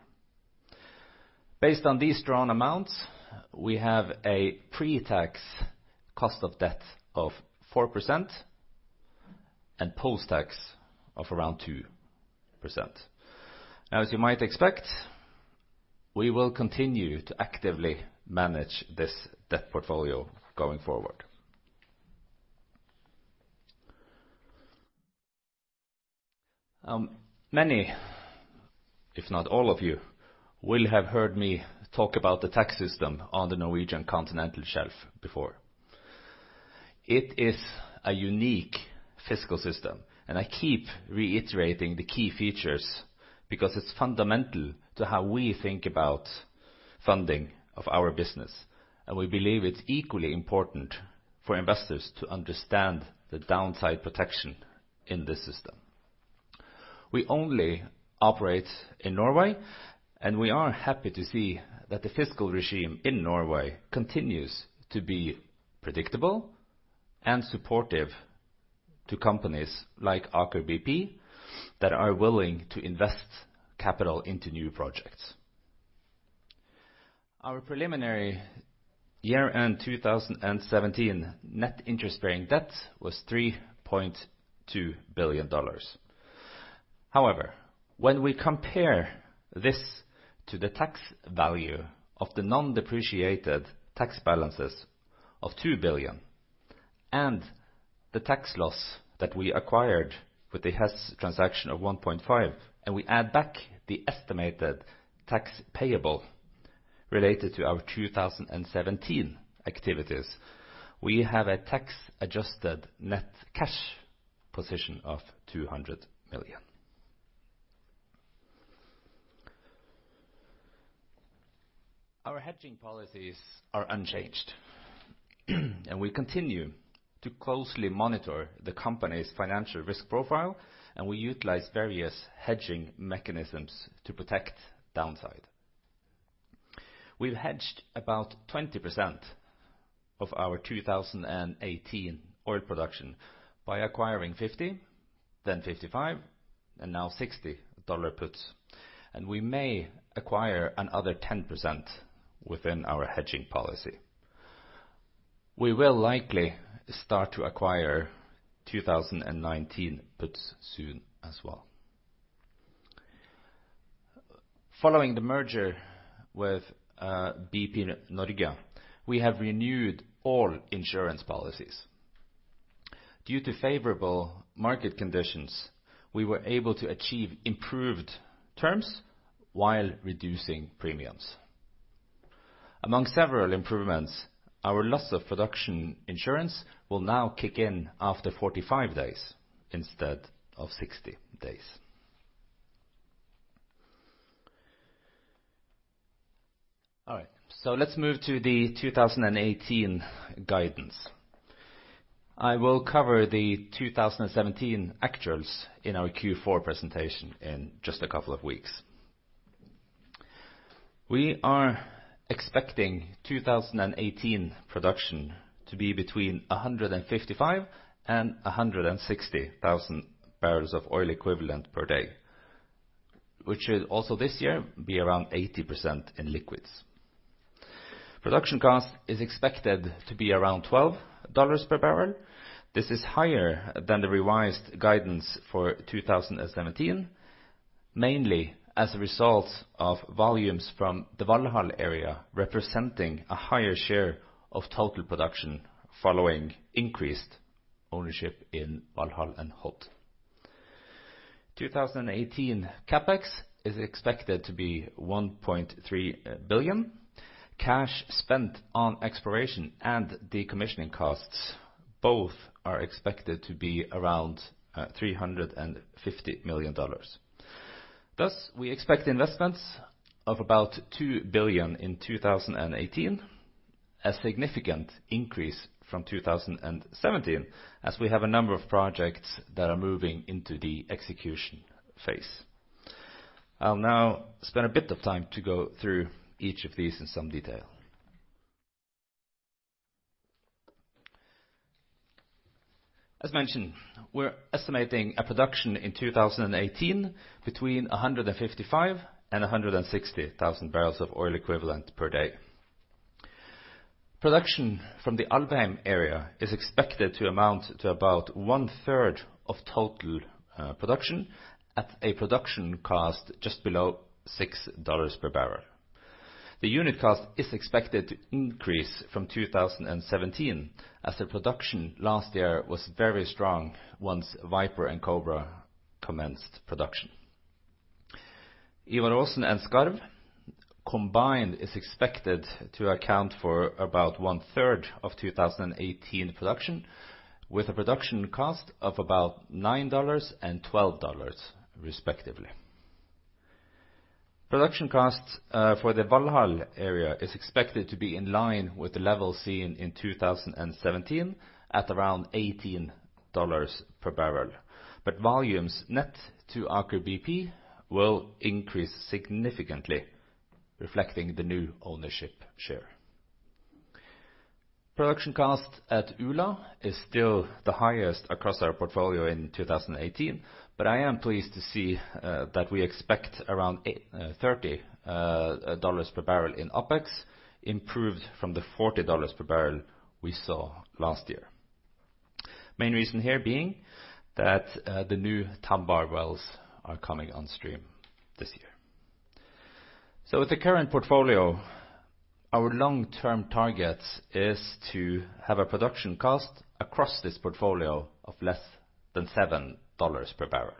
Based on these drawn amounts, we have a pre-tax cost of debt of 4% and post-tax of around 2%. Now, as you might expect, we will continue to actively manage this debt portfolio going forward. Many, if not all of you, will have heard me talk about the tax system on the Norwegian Continental Shelf before. It is a unique fiscal system, and I keep reiterating the key features because it's fundamental to how we think about funding of our business. We believe it's equally important for investors to understand the downside protection in this system. We only operate in Norway, and we are happy to see that the fiscal regime in Norway continues to be predictable and supportive to companies like Aker BP that are willing to invest capital into new projects. Our preliminary year-end 2017 net interest-bearing debt was $3.2 billion. However, when we compare this to the tax value of the non-depreciated tax balances of $2 billion and the tax loss that we acquired with the Hess transaction of $1.5, and we add back the estimated tax payable related to our 2017 activities, we have a tax-adjusted net cash position of $200 million. Our hedging policies are unchanged, and we continue to closely monitor the company's financial risk profile, and we utilize various hedging mechanisms to protect downside. We've hedged about 20% of our 2018 oil production by acquiring $50, then $55, and now $60 puts, and we may acquire another 10% within our hedging policy. We will likely start to acquire 2019 puts soon as well. Following the merger with BP Norge, we have renewed all insurance policies. Due to favorable market conditions, we were able to achieve improved terms while reducing premiums. Among several improvements, our loss of production insurance will now kick in after 45 days instead of 60 days. Let's move to the 2018 guidance. I will cover the 2017 actuals in our Q4 presentation in just a couple of weeks. We are expecting 2018 production to be between 155,000 and 160,000 barrels of oil equivalent per day, which should also this year be around 80% in liquids. Production cost is expected to be around $12 per barrel. This is higher than the revised guidance for 2017, mainly as a result of volumes from the Valhall area, representing a higher share of total production following increased ownership in Valhall and Hod. 2018 CapEx is expected to be $1.3 billion. Cash spent on exploration and decommissioning costs both are expected to be around $350 million. Thus, we expect investments of about $2 billion in 2018, a significant increase from 2017, as we have a number of projects that are moving into the execution phase. I'll now spend a bit of time to go through each of these in some detail. As mentioned, we're estimating a production in 2018 between 155,000 and 160,000 barrels of oil equivalent per day. Production from the Alvheim area is expected to amount to about one-third of total production at a production cost just below $6 per barrel. The unit cost is expected to increase from 2017, as the production last year was very strong once Viper and Kobra commenced production. Ivar Aasen and Skarv combined is expected to account for about one-third of 2018 production, with a production cost of about $9 and $12 respectively. Production costs for the Valhall area is expected to be in line with the level seen in 2017, at around $18 per barrel, but volumes net to Aker BP will increase significantly, reflecting the new ownership share. Production cost at Ula is still the highest across our portfolio in 2018, but I am pleased to see that we expect around $30 per barrel in OpEx, improved from the $40 per barrel we saw last year. Main reason here being that the new Tambar wells are coming on stream this year. With the current portfolio, our long-term target is to have a production cost across this portfolio of less than $7 per barrel.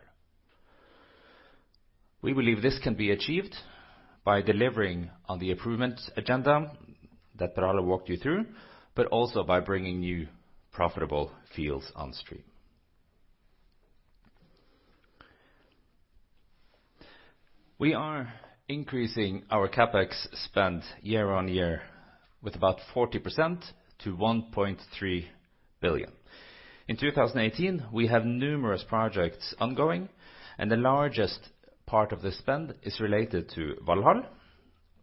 We believe this can be achieved by delivering on the improvements agenda that Per Harald walked you through, but also by bringing new profitable fields on stream. We are increasing our CapEx spend year-on-year with about 40% to $1.3 billion. In 2018, we have numerous projects ongoing, and the largest part of the spend is related to Valhall,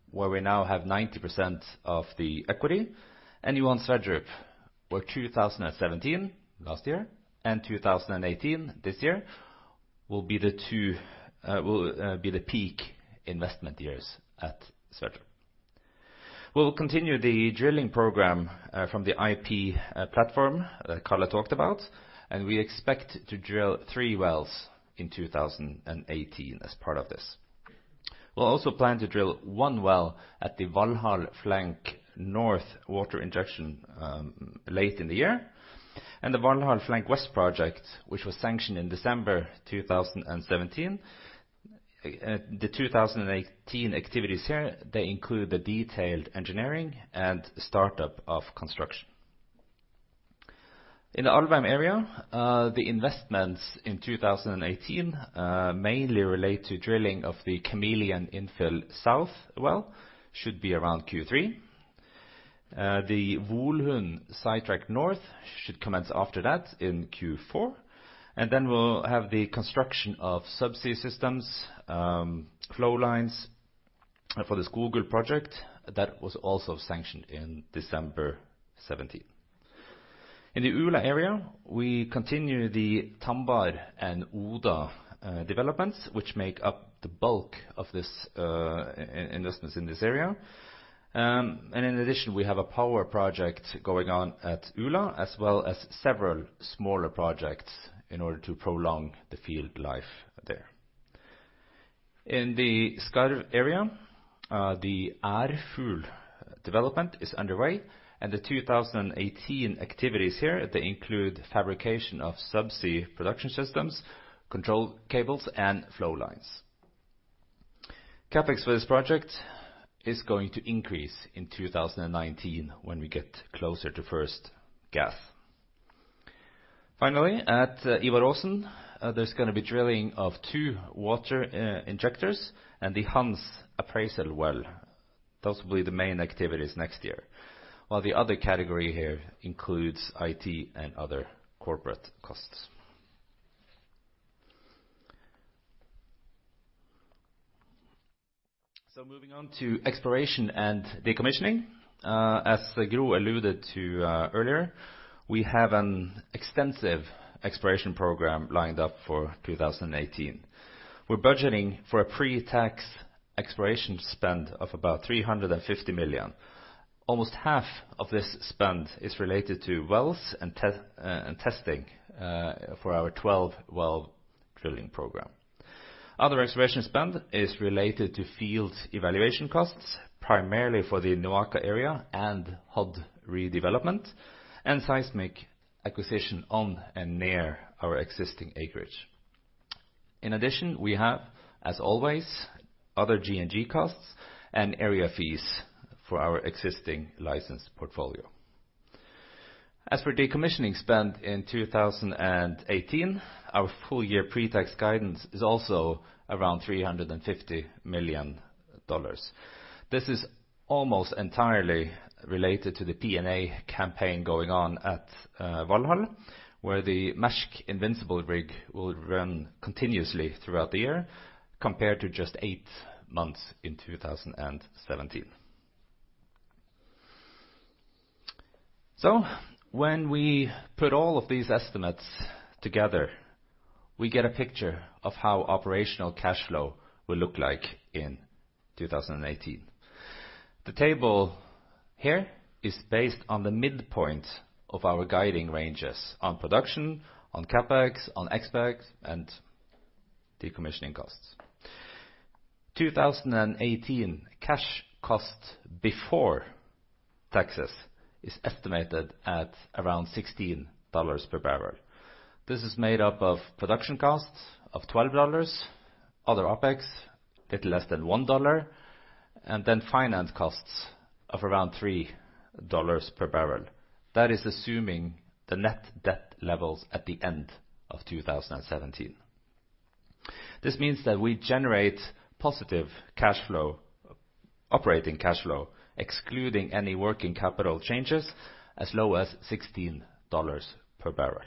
where we now have 90% of the equity, and on Sverdrup, where 2017, last year, and 2018, this year, will be the peak investment years at Sverdrup. We will continue the drilling program from the IP platform that Karl talked about, and we expect to drill three wells in 2018 as part of this. We will also plan to drill one well at the Valhall Flank North Water Injection late in the year, and the Valhall Flank West project, which was sanctioned in December 2017. The 2018 activities here, they include the detailed engineering and startup of construction. In the Alvheim area, the investments in 2018 mainly relate to drilling of the Kameleon Infill South well, should be around Q3. The Volund sidetrack North should commence after that in Q4. We will have the construction of subsea systems, flow lines for the Skogul project that was also sanctioned in December 2017. In the Ula area, we continue the Tambar and Oda developments, which make up the bulk of this investments in this area. In addition, we have a power project going on at Ula, as well as several smaller projects in order to prolong the field life there. In the Skarv area, the Århull development is underway. The 2018 activities here, they include fabrication of subsea production systems, control cables, and flow lines. CapEx for this project is going to increase in 2019 when we get closer to first gas. Finally, at Ivar Aasen, there is going to be drilling of two water injectors and the Hanz appraisal well. Those will be the main activities next year. While the other category here includes IT and other corporate costs. Moving on to exploration and decommissioning. As Gro alluded to earlier, we have an extensive exploration program lined up for 2018. We are budgeting for a pre-tax exploration spend of about $350 million. Almost half of this spend is related to wells and testing for our 12-well drilling program. Other exploration spend is related to field evaluation costs, primarily for the NOAKA area and Hod redevelopment and seismic acquisition on and near our existing acreage. In addition, we have, as always, other G&G costs and area fees for our existing license portfolio. As for decommissioning spend in 2018, our full-year pre-tax guidance is also around $350 million. This is almost entirely related to the P&A campaign going on at Valhall, where the Maersk Invincible rig will run continuously throughout the year, compared to just eight months in 2017. When we put all of these estimates together, we get a picture of how operational cash flow will look like in 2018. The table here is based on the midpoint of our guiding ranges on production, on CapEx, on OpEx, and decommissioning costs. 2018 cash cost before taxes is estimated at around $16 per barrel. This is made up of production costs of $12, other OpEx a little less than $1, and finance costs of around $3 per barrel. That is assuming the net debt levels at the end of 2017. This means that we generate positive operating cash flow, excluding any working capital changes, as low as $16 per barrel.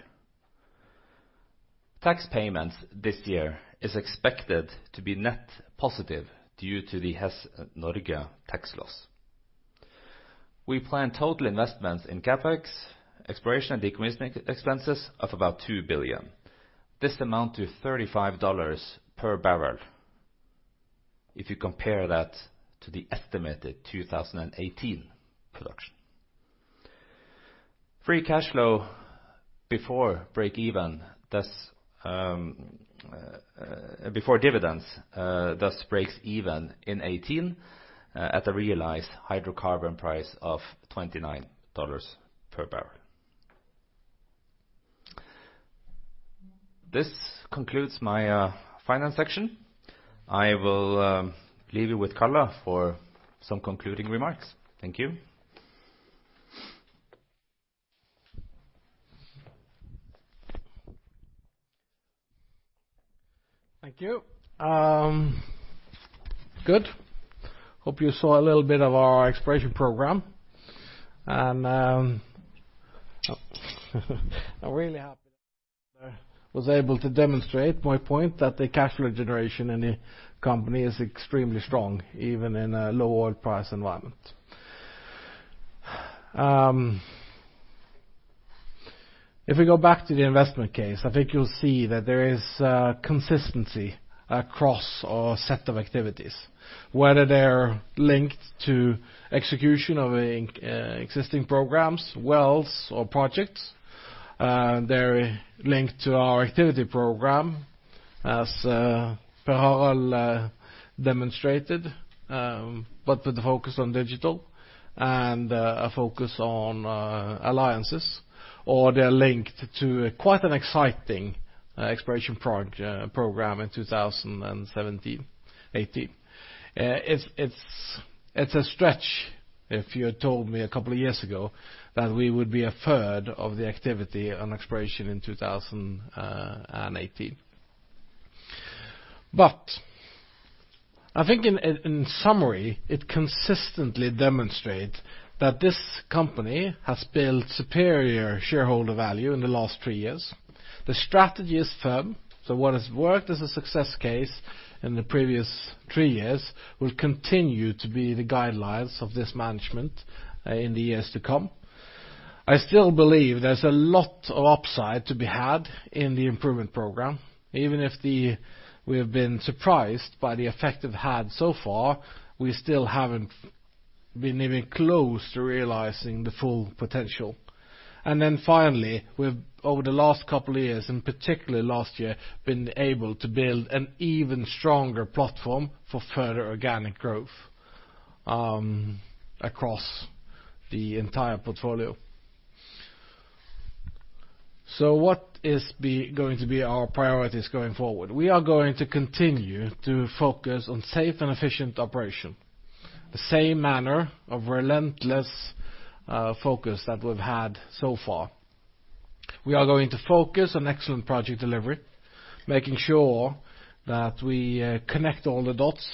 Tax payments this year is expected to be net positive due to the Hess Norge tax loss. We plan total investments in CapEx, exploration, and decommissioning expenses of about $2 billion. This amount to $35 per barrel, if you compare that to the estimated 2018 production. Free cash flow before dividends thus breaks even in 2018 at a realized hydrocarbon price of $29 per barrel. This concludes my finance section. I will leave you with Karl for some concluding remarks. Thank you. Thank you. Good. Hope you saw a little bit of our exploration program. I'm really happy I was able to demonstrate my point that the cash flow generation in the company is extremely strong, even in a low oil price environment. If we go back to the investment case, I think you'll see that there is consistency across our set of activities, whether they're linked to execution of existing programs, wells, or projects. They're linked to our activity program, as Per Harald demonstrated, but with the focus on digital and a focus on alliances, or they are linked to quite an exciting exploration program in 2017-2018. It's a stretch if you had told me a couple of years ago that we would be a third of the activity on exploration in 2018. I think in summary, it consistently demonstrate that this company has built superior shareholder value in the last three years. The strategy is firm, what has worked as a success case in the previous three years will continue to be the guidelines of this management in the years to come. I still believe there's a lot of upside to be had in the improvement program. Even if we have been surprised by the effect it had so far, we still haven't been even close to realizing the full potential. Finally, we've, over the last couple of years, and particularly last year, been able to build an even stronger platform for further organic growth across the entire portfolio. What is going to be our priorities going forward? We are going to continue to focus on safe and efficient operation, the same manner of relentless focus that we've had so far. We are going to focus on excellent project delivery, making sure that we connect all the dots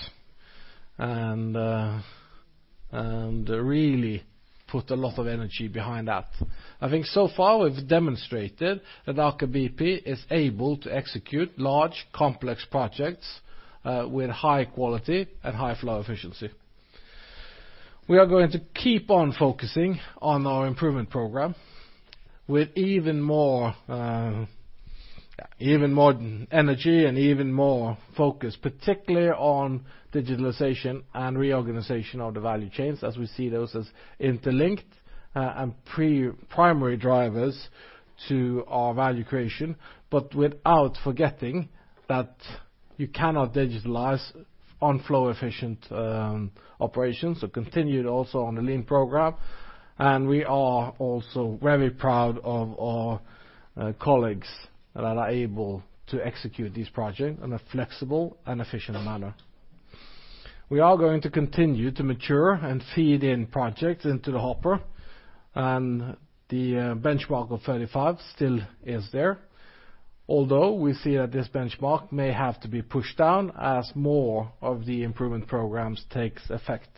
and really put a lot of energy behind that. I think so far we've demonstrated that Aker BP is able to execute large, complex projects with high quality and high flow efficiency. We are going to keep on focusing on our improvement program with even more energy and even more focus, particularly on digitalization and reorganization of the value chains, as we see those as interlinked and primary drivers to our value creation, but without forgetting that you cannot digitalize on flow efficient operations. Continued also on the Lean program, we are also very proud of our colleagues that are able to execute these projects in a flexible and efficient manner. We are going to continue to mature and feed in projects into the hopper, the benchmark of 35 still is there. Although we see that this benchmark may have to be pushed down as more of the improvement programs takes effect.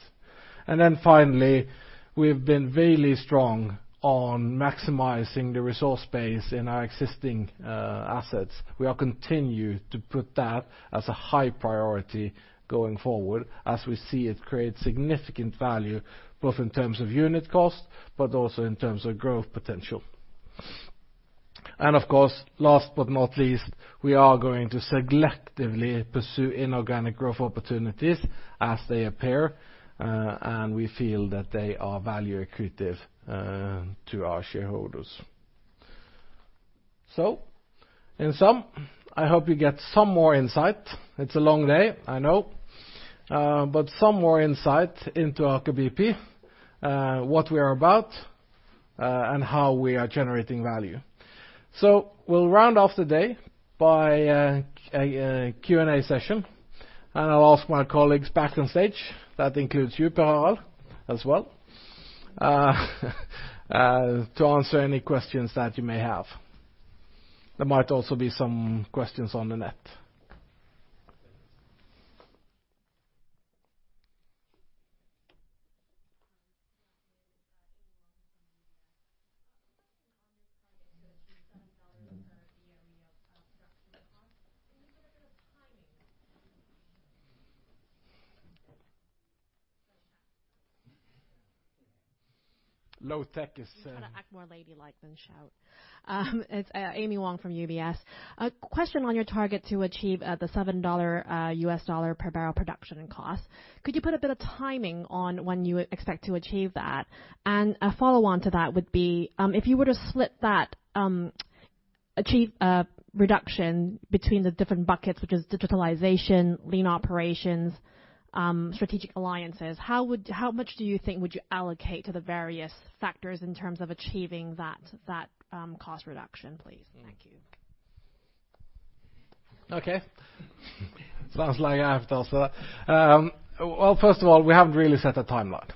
Finally, we've been really strong on maximizing the resource base in our existing assets. We are continued to put that as a high priority going forward as we see it create significant value, both in terms of unit cost but also in terms of growth potential. Of course, last but not least, we are going to selectively pursue inorganic growth opportunities as they appear, and we feel that they are value accretive to our shareholders. In sum, I hope you get some more insight. It's a long day, I know. Some more insight into Aker BP, what we are about, and how we are generating value. We'll round off the day by a Q&A session. I'll ask my colleagues back on stage, that includes you, Per Harald as well, to answer any questions that you may have. There might also be some questions on the net. Amy Wong from UBS. A question on your target to achieve the $7 U.S. dollar per barrel production cost. Can you put a bit of timing on when you expect to achieve that? A follow-on to that would be, if you were to split that achieve reduction between the different buckets, which is digitalization, lean operations, strategic alliances, how much do you think would you allocate to the various factors in terms of achieving that cost reduction, please? Thank you. Okay. Sounds like I have to answer that. Well, first of all, we haven't really set a timeline.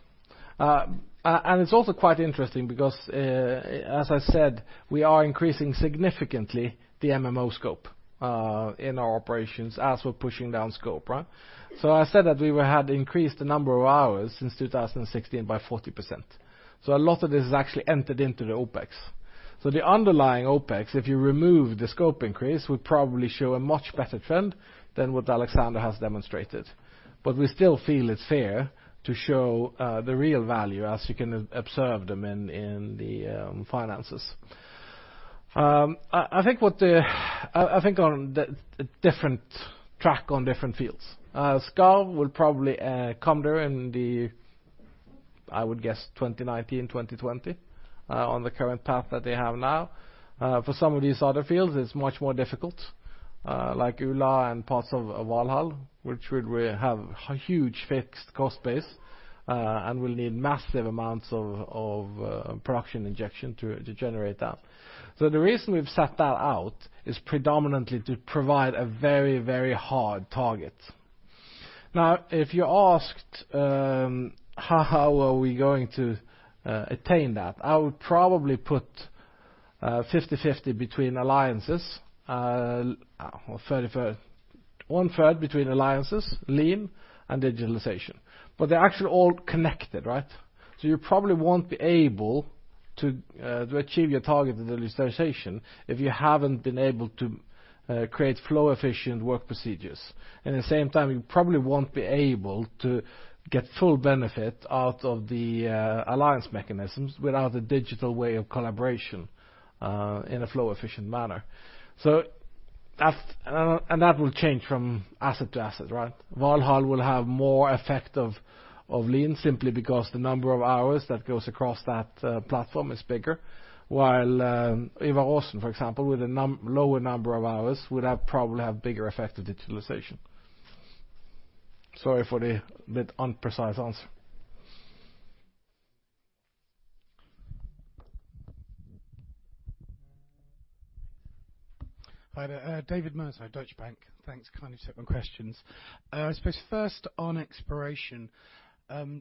It's also quite interesting because, as I said, we are increasing significantly the MMO scope in our operations as we're pushing down scope. I said that we had increased the number of hours since 2016 by 40%. A lot of this has actually entered into the OpEx. The underlying OpEx, if you remove the scope increase, would probably show a much better trend than what Alexander has demonstrated. We still feel it's fair to show the real value as you can observe them in the finances. I think on different track on different fields. Skarv will probably come there in the, I would guess, 2019, 2020 on the current path that they have now. For some of these other fields, it's much more difficult, like Ula and parts of Valhall, which would have huge fixed cost base, and will need massive amounts of production injection to generate that. The reason we've set that out is predominantly to provide a very, very hard target. Now, if you asked how are we going to attain that, I would probably put 50/50 between alliances or one-third between alliances, lean, and digitalization. They're actually all connected. You probably won't be able to achieve your target in digitalization if you haven't been able to create flow efficient work procedures. At the same time, you probably won't be able to get full benefit out of the alliance mechanisms without a digital way of collaboration in a flow efficient manner. That will change from asset to asset. Valhall will have more effect of lean simply because the number of hours that goes across that platform is bigger. While Ivar Aasen, for example, with a lower number of hours would probably have bigger effect of digitalization. Sorry for the bit unprecise answer. Hi there. David Mercer, Deutsche Bank. Thanks, kindly take my questions. I suppose first on exploration.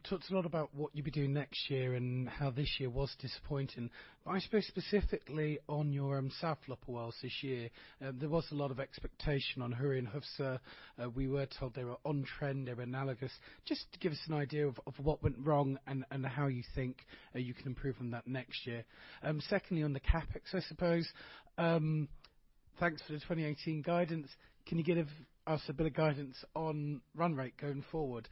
Talked a lot about what you'd be doing next year and how this year was disappointing. I suppose specifically on your South Loppa this year, there was a lot of expectation on Hurri and Hufsa. We were told they were on trend, they were analogous. Just to give us an idea of what went wrong and how you think you can improve on that next year. Secondly, on the CapEx, I suppose. Thanks for the 2018 guidance. Can you give us a bit of guidance on run rate going forward?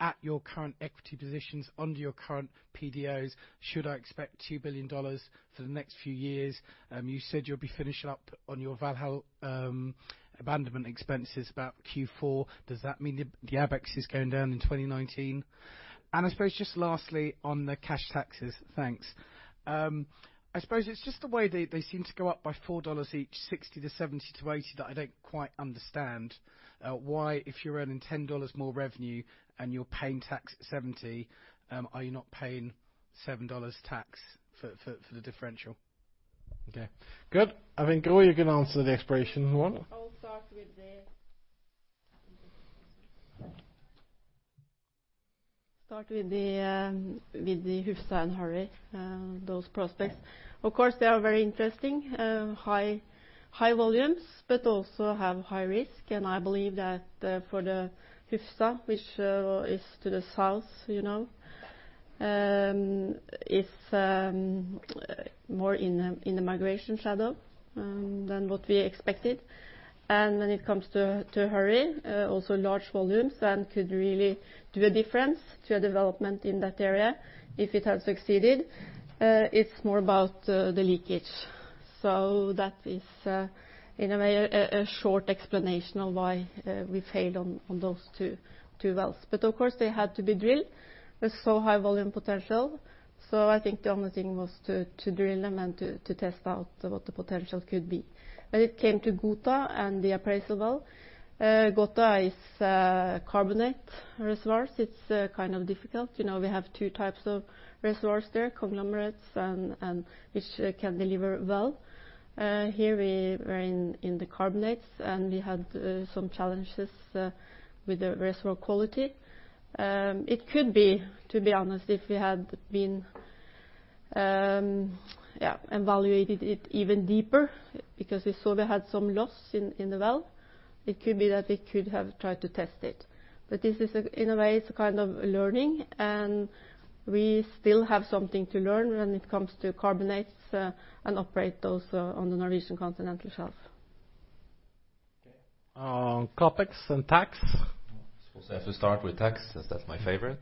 At your current equity positions under your current PDOs, should I expect $2 billion for the next few years? You said you'll be finishing up on your Valhall abandonment expenses about Q4. Does that mean the Abex is going down in 2019? I suppose just lastly on the cash taxes. Thanks. I suppose it's just the way they seem to go up by NOK four each, 60 to 70 to 80 that I don't quite understand why if you're earning NOK 10 more revenue and you're paying tax at 70, are you not paying NOK seven tax for the differential? Okay. Good. I think Gro, you can answer the exploration one. I'll start with the Hufsa and Hurri, those prospects. Of course, they are very interesting. High volumes, but also have high risk. I believe that for the Hufsa, which is to the south, it's more in the migration shadow than what we expected. When it comes to Hurri, also large volumes and could really do a difference to a development in that area if it had succeeded. It's more about the leakage. That is in a way a short explanation of why we failed on those two wells. Of course, they had to be drilled. They're so high volume potential. I think the only thing was to drill them and to test out what the potential could be. When it came to Gohta and the appraisal well, Gohta is a carbonate reservoir. It's kind of difficult. We have 2 types of reservoirs there, conglomerates, and which can deliver well. Here we were in the carbonates, and we had some challenges with the reservoir quality. It could be, to be honest, if we had evaluated it even deeper, because we saw we had some loss in the well, it could be that we could have tried to test it. This is, in a way, it's a kind of learning, and we still have something to learn when it comes to carbonates and operate those on the Norwegian Continental Shelf. Okay. On CapEx and tax. I suppose I have to start with tax, as that's my favorite.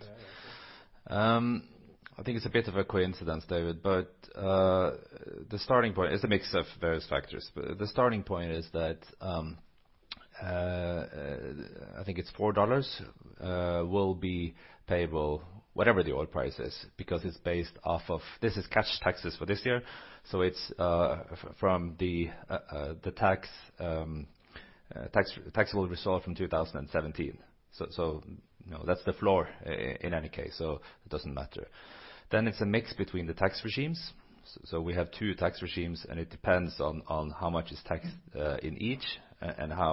Yeah. I think it's a bit of a coincidence, David. It's a mix of various factors. The starting point is that I think it's NOK 4 will be payable whatever the oil price is because it's based off of This is cash taxes for this year, so it's from the taxable result from 2017. That's the floor in any case, so it doesn't matter. It's a mix between the tax regimes. We have two tax regimes, and it depends on how much is taxed in each and how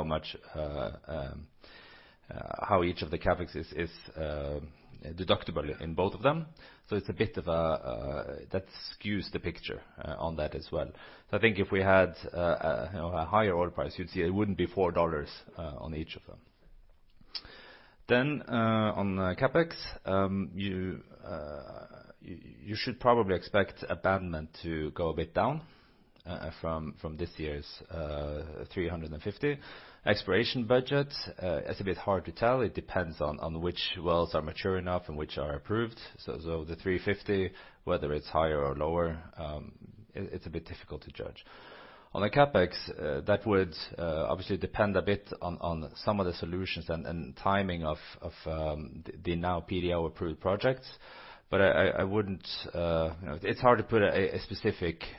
each of the CapEx is deductible in both of them. That skews the picture on that as well. I think if we had a higher oil price, you'd see it wouldn't be NOK 4 on each of them. On CapEx, you should probably expect abandonment to go a bit down from this year's $ 350 million. Exploration budget is a bit hard to tell. It depends on which wells are mature enough and which are approved. The $ 350 million, whether it's higher or lower, it's a bit difficult to judge. On the CapEx, that would obviously depend a bit on some of the solutions and timing of the now PDO-approved projects. It's hard to put a specific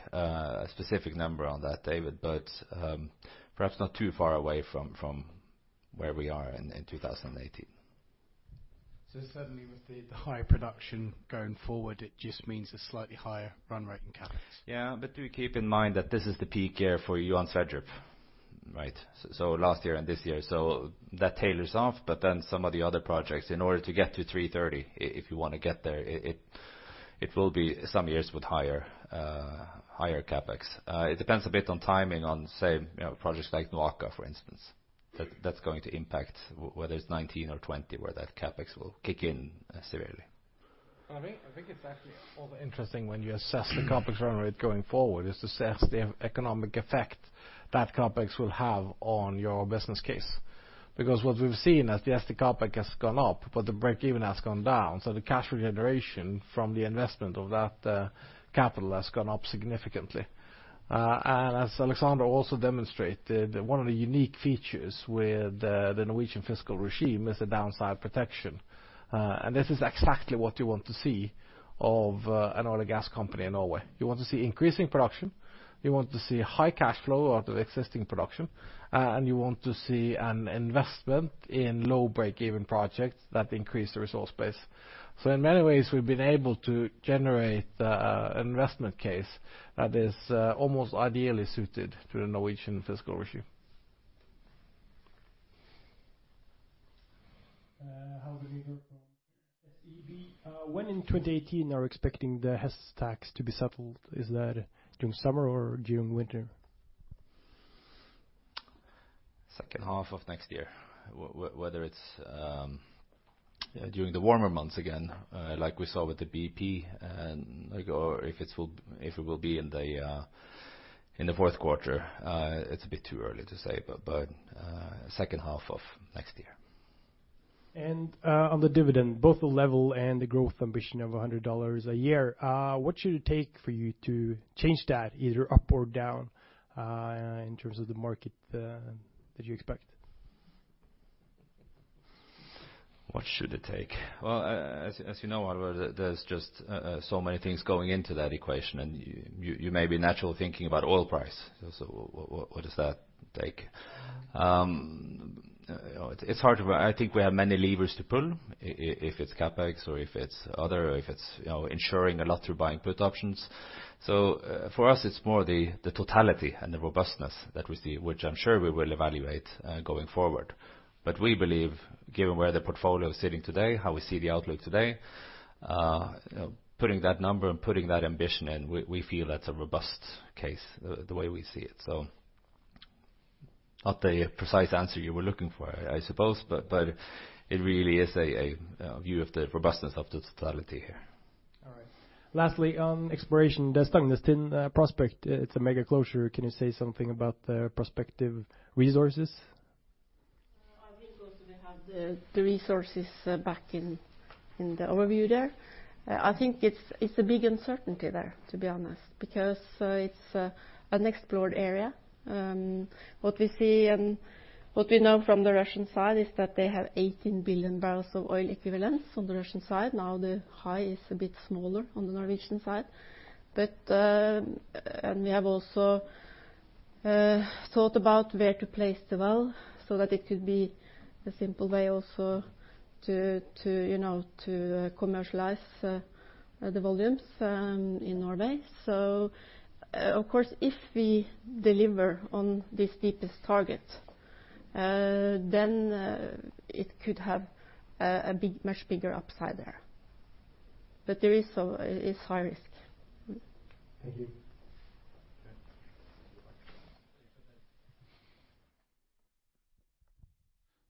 number on that, David, but perhaps not too far away from where we are in 2018. Certainly with the higher production going forward, it just means a slightly higher run rate in CapEx. Do keep in mind that this is the peak year for you on Sverdrup, right? Last year and this year. That tailors off, but then some of the other projects, in order to get to 330, if you want to get there, it will be some years with higher CapEx. It depends a bit on timing on, say, projects like NOAKA, for instance. That's going to impact whether it's 2019 or 2020 where that CapEx will kick in severely. I think it's actually also interesting when you assess the CapEx run rate going forward, is to assess the economic effect that CapEx will have on your business case. What we've seen as the SD CapEx has gone up, but the break-even has gone down, the cash regeneration from the investment of that capital has gone up significantly. As Alexander also demonstrated, one of the unique features with the Norwegian fiscal regime is the downside protection. This is exactly what you want to see of an oil and gas company in Norway. You want to see increasing production, you want to see high cash flow out of existing production, and you want to see an investment in low break-even projects that increase the resource base. In many ways, we've been able to generate an investment case that is almost ideally suited to the Norwegian fiscal regime. Halvor Sivertsen from SEB. When in 2018 are you expecting the Hess tax to be settled? Is that during summer or during winter? Second half of next year. Whether it's during the warmer months again, like we saw with the BP, or if it will be in the fourth quarter, it's a bit too early to say. Second half of next year. On the dividend, both the level and the growth ambition of $100 a year, what should it take for you to change that, either up or down, in terms of the market that you expect? What should it take? Well, as you know, Halvor, there's just so many things going into that equation, you may be naturally thinking about oil price. What does that take? I think we have many levers to pull if it's CapEx or if it's other, or if it's ensuring a lot through buying put options. For us, it's more the totality and the robustness that we see, which I'm sure we will evaluate going forward. We believe, given where the portfolio is sitting today, how we see the outlook today, putting that number and putting that ambition in, we feel that's a robust case the way we see it. Not the precise answer you were looking for, I suppose, but it really is a view of the robustness of the totality here. All right. Lastly, on exploration, the Stangnestind prospect, it's a mega closure. Can you say something about the prospective resources? We have the resources back in the overview there. I think it's a big uncertainty there, to be honest, because it's an unexplored area. What we know from the Russian side is that they have 18 billion barrels of oil equivalents on the Russian side. The high is a bit smaller on the Norwegian side. We have also thought about where to place the well so that it could be a simple way also to commercialize the volumes in Norway. Of course, if we deliver on this deepest target, then it could have a much bigger upside there. There is high risk. [Thank you.]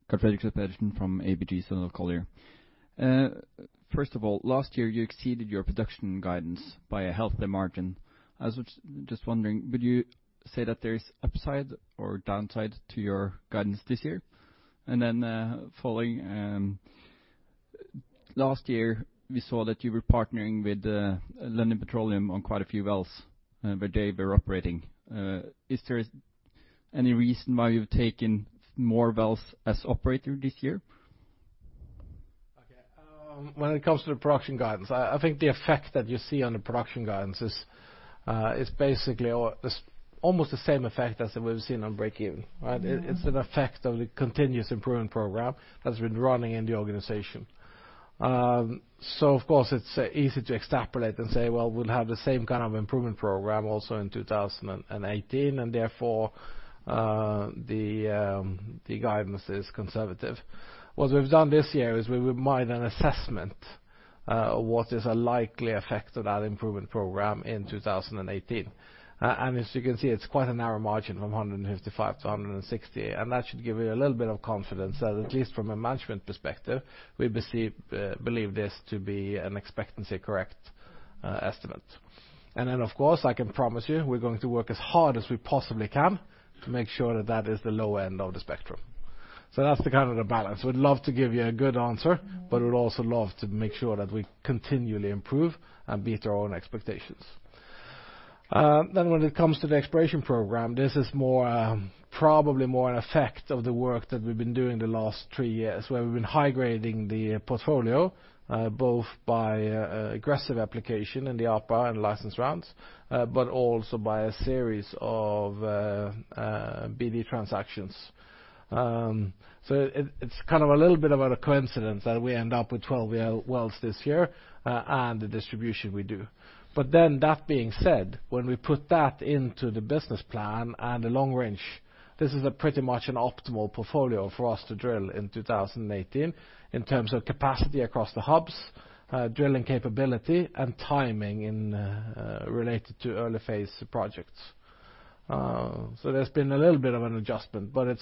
Karl-Fredrik Svedberg from ABG Sundal Collier. First of all, last year you exceeded your production guidance by a healthy margin. I was just wondering, would you say that there is upside or downside to your guidance this year? Then following, last year, we saw that you were partnering with Lundin Petroleum on quite a few wells, where they were operating. Is there any reason why you've taken more wells as operator this year? Okay. When it comes to the production guidance, I think the effect that you see on the production guidance is basically almost the same effect as we've seen on breakeven. It's an effect of the continuous improvement program that's been running in the organization. Of course, it's easy to extrapolate and say, well, we'll have the same kind of improvement program also in 2018. Therefore, the guidance is conservative. What we've done this year is we made an assessment of what is a likely effect of that improvement program in 2018. As you can see, it's quite a narrow margin from 155 to 160, and that should give you a little bit of confidence that at least from a management perspective, we believe this to be an expectancy correct estimate. Of course, I can promise you we're going to work as hard as we possibly can to make sure that is the low end of the spectrum. That's the kind of the balance. We'd love to give you a good answer. We'd also love to make sure that we continually improve and beat our own expectations. When it comes to the exploration program, this is probably more an effect of the work that we've been doing the last three years, where we've been high-grading the portfolio, both by aggressive application in the APA and license rounds, also by a series of BD transactions. It's a little bit of a coincidence that we end up with 12 wells this year and the distribution we do. That being said, when we put that into the business plan and the long range, this is a pretty much an optimal portfolio for us to drill in 2018 in terms of capacity across the hubs, drilling capability, and timing related to early-phase projects. There's been a little bit of an adjustment. It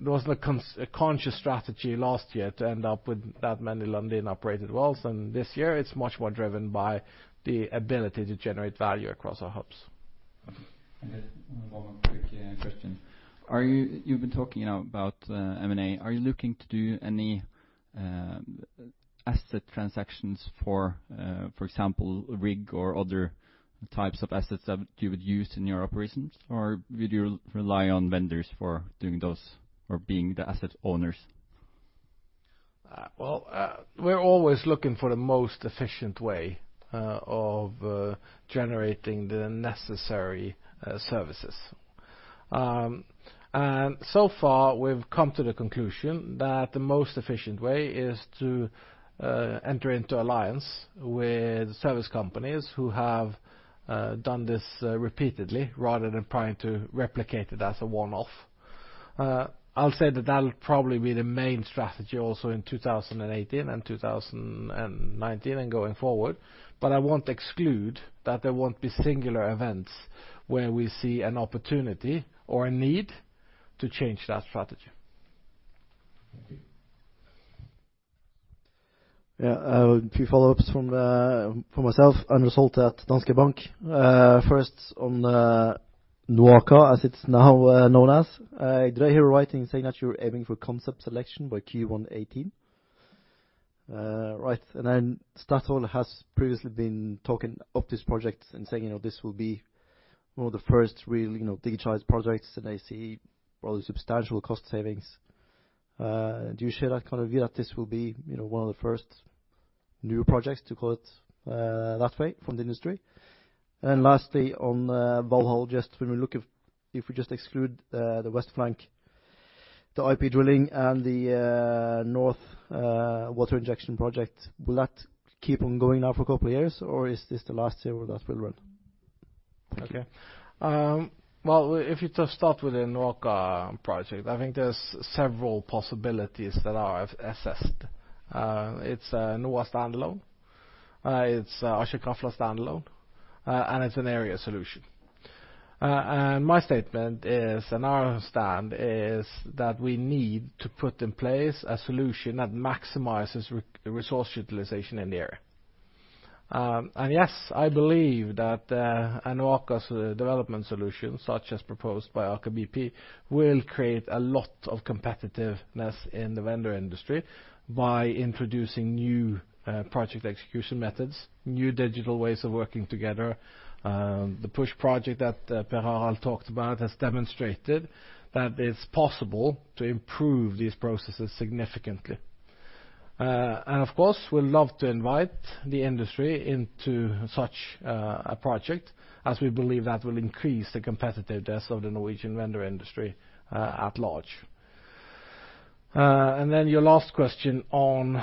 wasn't a conscious strategy last year to end up with that many Lundin-operated wells. This year it's much more driven by the ability to generate value across our hubs. Okay. One more quick question. You've been talking about M&A. Are you looking to do any asset transactions, for example, rig or other types of assets that you would use in your operations? Or would you rely on vendors for doing those or being the asset owners? Well, we're always looking for the most efficient way of generating the necessary services. So far, we've come to the conclusion that the most efficient way is to enter into alliance with service companies who have done this repeatedly rather than trying to replicate it as a one-off. I'll say that that'll probably be the main strategy also in 2018 and 2019 and going forward, but I won't exclude that there won't be singular events where we see an opportunity or a need to change that strategy. Thank you. Yeah. A few follow-ups from myself, Anders Holte at Danske Bank. First on NOAKA, as it's now known as. Did I hear right in saying that you're aiming for concept selection by Q1 2018? Right. Then Statoil has previously been talking up this project and saying this will be one of the first real digitized projects, and they see rather substantial cost savings. Do you share that kind of view that this will be one of the first new projects, to call it that way, from the industry? Lastly, on Valhall, just when we look, if we just exclude the west flank, the IP drilling, and the north water injection project, will that keep on going now for a couple of years, or is this the last year where that will run? Okay. Well, if you just start with the NOAKA project, I think there's several possibilities that are assessed. It's NOA standalone. It's Aker BP standalone. It's an area solution. My statement is, and our stand is that we need to put in place a solution that maximizes resource utilization in the area. Yes, I believe that Aker's development solution, such as proposed by Aker BP, will create a lot of competitiveness in the vendor industry by introducing new project execution methods, new digital ways of working together. The PUSH project that Per Harald talked about has demonstrated that it's possible to improve these processes significantly. Of course, we'd love to invite the industry into such a project as we believe that will increase the competitiveness of the Norwegian vendor industry at large. Then your last question on,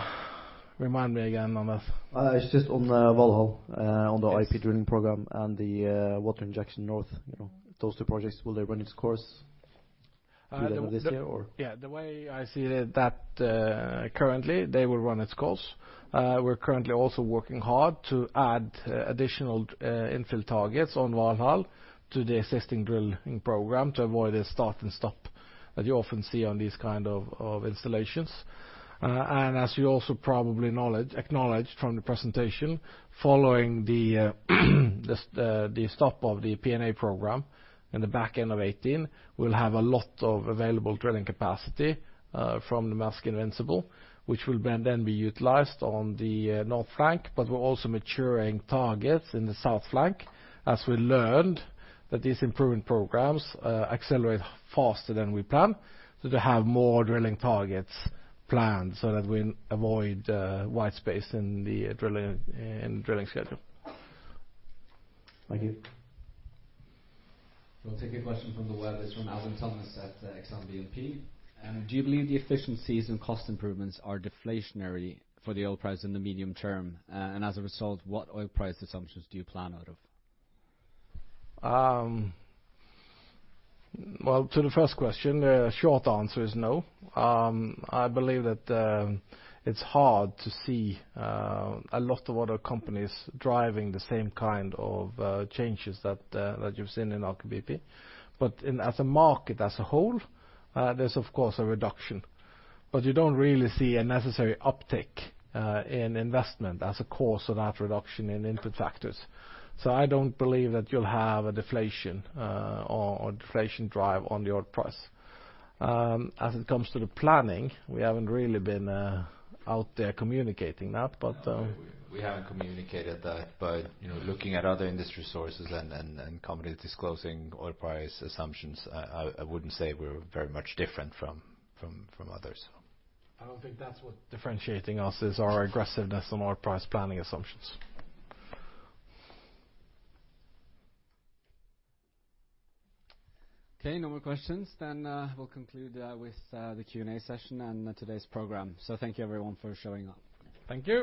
remind me again on that. It's just on Valhall, on the IP drilling program and the water injection north. Those two projects, will they run its course? Uh, the- Will they run later this year or? Yeah. The way I see that currently they will run its course. We're currently also working hard to add additional infill targets on Valhall to the existing drilling program to avoid a start and stop that you often see on these kind of installations. As you also probably acknowledged from the presentation, following the stop of the P&A program in the back end of 2018, we'll have a lot of available drilling capacity from the Maersk Invincible, which will then be utilized on the north flank. We're also maturing targets in the south flank as we learned that these improvement programs accelerate faster than we planned. To have more drilling targets planned so that we avoid white space in the drilling schedule. Thank you. We'll take a question from the web. It's from Alvin Thomas at ExxonMobil. Do you believe the efficiencies and cost improvements are deflationary for the oil price in the medium term? As a result, what oil price assumptions do you plan out of? Well, to the first question, the short answer is no. I believe that it's hard to see a lot of other companies driving the same kind of changes that you've seen in Aker BP. As a market, as a whole, there's of course a reduction, but you don't really see a necessary uptick in investment as a cause of that reduction in input factors. I don't believe that you'll have a deflation or deflation drive on the oil price. As it comes to the planning, we haven't really been out there communicating that. We haven't communicated that, but looking at other industry sources and companies disclosing oil price assumptions, I wouldn't say we're very much different from others. I don't think that's what differentiating us is our aggressiveness on our price planning assumptions. Okay, no more questions then we'll conclude with the Q&A session and today's program. Thank you everyone for showing up. Thank you.